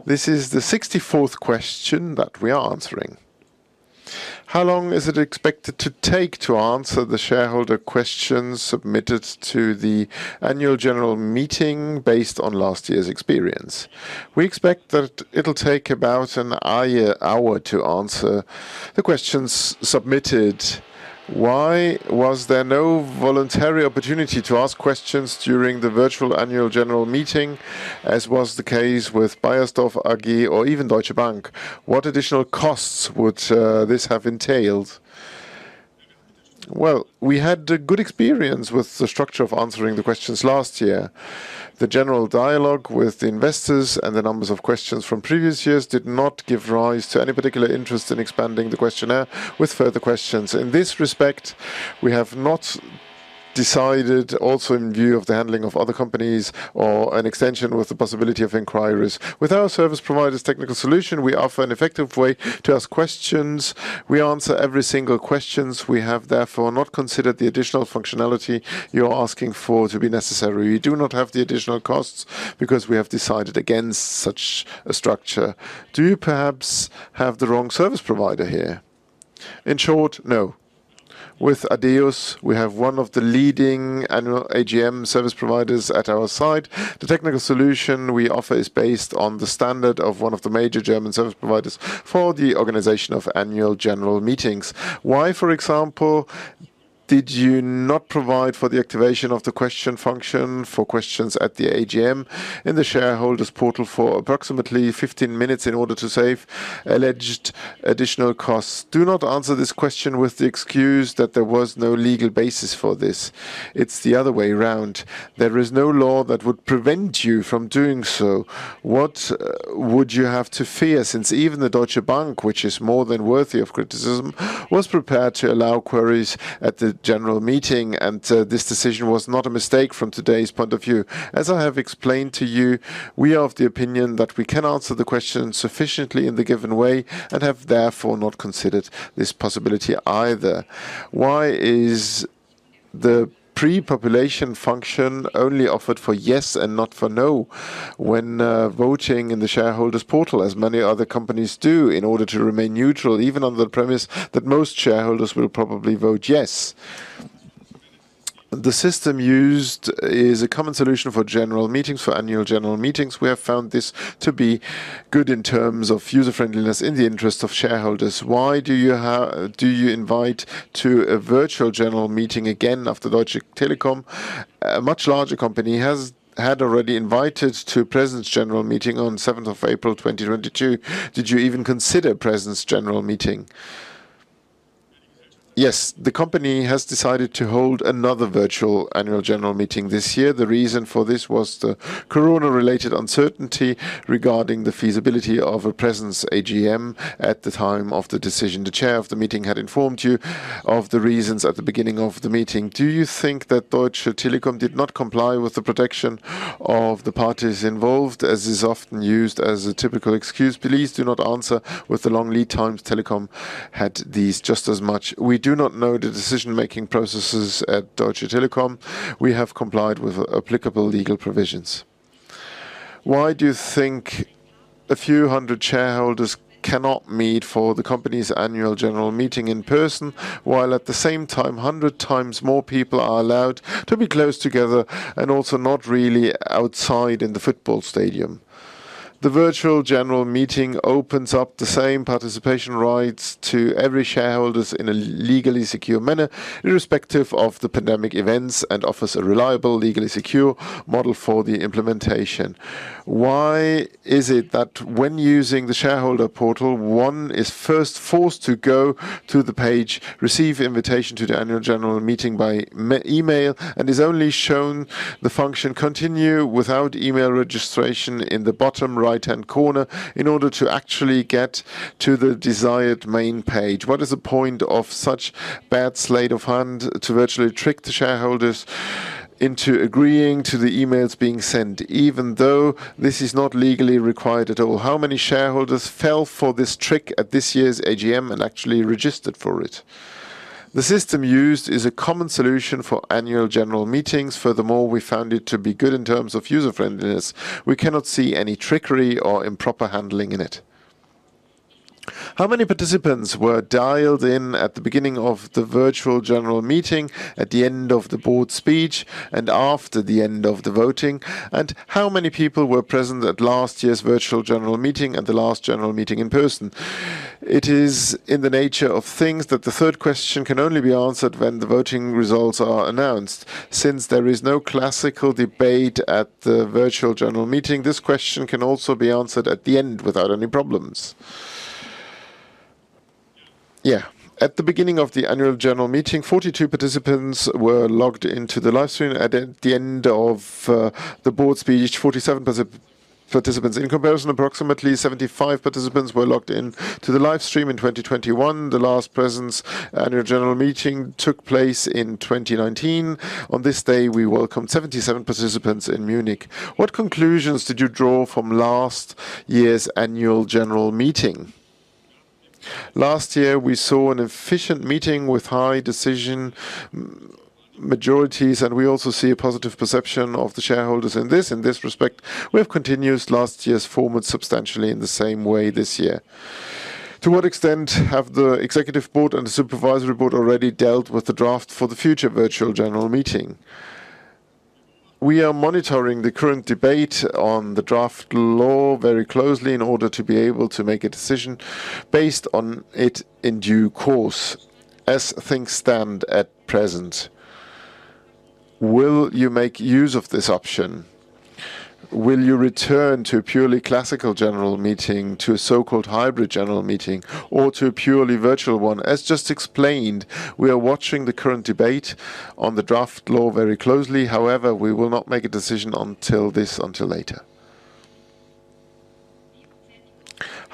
This is the 64th question that we are answering. How long is it expected to take to answer the shareholder questions submitted to the annual general meeting based on last year's experience? We expect that it'll take about an hour to answer the questions submitted. Why was there no voluntary opportunity to ask questions during the virtual annual general meeting, as was the case with Beiersdorf AG or even Deutsche Bank? What additional costs would this have entailed? Well, we had good experience with the structure of answering the questions last year. The general dialogue with the investors and the numbers of questions from previous years did not give rise to any particular interest in expanding the questionnaire with further questions. In this respect, we have not decided also in view of the handling of other companies or an extension with the possibility of inquiries. With our service provider's technical solution, we offer an effective way to ask questions. We answer every single questions. We have therefore not considered the additional functionality you're asking for to be necessary. We do not have the additional costs because we have decided against such a structure. Do you perhaps have the wrong service provider here? In short, no. With ADEUS, we have one of the leading annual AGM service providers at our side. The technical solution we offer is based on the standard of one of the major German service providers for the organization of annual general meetings. Why, for example, did you not provide for the activation of the question function for questions at the AGM in the shareholders portal for approximately 15 minutes in order to save alleged additional costs? Do not answer this question with the excuse that there was no legal basis for this. It's the other way around. There is no law that would prevent you from doing so. What would you have to fear, since even the Deutsche Bank, which is more than worthy of criticism, was prepared to allow queries at the general meeting and this decision was not a mistake from today's point of view? As I have explained to you, we are of the opinion that we can answer the question sufficiently in the given way and have therefore not considered this possibility either. Why is the pre-population function only offered for yes and not for no when voting in the shareholders portal, as many other companies do, in order to remain neutral, even on the premise that most shareholders will probably vote yes? The system used is a common solution for general meetings, for annual general meetings. We have found this to be good in terms of user-friendliness in the interest of shareholders. Why do you invite to a virtual general meeting again after Deutsche Telekom? A much larger company had already invited to presence general meeting on 7th of April 2022. Did you even consider presence general meeting? Yes. The company has decided to hold another virtual annual general meeting this year. The reason for this was the corona-related uncertainty regarding the feasibility of a presence AGM at the time of the decision. The chair of the meeting had informed you of the reasons at the beginning of the meeting. Do you think that Deutsche Telekom did not comply with the protection of the parties involved, as is often used as a typical excuse? Please do not answer with the long lead times Telekom had these just as much. We do not know the decision-making processes at Deutsche Telekom. We have complied with applicable legal provisions. Why do you think a few hundred shareholders cannot meet for the company's annual general meeting in person, while at the same time hundred times more people are allowed to be close together and also not really outside in the football stadium? The virtual general meeting opens up the same participation rights to every shareholders in a legally secure manner, irrespective of the pandemic events, and offers a reliable, legally secure model for the implementation. Why is it that when using the shareholder portal, one is first forced to go to the page, receive invitation to the annual general meeting by e-mail, and is only shown the function continue without email registration in the bottom right-hand corner in order to actually get to the desired main page? What is the point of such bad sleight of hand to virtually trick the shareholders into agreeing to the emails being sent, even though this is not legally required at all? How many shareholders fell for this trick at this year's AGM and actually registered for it? The system used is a common solution for annual general meetings. Furthermore, we found it to be good in terms of user-friendliness. We cannot see any trickery or improper handling in it. How many participants were dialed in at the beginning of the virtual general meeting, at the end of the board speech, and after the end of the voting? How many people were present at last year's virtual general meeting and the last general meeting in person? It is in the nature of things that the third question can only be answered when the voting results are announced. Since there is no classical debate at the virtual general meeting, this question can also be answered at the end without any problems. Yeah. At the beginning of the annual general meeting, 42 participants were logged into the live stream. At the end of the board speech, 47 participants. In comparison, approximately 75 participants were logged in to the live stream in 2021. The last presence annual general meeting took place in 2019. On this day, we welcomed 77 participants in Munich. What conclusions did you draw from last year's annual general meeting? Last year, we saw an efficient meeting with high decision majorities, and we also see a positive perception of the shareholders in this. In this respect, we have continued last year's format substantially in the same way this year. To what extent have the executive board and the supervisory board already dealt with the draft for the future virtual general meeting? We are monitoring the current debate on the draft law very closely in order to be able to make a decision based on it in due course. As things stand at present, will you make use of this option? Will you return to a purely classical general meeting to a so-called hybrid general meeting or to a purely virtual one? As just explained, we are watching the current debate on the draft law very closely. However, we will not make a decision until later.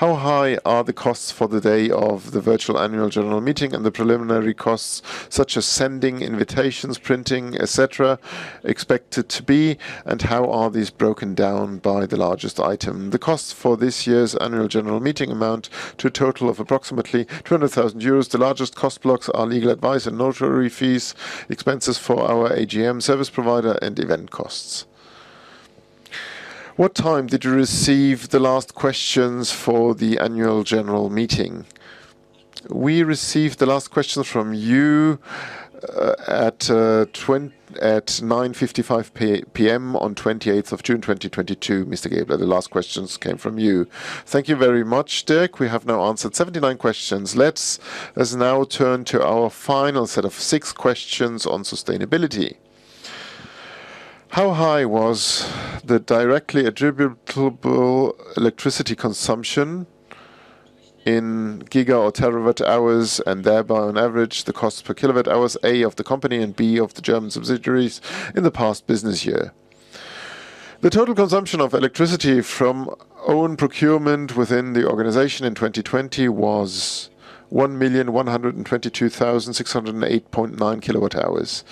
How high are the costs for the day of the virtual annual general meeting and the preliminary costs such as sending invitations, printing, et cetera, expected to be? And how are these broken down by the largest item? The costs for this year's annual general meeting amount to a total of approximately 200,000 euros. The largest cost blocks are legal advice and notary fees, expenses for our AGM service provider, and event costs. What time did you receive the last questions for the annual general meeting? We received the last question from you at 9:55 P.M. on 28th of June 2022, Mr. Gaebler. The last questions came from you. Thank you very much, Dirk. We have now answered 79 questions. Let's now turn to our final set of six questions on sustainability. How high was the directly attributable electricity consumption in gigawatt-hours or terawatt-hours and thereby on average the cost per kilowatt-hours, A, of the company and B, of the German subsidiaries in the past business year? The total consumption of electricity from own procurement within the organization in 2020 was 1,122,608.9 kWh.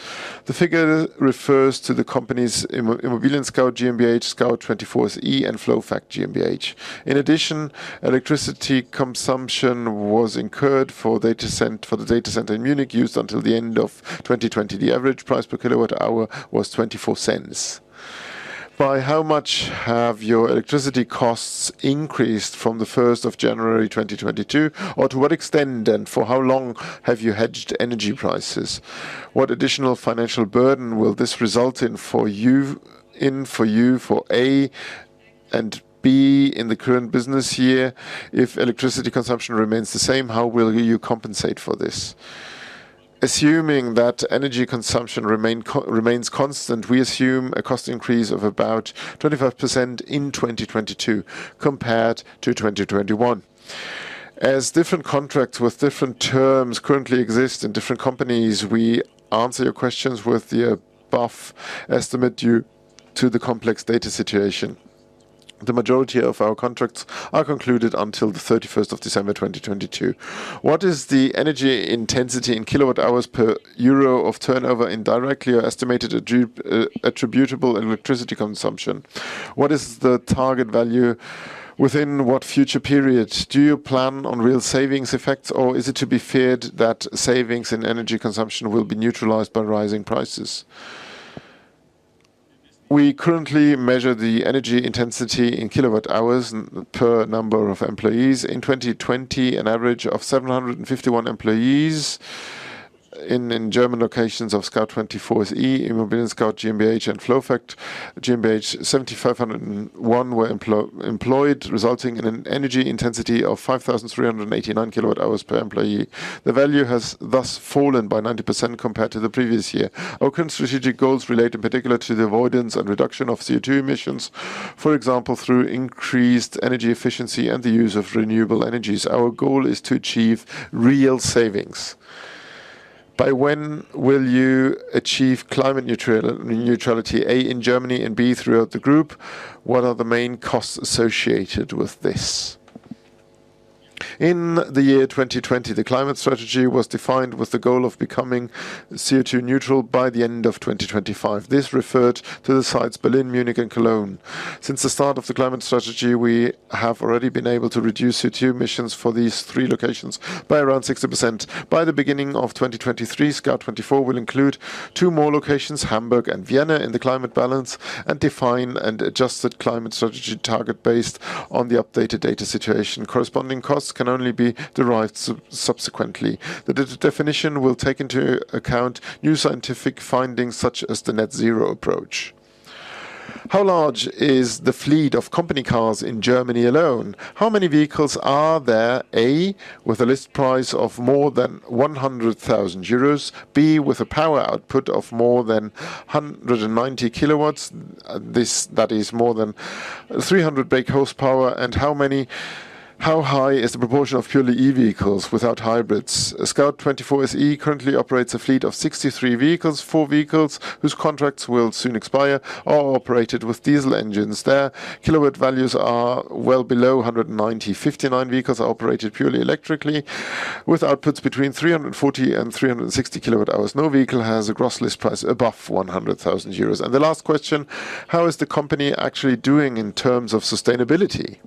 The figure refers to the company's ImmobilienScout GmbH, Scout24 SE, and FlowFact GmbH. In addition, electricity consumption was incurred for the data center in Munich used until the end of 2020. The average price per kWh was 0.24. By how much have your electricity costs increased from the 1st of January 2022? Or to what extent and for how long have you hedged energy prices? What additional financial burden will this result in for you for A and B in the current business year? If electricity consumption remains the same, how will you compensate for this? Assuming that energy consumption remains constant, we assume a cost increase of about 25% in 2022 compared to 2021. As different contracts with different terms currently exist in different companies, we answer your questions with the above estimate due to the complex data situation. The majority of our contracts are concluded until the 31st of December 2022. What is the energy intensity in kilowatt-hours per euro of turnover in directly or estimated attributable electricity consumption? What is the target value? Within what future periods do you plan on real savings effects, or is it to be feared that savings in energy consumption will be neutralized by rising prices? We currently measure the energy intensity in kilowatt-hours per number of employees. In 2020, an average of 751 employees in German locations of Scout24 SE, ImmobilienScout GmbH, and FlowFact GmbH were employed, resulting in an energy intensity of 5,389 kWh per employee. The value has thus fallen by 90% compared to the previous year. Our current strategic goals relate in particular to the avoidance and reduction of CO₂ emissions. For example, through increased energy efficiency and the use of renewable energies, our goal is to achieve real savings. By when will you achieve climate neutrality, A, in Germany and B, throughout the group? What are the main costs associated with this? In the year 2020, the climate strategy was defined with the goal of becoming CO₂ neutral by the end of 2025. This referred to the sites Berlin, Munich, and Cologne. Since the start of the climate strategy, we have already been able to reduce CO₂ emissions for these three locations by around 60%. By the beginning of 2023, Scout24 will include two more locations, Hamburg and Vienna, in the climate balance and define an adjusted climate strategy target based on the updated data situation. Corresponding costs can only be derived subsequently. The definition will take into account new scientific findings such as the net zero approach. How large is the fleet of company cars in Germany alone? How many vehicles are there? A, with a list price of more than 100,000 euros? B, with a power output of more than 190 kW? That is more than 300 BHP. How high is the proportion of purely EV vehicles without hybrids? Scout24 SE currently operates a fleet of 63 vehicles. Four vehicles, whose contracts will soon expire, are operated with diesel engines. Their kilowatt values are well below 190. 59 vehicles are operated purely electrically with outputs between $340,000 and $360,000. No vehicle has a gross list price above 100,000 euros. The last question: How is the company actually doing in terms of sustainability?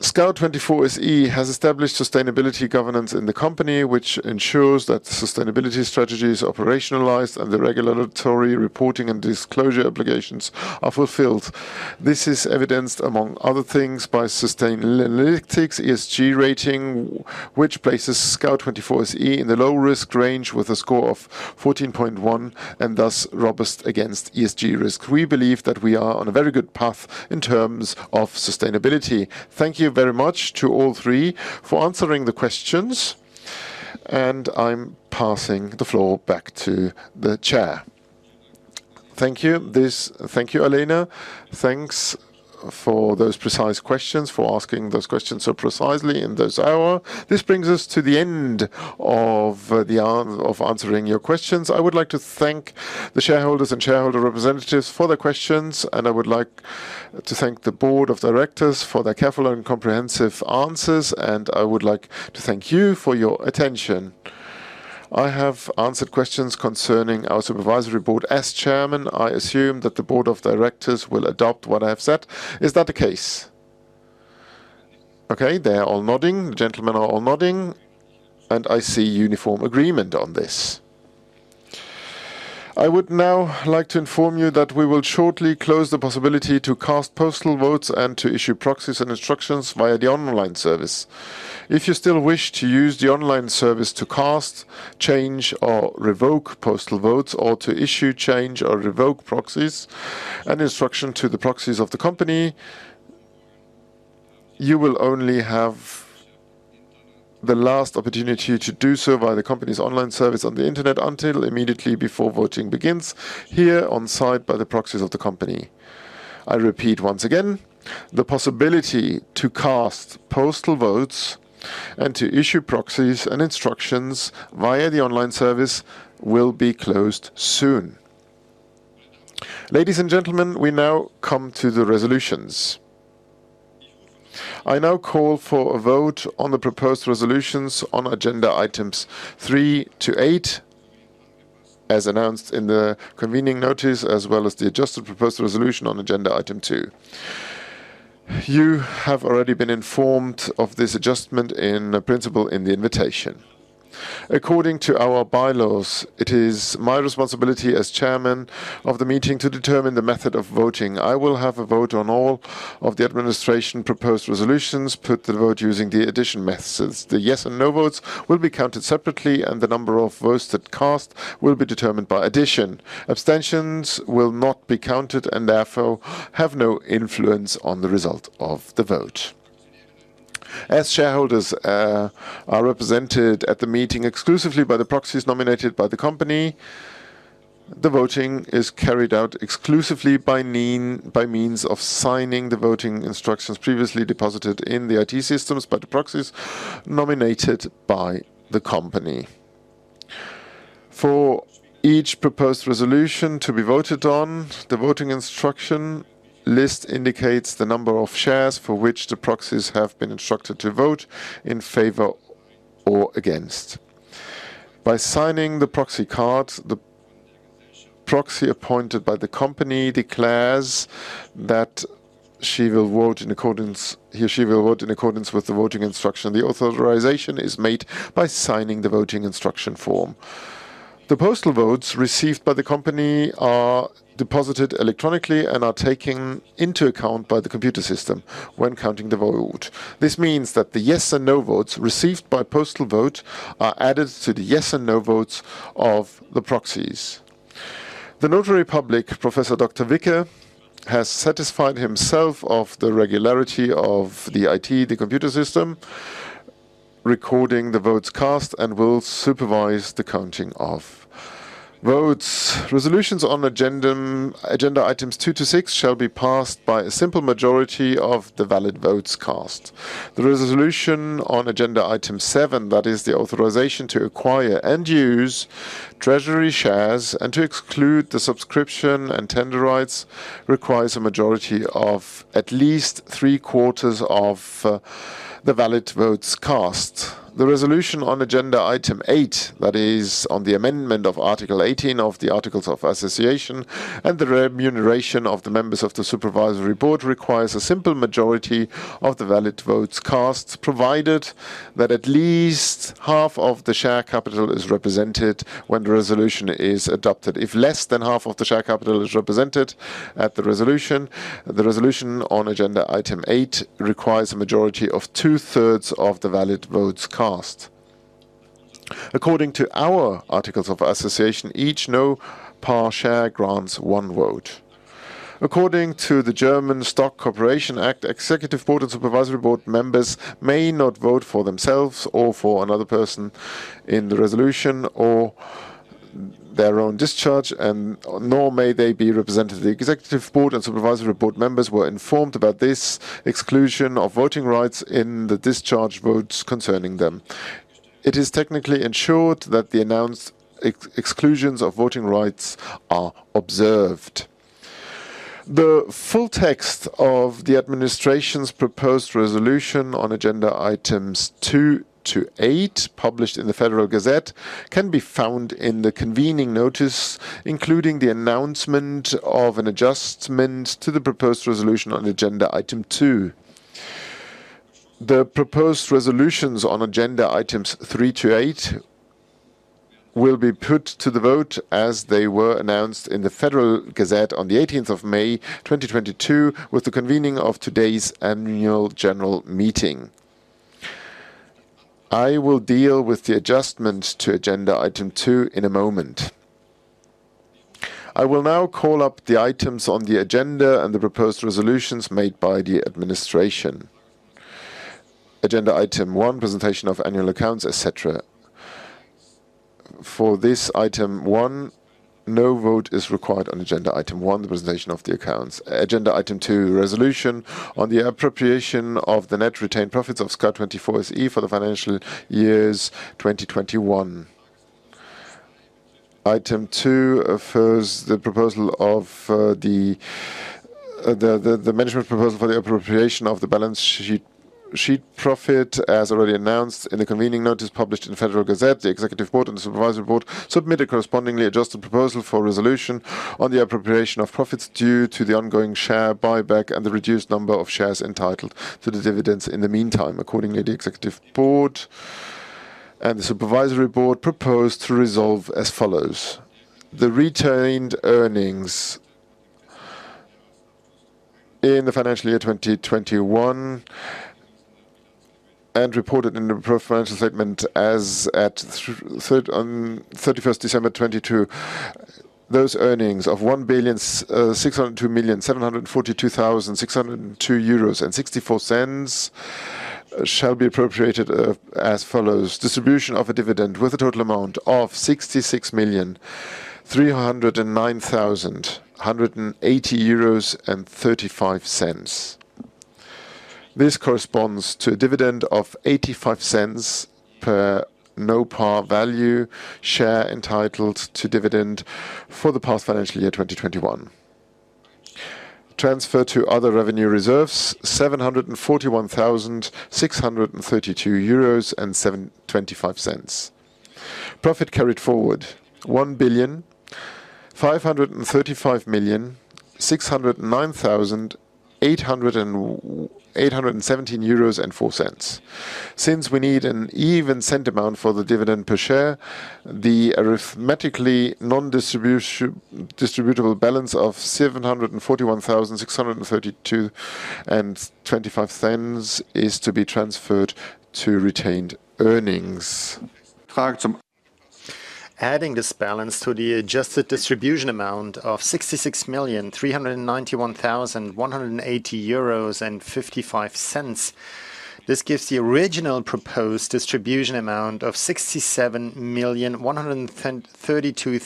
Scout24 SE has established sustainability governance in the company, which ensures that the sustainability strategy is operationalized and the regulatory reporting and disclosure obligations are fulfilled. This is evidenced, among other things, by Sustainalytics ESG rating, which places Scout24 SE in the low-risk range with a score of 14.1 and thus robust against ESG risk. We believe that we are on a very good path in terms of sustainability. Thank you very much to all three for answering the questions, and I'm passing the floor back to the chair. Thank you. Thank you, Alena. Thanks for those precise questions, for asking those questions so precisely in this hour. This brings us to the end of answering your questions. I would like to thank the shareholders and shareholder representatives for their questions, and I would like to thank the board of directors for their careful and comprehensive answers, and I would like to thank you for your attention. I have answered questions concerning our supervisory board. As Chairman, I assume that the board of directors will adopt what I have said. Is that the case? Okay. They are all nodding. The gentlemen are all nodding, and I see uniform agreement on this. I would now like to inform you that we will shortly close the possibility to cast postal votes and to issue proxies and instructions via the online service. If you still wish to use the online service to cast, change, or revoke postal votes or to issue, change, or revoke proxies and instruction to the proxies of the company, you will only have the last opportunity to do so via the company's online service on the internet until immediately before voting begins here on-site by the proxies of the company. I repeat once again, the possibility to cast postal votes and to issue proxies and instructions via the online service will be closed soon. Ladies and gentlemen, we now come to the resolutions. I now call for a vote on the proposed resolutions on agenda items three to eight, as announced in the convening notice, as well as the adjusted proposed resolution on agenda item two. You have already been informed of this adjustment in principle in the invitation. According to our bylaws, it is my responsibility as Chairman of the meeting to determine the method of voting. I will have a vote on all of the administration-proposed resolutions, put the vote using the addition methods. The yes and no votes will be counted separately, and the number of votes cast will be determined by addition. Abstentions will not be counted and therefore have no influence on the result of the vote. As shareholders are represented at the meeting exclusively by the proxies nominated by the company, the voting is carried out exclusively by means of signing the voting instructions previously deposited in the IT systems by the proxies nominated by the company. For each proposed resolution to be voted on, the voting instruction list indicates the number of shares for which the proxies have been instructed to vote in favor or against. By signing the proxy card, the proxy appointed by the company declares that he or she will vote in accordance with the voting instruction. The authorization is made by signing the voting instruction form. The postal votes received by the company are deposited electronically and are taken into account by the computer system when counting the vote. This means that the yes and no votes received by postal vote are added to the yes and no votes of the proxies. The Notary Public, Professor Dr. Wicke, has satisfied himself of the regularity of the IT, the computer system recording the votes cast, and will supervise the counting of votes. Resolutions on agenda items two to six shall be passed by a simple majority of the valid votes cast. The resolution on agenda item seven, that is the authorization to acquire and use treasury shares and to exclude the subscription and tender rights, requires a majority of at least 3/4 of the valid votes cast. The resolution on agenda item eight, that is on the amendment of Article 18 of the Articles of Association and the remuneration of the members of the supervisory board, requires a simple majority of the valid votes cast, provided that at least half of the share capital is represented when the resolution is adopted. If less than half of the share capital is represented at the resolution, the resolution on agenda item eight requires a majority of 2/3 of the valid votes cast. According to our Articles of Association, each no-par share grants one vote. According to the German Stock Corporation Act, executive board and supervisory board members may not vote for themselves or for another person in the resolution or their own discharge, and nor may they be represented. The executive board and supervisory board members were informed about this exclusion of voting rights in the discharge votes concerning them. It is technically ensured that the announced exclusions of voting rights are observed. The full text of the administration's proposed resolution on agenda items two to eight, published in the Federal Gazette, can be found in the convening notice, including the announcement of an adjustment to the proposed resolution on agenda item two. The proposed resolutions on agenda items three to eight will be put to the vote as they were announced in the Federal Gazette on the 18th of May, 2022, with the convening of today's annual general meeting. I will deal with the adjustment to agenda item two in a moment. I will now call up the items on the agenda and the proposed resolutions made by the administration. Agenda item one: presentation of annual accounts, etc. For this item one, no vote is required on agenda item one, the presentation of the accounts. Agenda item two: resolution on the appropriation of the net retained profits of Scout24 SE for the financial year 2021. Item two refers to the proposal of the management proposal for the appropriation of the balance sheet profit. As already announced in the convening notice published in the Federal Gazette, the executive board and the supervisory board submitted a correspondingly adjusted proposal for resolution on the appropriation of profits due to the ongoing share buyback and the reduced number of shares entitled to the dividends in the meantime. Accordingly, the executive board and the supervisory board propose to resolve as follows: the retained earnings in the financial year 2021 and reported in the financial statement as at 31st December 2022. Those earnings of 1,602,742,602.64 euros shall be appropriated as follows: distribution of a dividend with a total amount of 66,309,980.35 euros. This corresponds to a dividend of 0.85 per no-par-value share entitled to dividend for the past financial year 2021. Transfer to other revenue reserves, 741,632.25 euros. Profit carried forward, 1,535,609,817.04. Since we need an even cent amount for the dividend per share, the arithmetically non-distributable balance of 741,632.25 is to be transferred to retained earnings. Adding this balance to the adjusted distribution amount of 66,391,180.55 euros. This gives the original proposed distribution amount of 67,132,812.60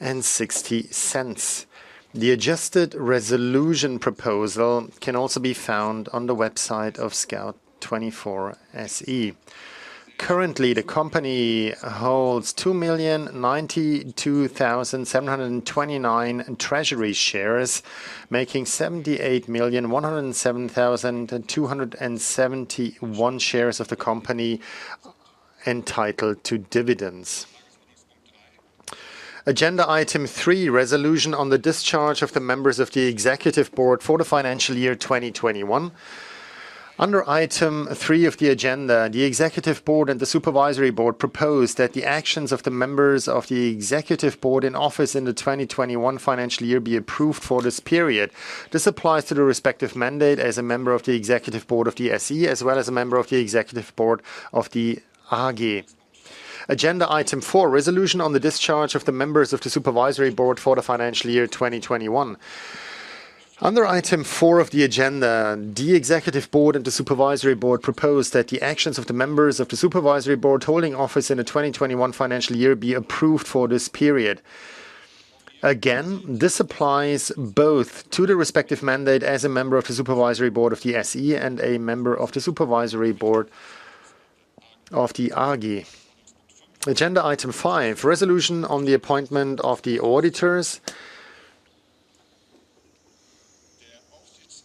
euros. The adjusted resolution proposal can also be found on the website of Scout24 SE. Currently, the company holds 2,092,729 treasury shares, making 78,107,271 shares of the company entitled to dividends. Agenda item three resolution on the discharge of the members of the executive board for the financial year 2021. Under item three of the agenda, the executive board and the supervisory board propose that the actions of the members of the executive board in office in the 2021 financial year be approved for this period. This applies to the respective mandate as a member of the executive board of the SE, as well as a member of the executive board of the AG. Agenda item four, resolution on the discharge of the members of the supervisory board for the financial year 2021. Under item four of the agenda, the executive board and the supervisory board propose that the actions of the members of the supervisory board holding office in the 2021 financial year be approved for this period. Again, this applies both to the respective mandate as a member of the supervisory board of the SE and a member of the supervisory board of the AG. Agenda item five: resolution on the appointment of the auditors.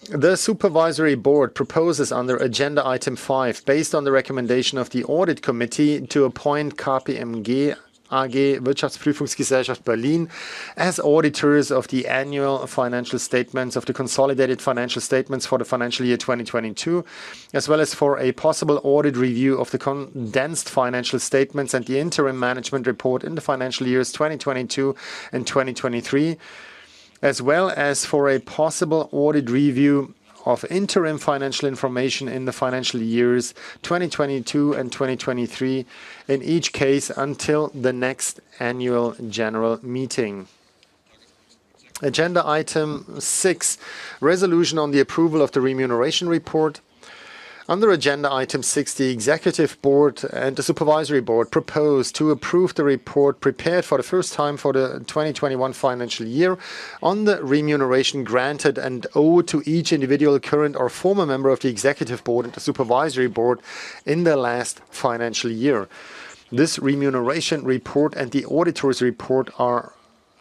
The supervisory board proposes under agenda item five, based on the recommendation of the audit committee to appoint KPMG AG as auditors of the annual financial statements and the consolidated financial statements for the financial year 2022, as well as for a possible audit review of the condensed financial statements and the interim management report in the financial years 2022 and 2023, as well as for a possible audit review of interim financial information in the financial years 2022 and 2023 in each case until the next annual general meeting. Agenda item six: resolution on the approval of the remuneration report. Under agenda item six, the executive board and the supervisory board propose to approve the report prepared for the first time for the 2021 financial year on the remuneration granted and owed to each individual current or former member of the executive board and the supervisory board in the last financial year. This remuneration report and the auditor's report are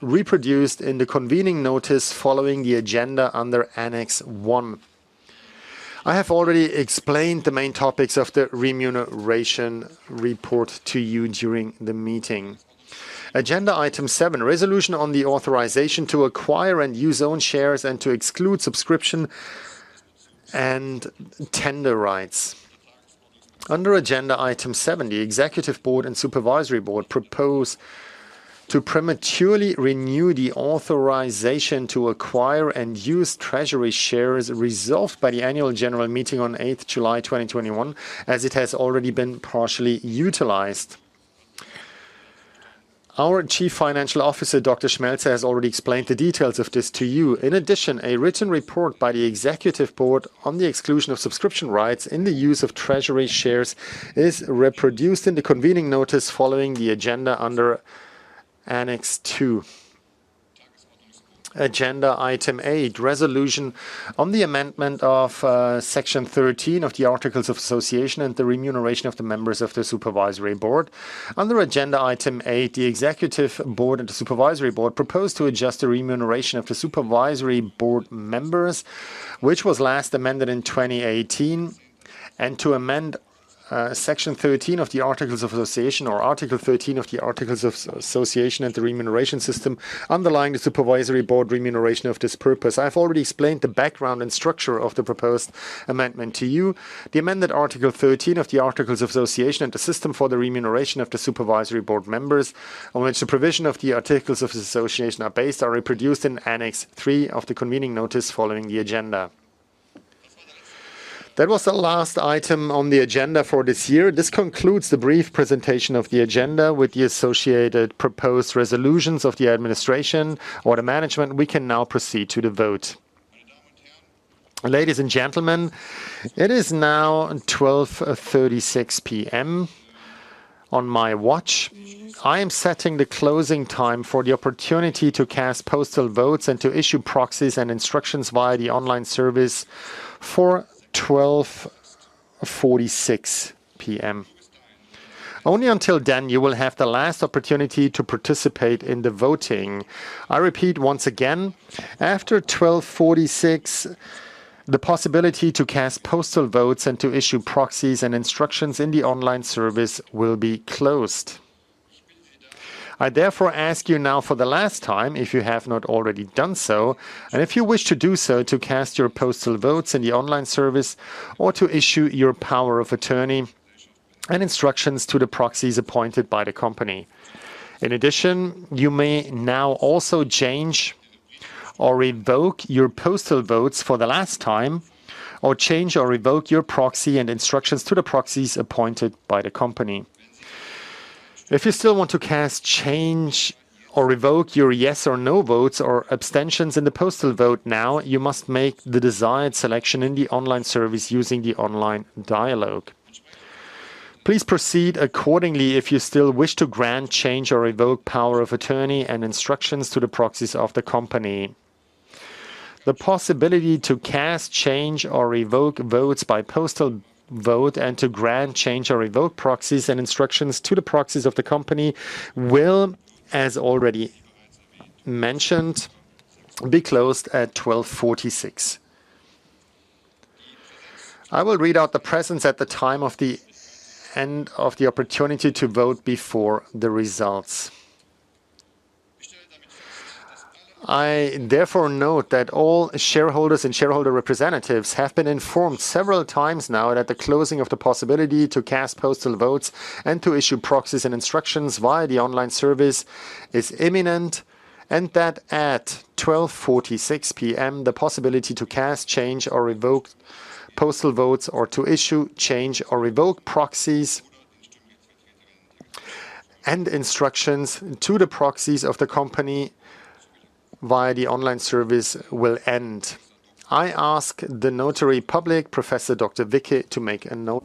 reproduced in the convening notice following the agenda under Annex 1. I have already explained the main topics of the remuneration report to you during the meeting. Agenda item seven: resolution on the authorization to acquire and use own shares and to exclude subscription and tender rights. Under agenda item seven, the executive board and supervisory board propose to prematurely renew the authorization to acquire and use treasury shares resolved by the annual general meeting on 8th July 2021, as it has already been partially utilized. Our Chief Financial Officer, Dr. Schmelzer, has already explained the details of this to you. In addition, a written report by the executive board on the exclusion of subscription rights in the use of treasury shares is reproduced in the convening notice following the agenda under Annex 2. Agenda item eight: resolution on the amendment of Section 13 of the Articles of Association and the remuneration of the members of the supervisory board. Under Agenda item eight, the executive board and the supervisory board propose to adjust the remuneration of the supervisory board members, which was last amended in 2018, and to amend Section 13 of the Articles of Association, or Article 13 of the Articles of Association and the remuneration system underlying the supervisory board remuneration of this purpose. I've already explained the background and structure of the proposed amendment to you. The amended Article 13 of the Articles of Association and the system for the remuneration of the supervisory board members, on which the provision of the Articles of Association are based, are reproduced in Annex 3 of the convening notice following the agenda. That was the last item on the agenda for this year. This concludes the brief presentation of the agenda with the associated proposed resolutions of the administration or the management. We can now proceed to the vote. Ladies and gentlemen, it is now 12:36 P.M. on my watch. I am setting the closing time for the opportunity to cast postal votes and to issue proxies and instructions via the online service for 12:46 P.M. Only until then you will have the last opportunity to participate in the voting. I repeat once again, after 12:46 P.M., the possibility to cast postal votes and to issue proxies and instructions in the online service will be closed. I therefore ask you now for the last time if you have not already done so, and if you wish to do so, to cast your postal votes in the online service or to issue your power of attorney and instructions to the proxies appointed by the company. In addition, you may now also change or revoke your postal votes for the last time, or change or revoke your proxy and instructions to the proxies appointed by the company. If you still want to cast, change, or revoke your yes or no votes or abstentions in the postal vote now, you must make the desired selection in the online service using the online dialogue. Please proceed accordingly if you still wish to grant, change or revoke power of attorney and instructions to the proxies of the company. The possibility to cast, change or revoke votes by postal vote and to grant, change or revoke proxies and instructions to the proxies of the company will, as already mentioned, be closed at 12:46 P.M. I will read out the presence at the time of the end of the opportunity to vote before the results. I therefore note that all shareholders and shareholder representatives have been informed several times now that the closing of the possibility to cast postal votes and to issue proxies and instructions via the online service is imminent, and that at 12:46 P.M. the possibility to cast, change or revoke postal votes or to issue, change or revoke proxies and instructions to the proxies of the company via the online service will end. I ask the Notary Public, Professor Dr. Wicke, to make a note.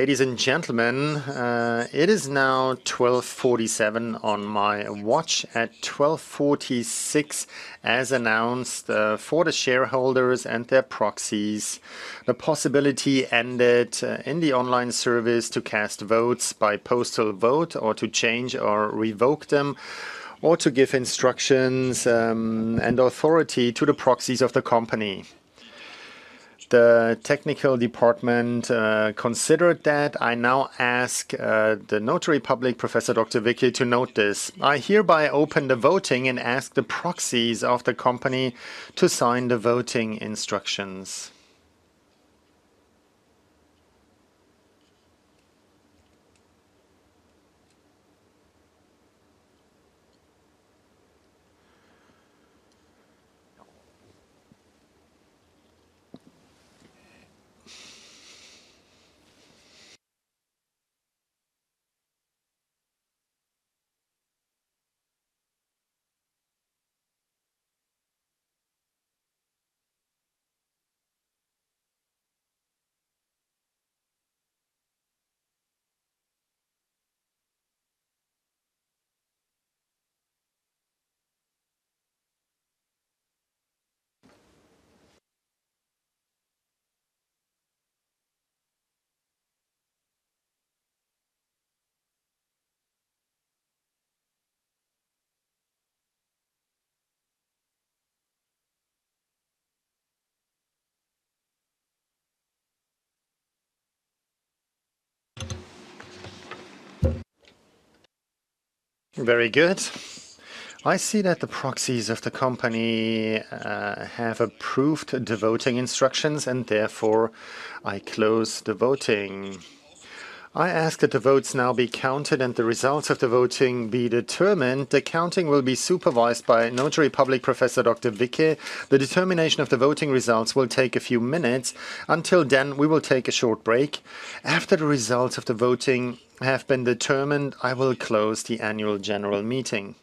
Ladies and gentlemen, it is now 12:47 P.M. on my watch. At 12:46 P.M., as announced, for the shareholders and their proxies, the possibility ended in the online service to cast votes by postal vote or to change or revoke them, or to give instructions, and authority to the proxies of the company. The technical department considered that. I now ask the Notary Public, Professor Dr. Wicke, to note this. I hereby open the voting and ask the proxies of the company to sign the voting instructions. Very good. I see that the proxies of the company have approved the voting instructions and therefore I close the voting. I ask that the votes now be counted and the results of the voting be determined. The counting will be supervised by Notary Public Professor Dr. Wicke. The determination of the voting results will take a few minutes. Until then, we will take a short break. After the results of the voting have been determined, I will close the annual general meeting.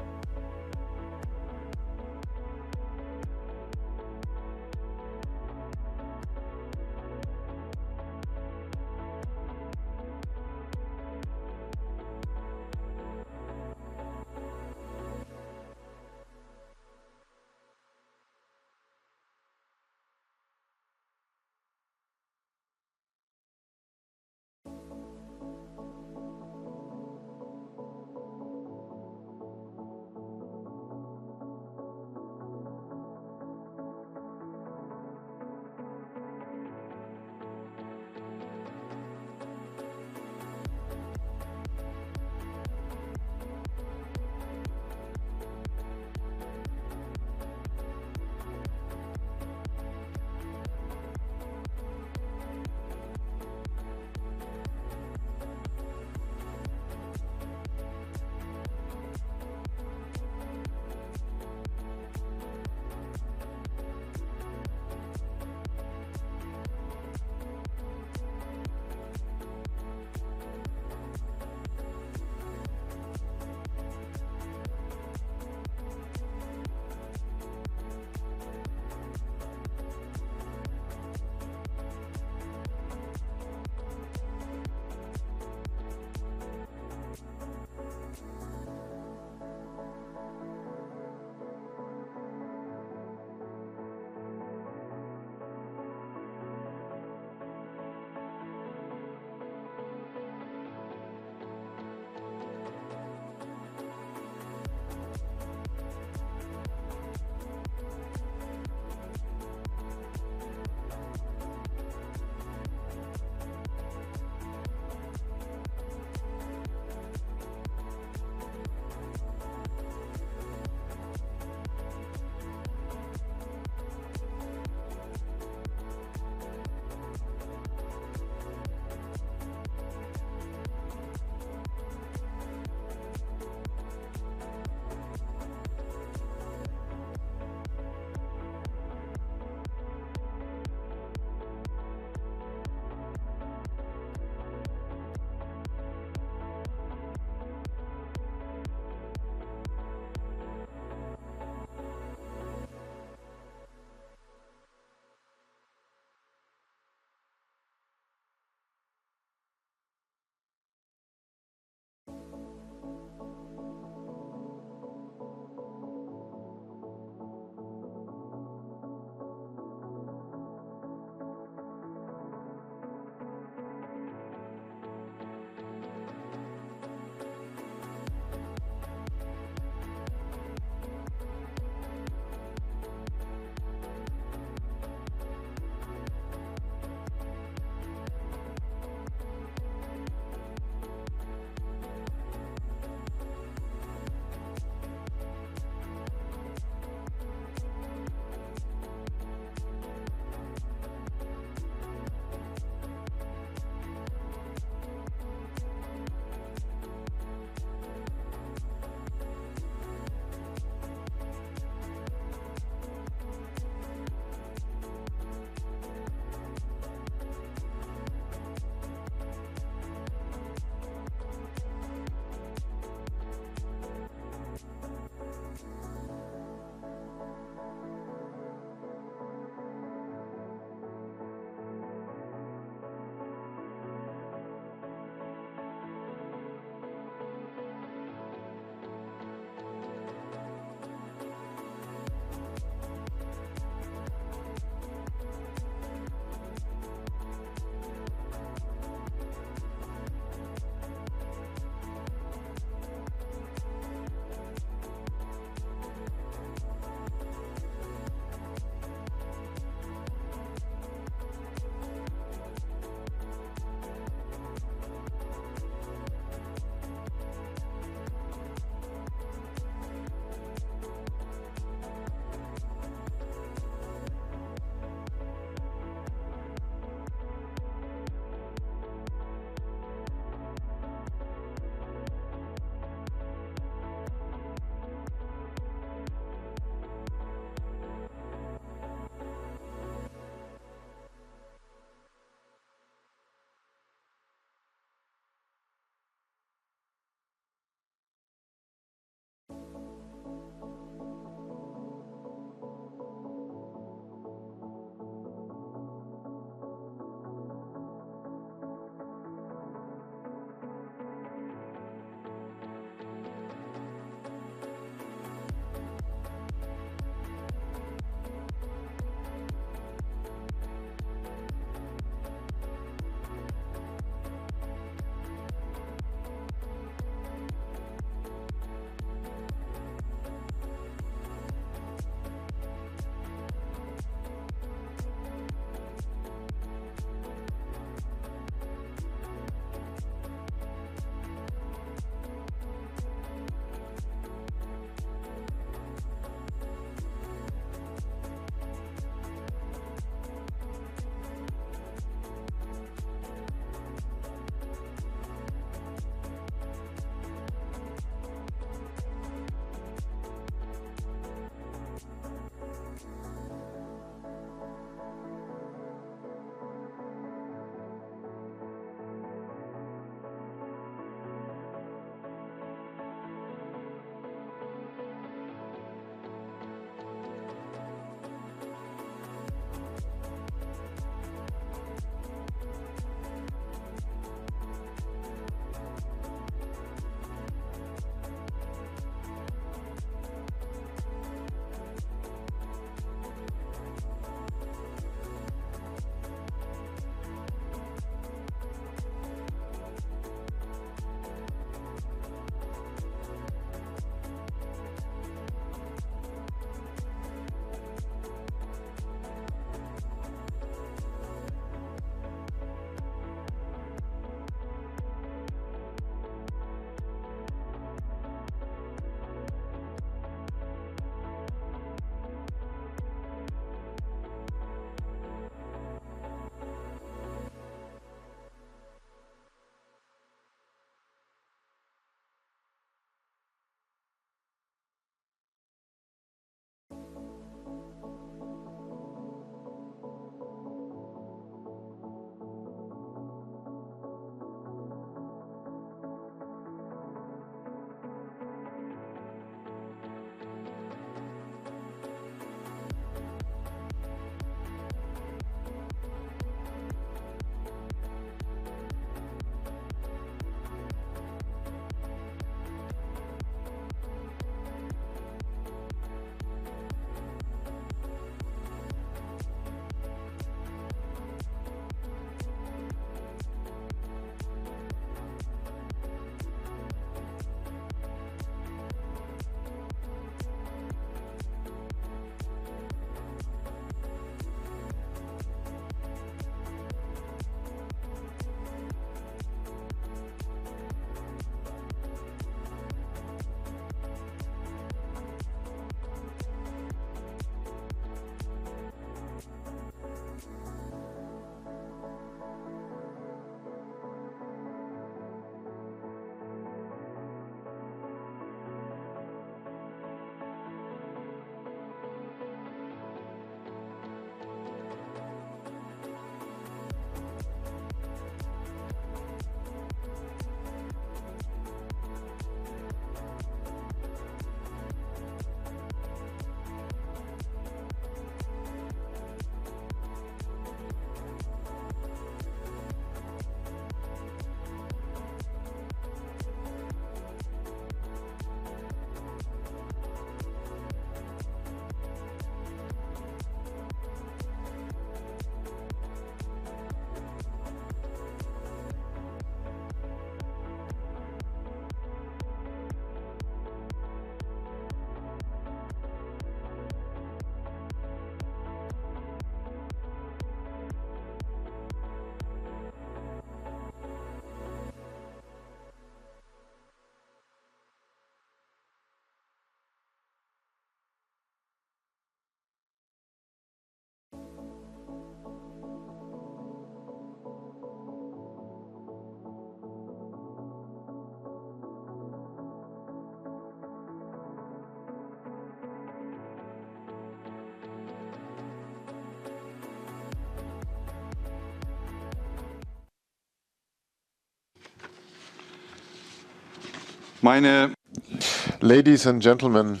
Ladies and gentlemen,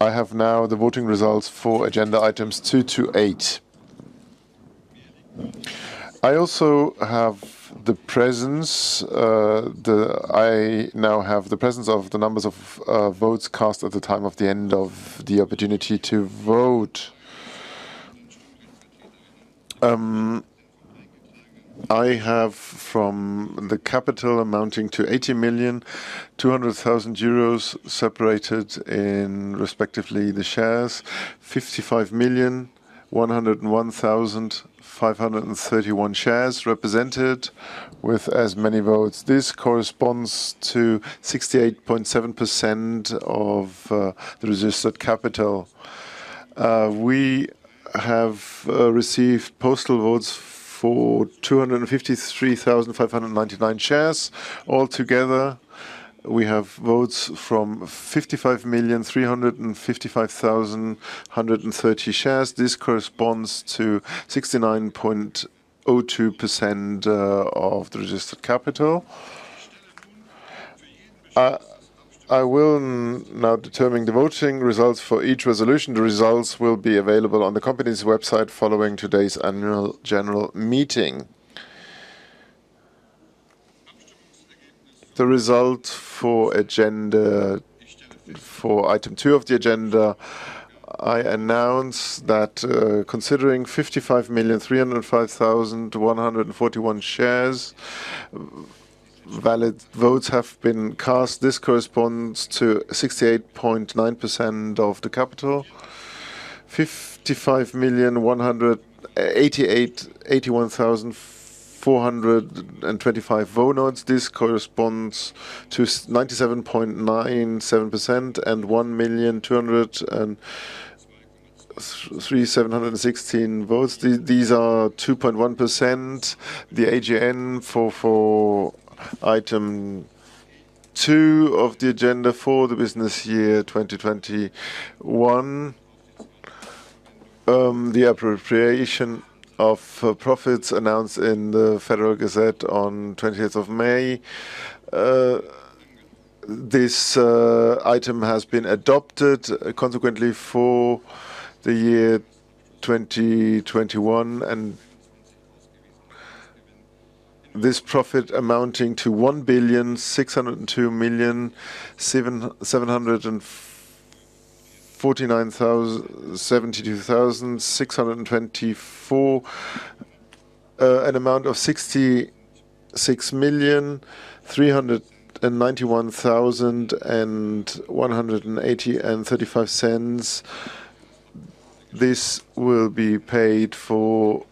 I have now the voting results for agenda items two to eight. I also have the presence of the numbers of votes cast at the time of the end of the opportunity to vote. I have from the capital amounting to 80,200,000 euros separated in respectively the shares 55,101,531 shares represented with as many votes. This corresponds to 68.7% of the registered capital. We have received postal votes for 253,599 shares. Altogether, we have votes from 55,355,130 shares. This corresponds to 69.02% of the registered capital. I will now determine the voting results for each resolution. The results will be available on the company's website following today's annual general meeting. The result for item two of the agenda, I announce that, considering 55,305,141 shares, valid votes have been cast. This corresponds to 68.9% of the capital. 55,181,425 votes. This corresponds to 97.97% and 1,200,716 votes. These are 2.1%. The resolution for item two of the agenda for the business year 2021, the appropriation of profits announced in the Federal Gazette on 20th of May. This item has been adopted consequently for the year 2021 and this profit amounting to 1,602,772,624, an amount of 66,391,180.35.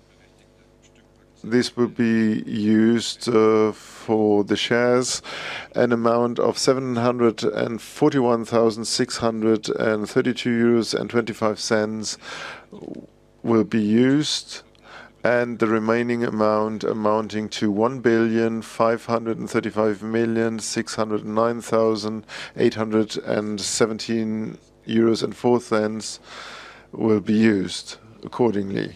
This will be used for the shares. An amount of 741,632.25 euros will be used, and the remaining amount amounting to 1,535,609,817.04 euros will be used accordingly.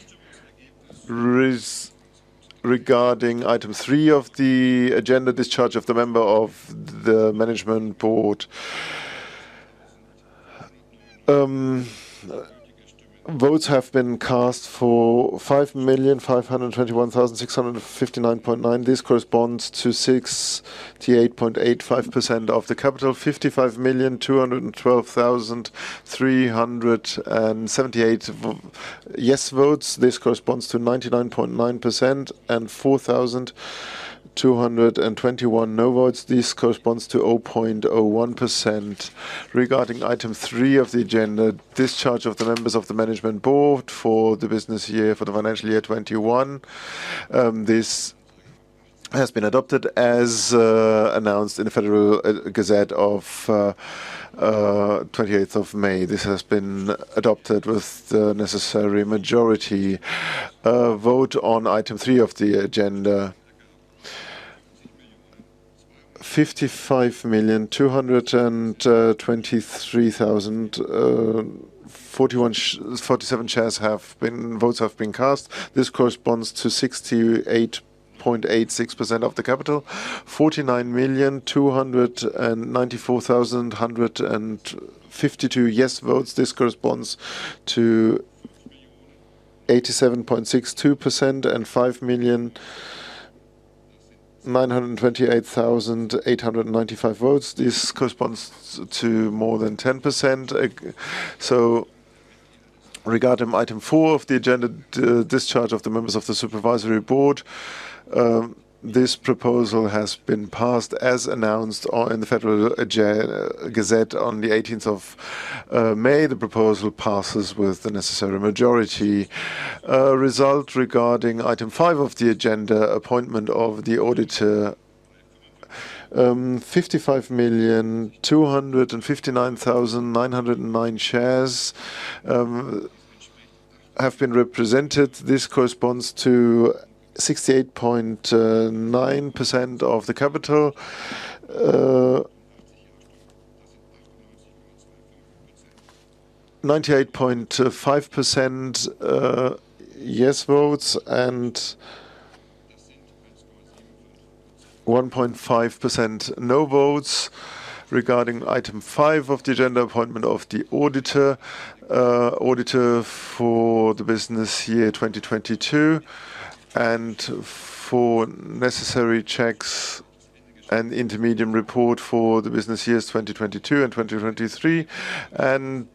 Regarding item three of the agenda, discharge of the member of the management board. Votes have been cast for 5,521,659.9. This corresponds to 68.85% of the capital. 55,212,378 yes votes. This corresponds to 99.9% and 4,221 no votes. This corresponds to 0.01%. Regarding item three of the agenda, discharge of the members of the management board for the business year for the financial year 2021. This has been adopted as announced in the Federal Gazette of 28th of May. This has been adopted with the necessary majority. Vote on item three of the agenda. 55,223,047 votes have been cast. This corresponds to 68.86% of the capital. 49,294,152 yes votes. This corresponds to 87.62% and 5,928,895 votes. This corresponds to more than 10%. Regarding item four of the agenda, discharge of the members of the supervisory board. This proposal has been passed as announced in the Federal Gazette on the 18th of May. The proposal passes with the necessary majority. Result regarding item five of the agenda, appointment of the auditor. 55,259,909 shares have been represented. This corresponds to 68.9% of the capital. 98.5% yes votes and 1.5% no votes regarding item five of the agenda. Appointment of the auditor for the business year 2022 and for necessary checks and intermediate report for the business years 2022 and 2023 and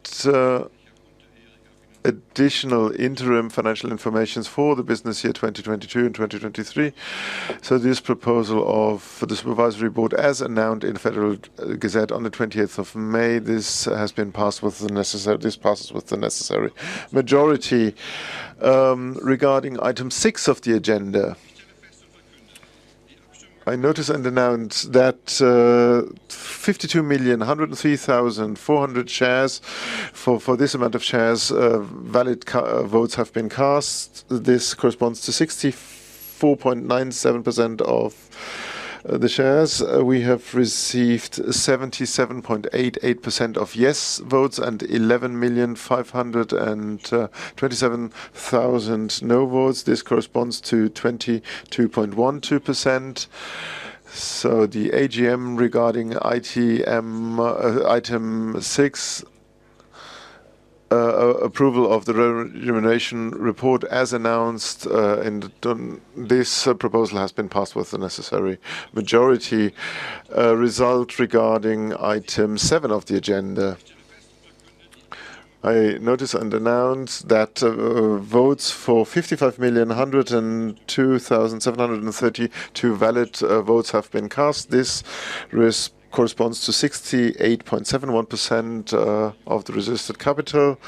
additional interim financial information for the business year 2022 and 2023. This proposal for the supervisory board, as announced in Federal Gazette on the 20th of May, this has been passed with the necessary majority. Regarding item six of the agenda, I notice and announce that 52,103,400 shares. For this amount of shares, valid votes have been cast. This corresponds to 64.97% of the shares. We have received 77.88% of yes votes and 11,527,000 no votes. This corresponds to 22.12%. The AGM regarding item six, approval of the remuneration report, as announced in the... This proposal has been passed with the necessary majority. Result regarding item seven of the agenda. I notice and announce that votes for 55,102,732 valid votes have been cast. This corresponds to 68.71% of the registered capital.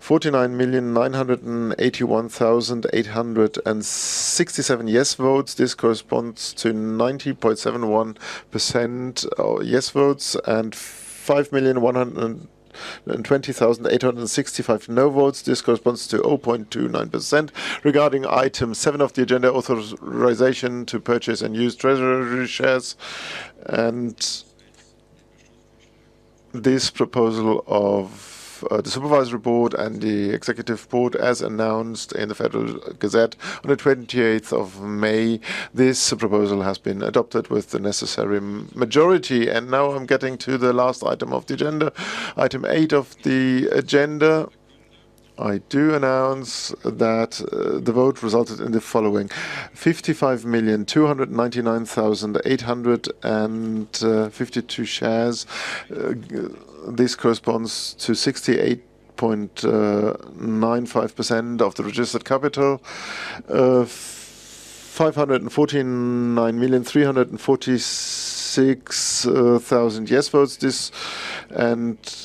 49,981,867 yes votes. This corresponds to 90.71% of yes votes and 5,120,865 no votes. This corresponds to 0.29%. Regarding item seven of the agenda: authorization to purchase and use treasury shares. This proposal of the supervisory board and the executive board, as announced in the Federal Gazette on the 28th of May, this proposal has been adopted with the necessary majority. Now I'm getting to the last item of the agenda. Item eight of the agenda. I do announce that the vote resulted in the following: 55,299,852 shares. This corresponds to 68.95% of the registered capital. 549,346,000 yes votes and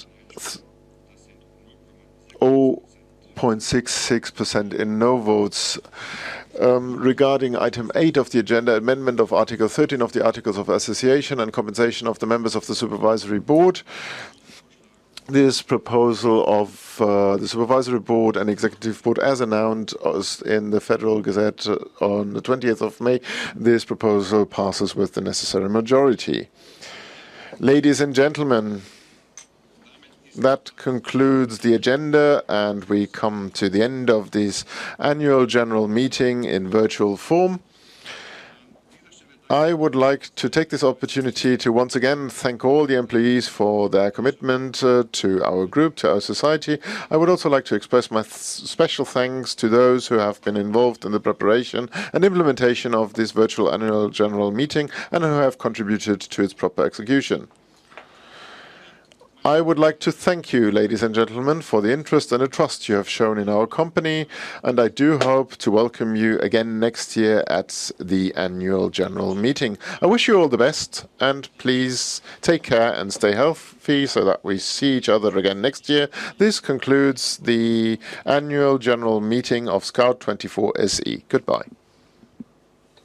0.66% no votes. Regarding item eight of the agenda: amendment of Article 13 of the Articles of Association and compensation of the members of the supervisory board. This proposal of the supervisory board and executive board, as announced in the Federal Gazette on the 20th of May, passes with the necessary majority. Ladies and gentlemen, that concludes the agenda, and we come to the end of this annual general meeting in virtual form. I would like to take this opportunity to once again thank all the employees for their commitment to our group, to our society. I would also like to express my special thanks to those who have been involved in the preparation and implementation of this virtual annual general meeting and who have contributed to its proper execution. I would like to thank you, ladies and gentlemen, for the interest and the trust you have shown in our company, and I do hope to welcome you again next year at the annual general meeting. I wish you all the best, and please take care and stay healthy so that we see each other again next year. This concludes the annual general meeting of Scout24 SE. Goodbye.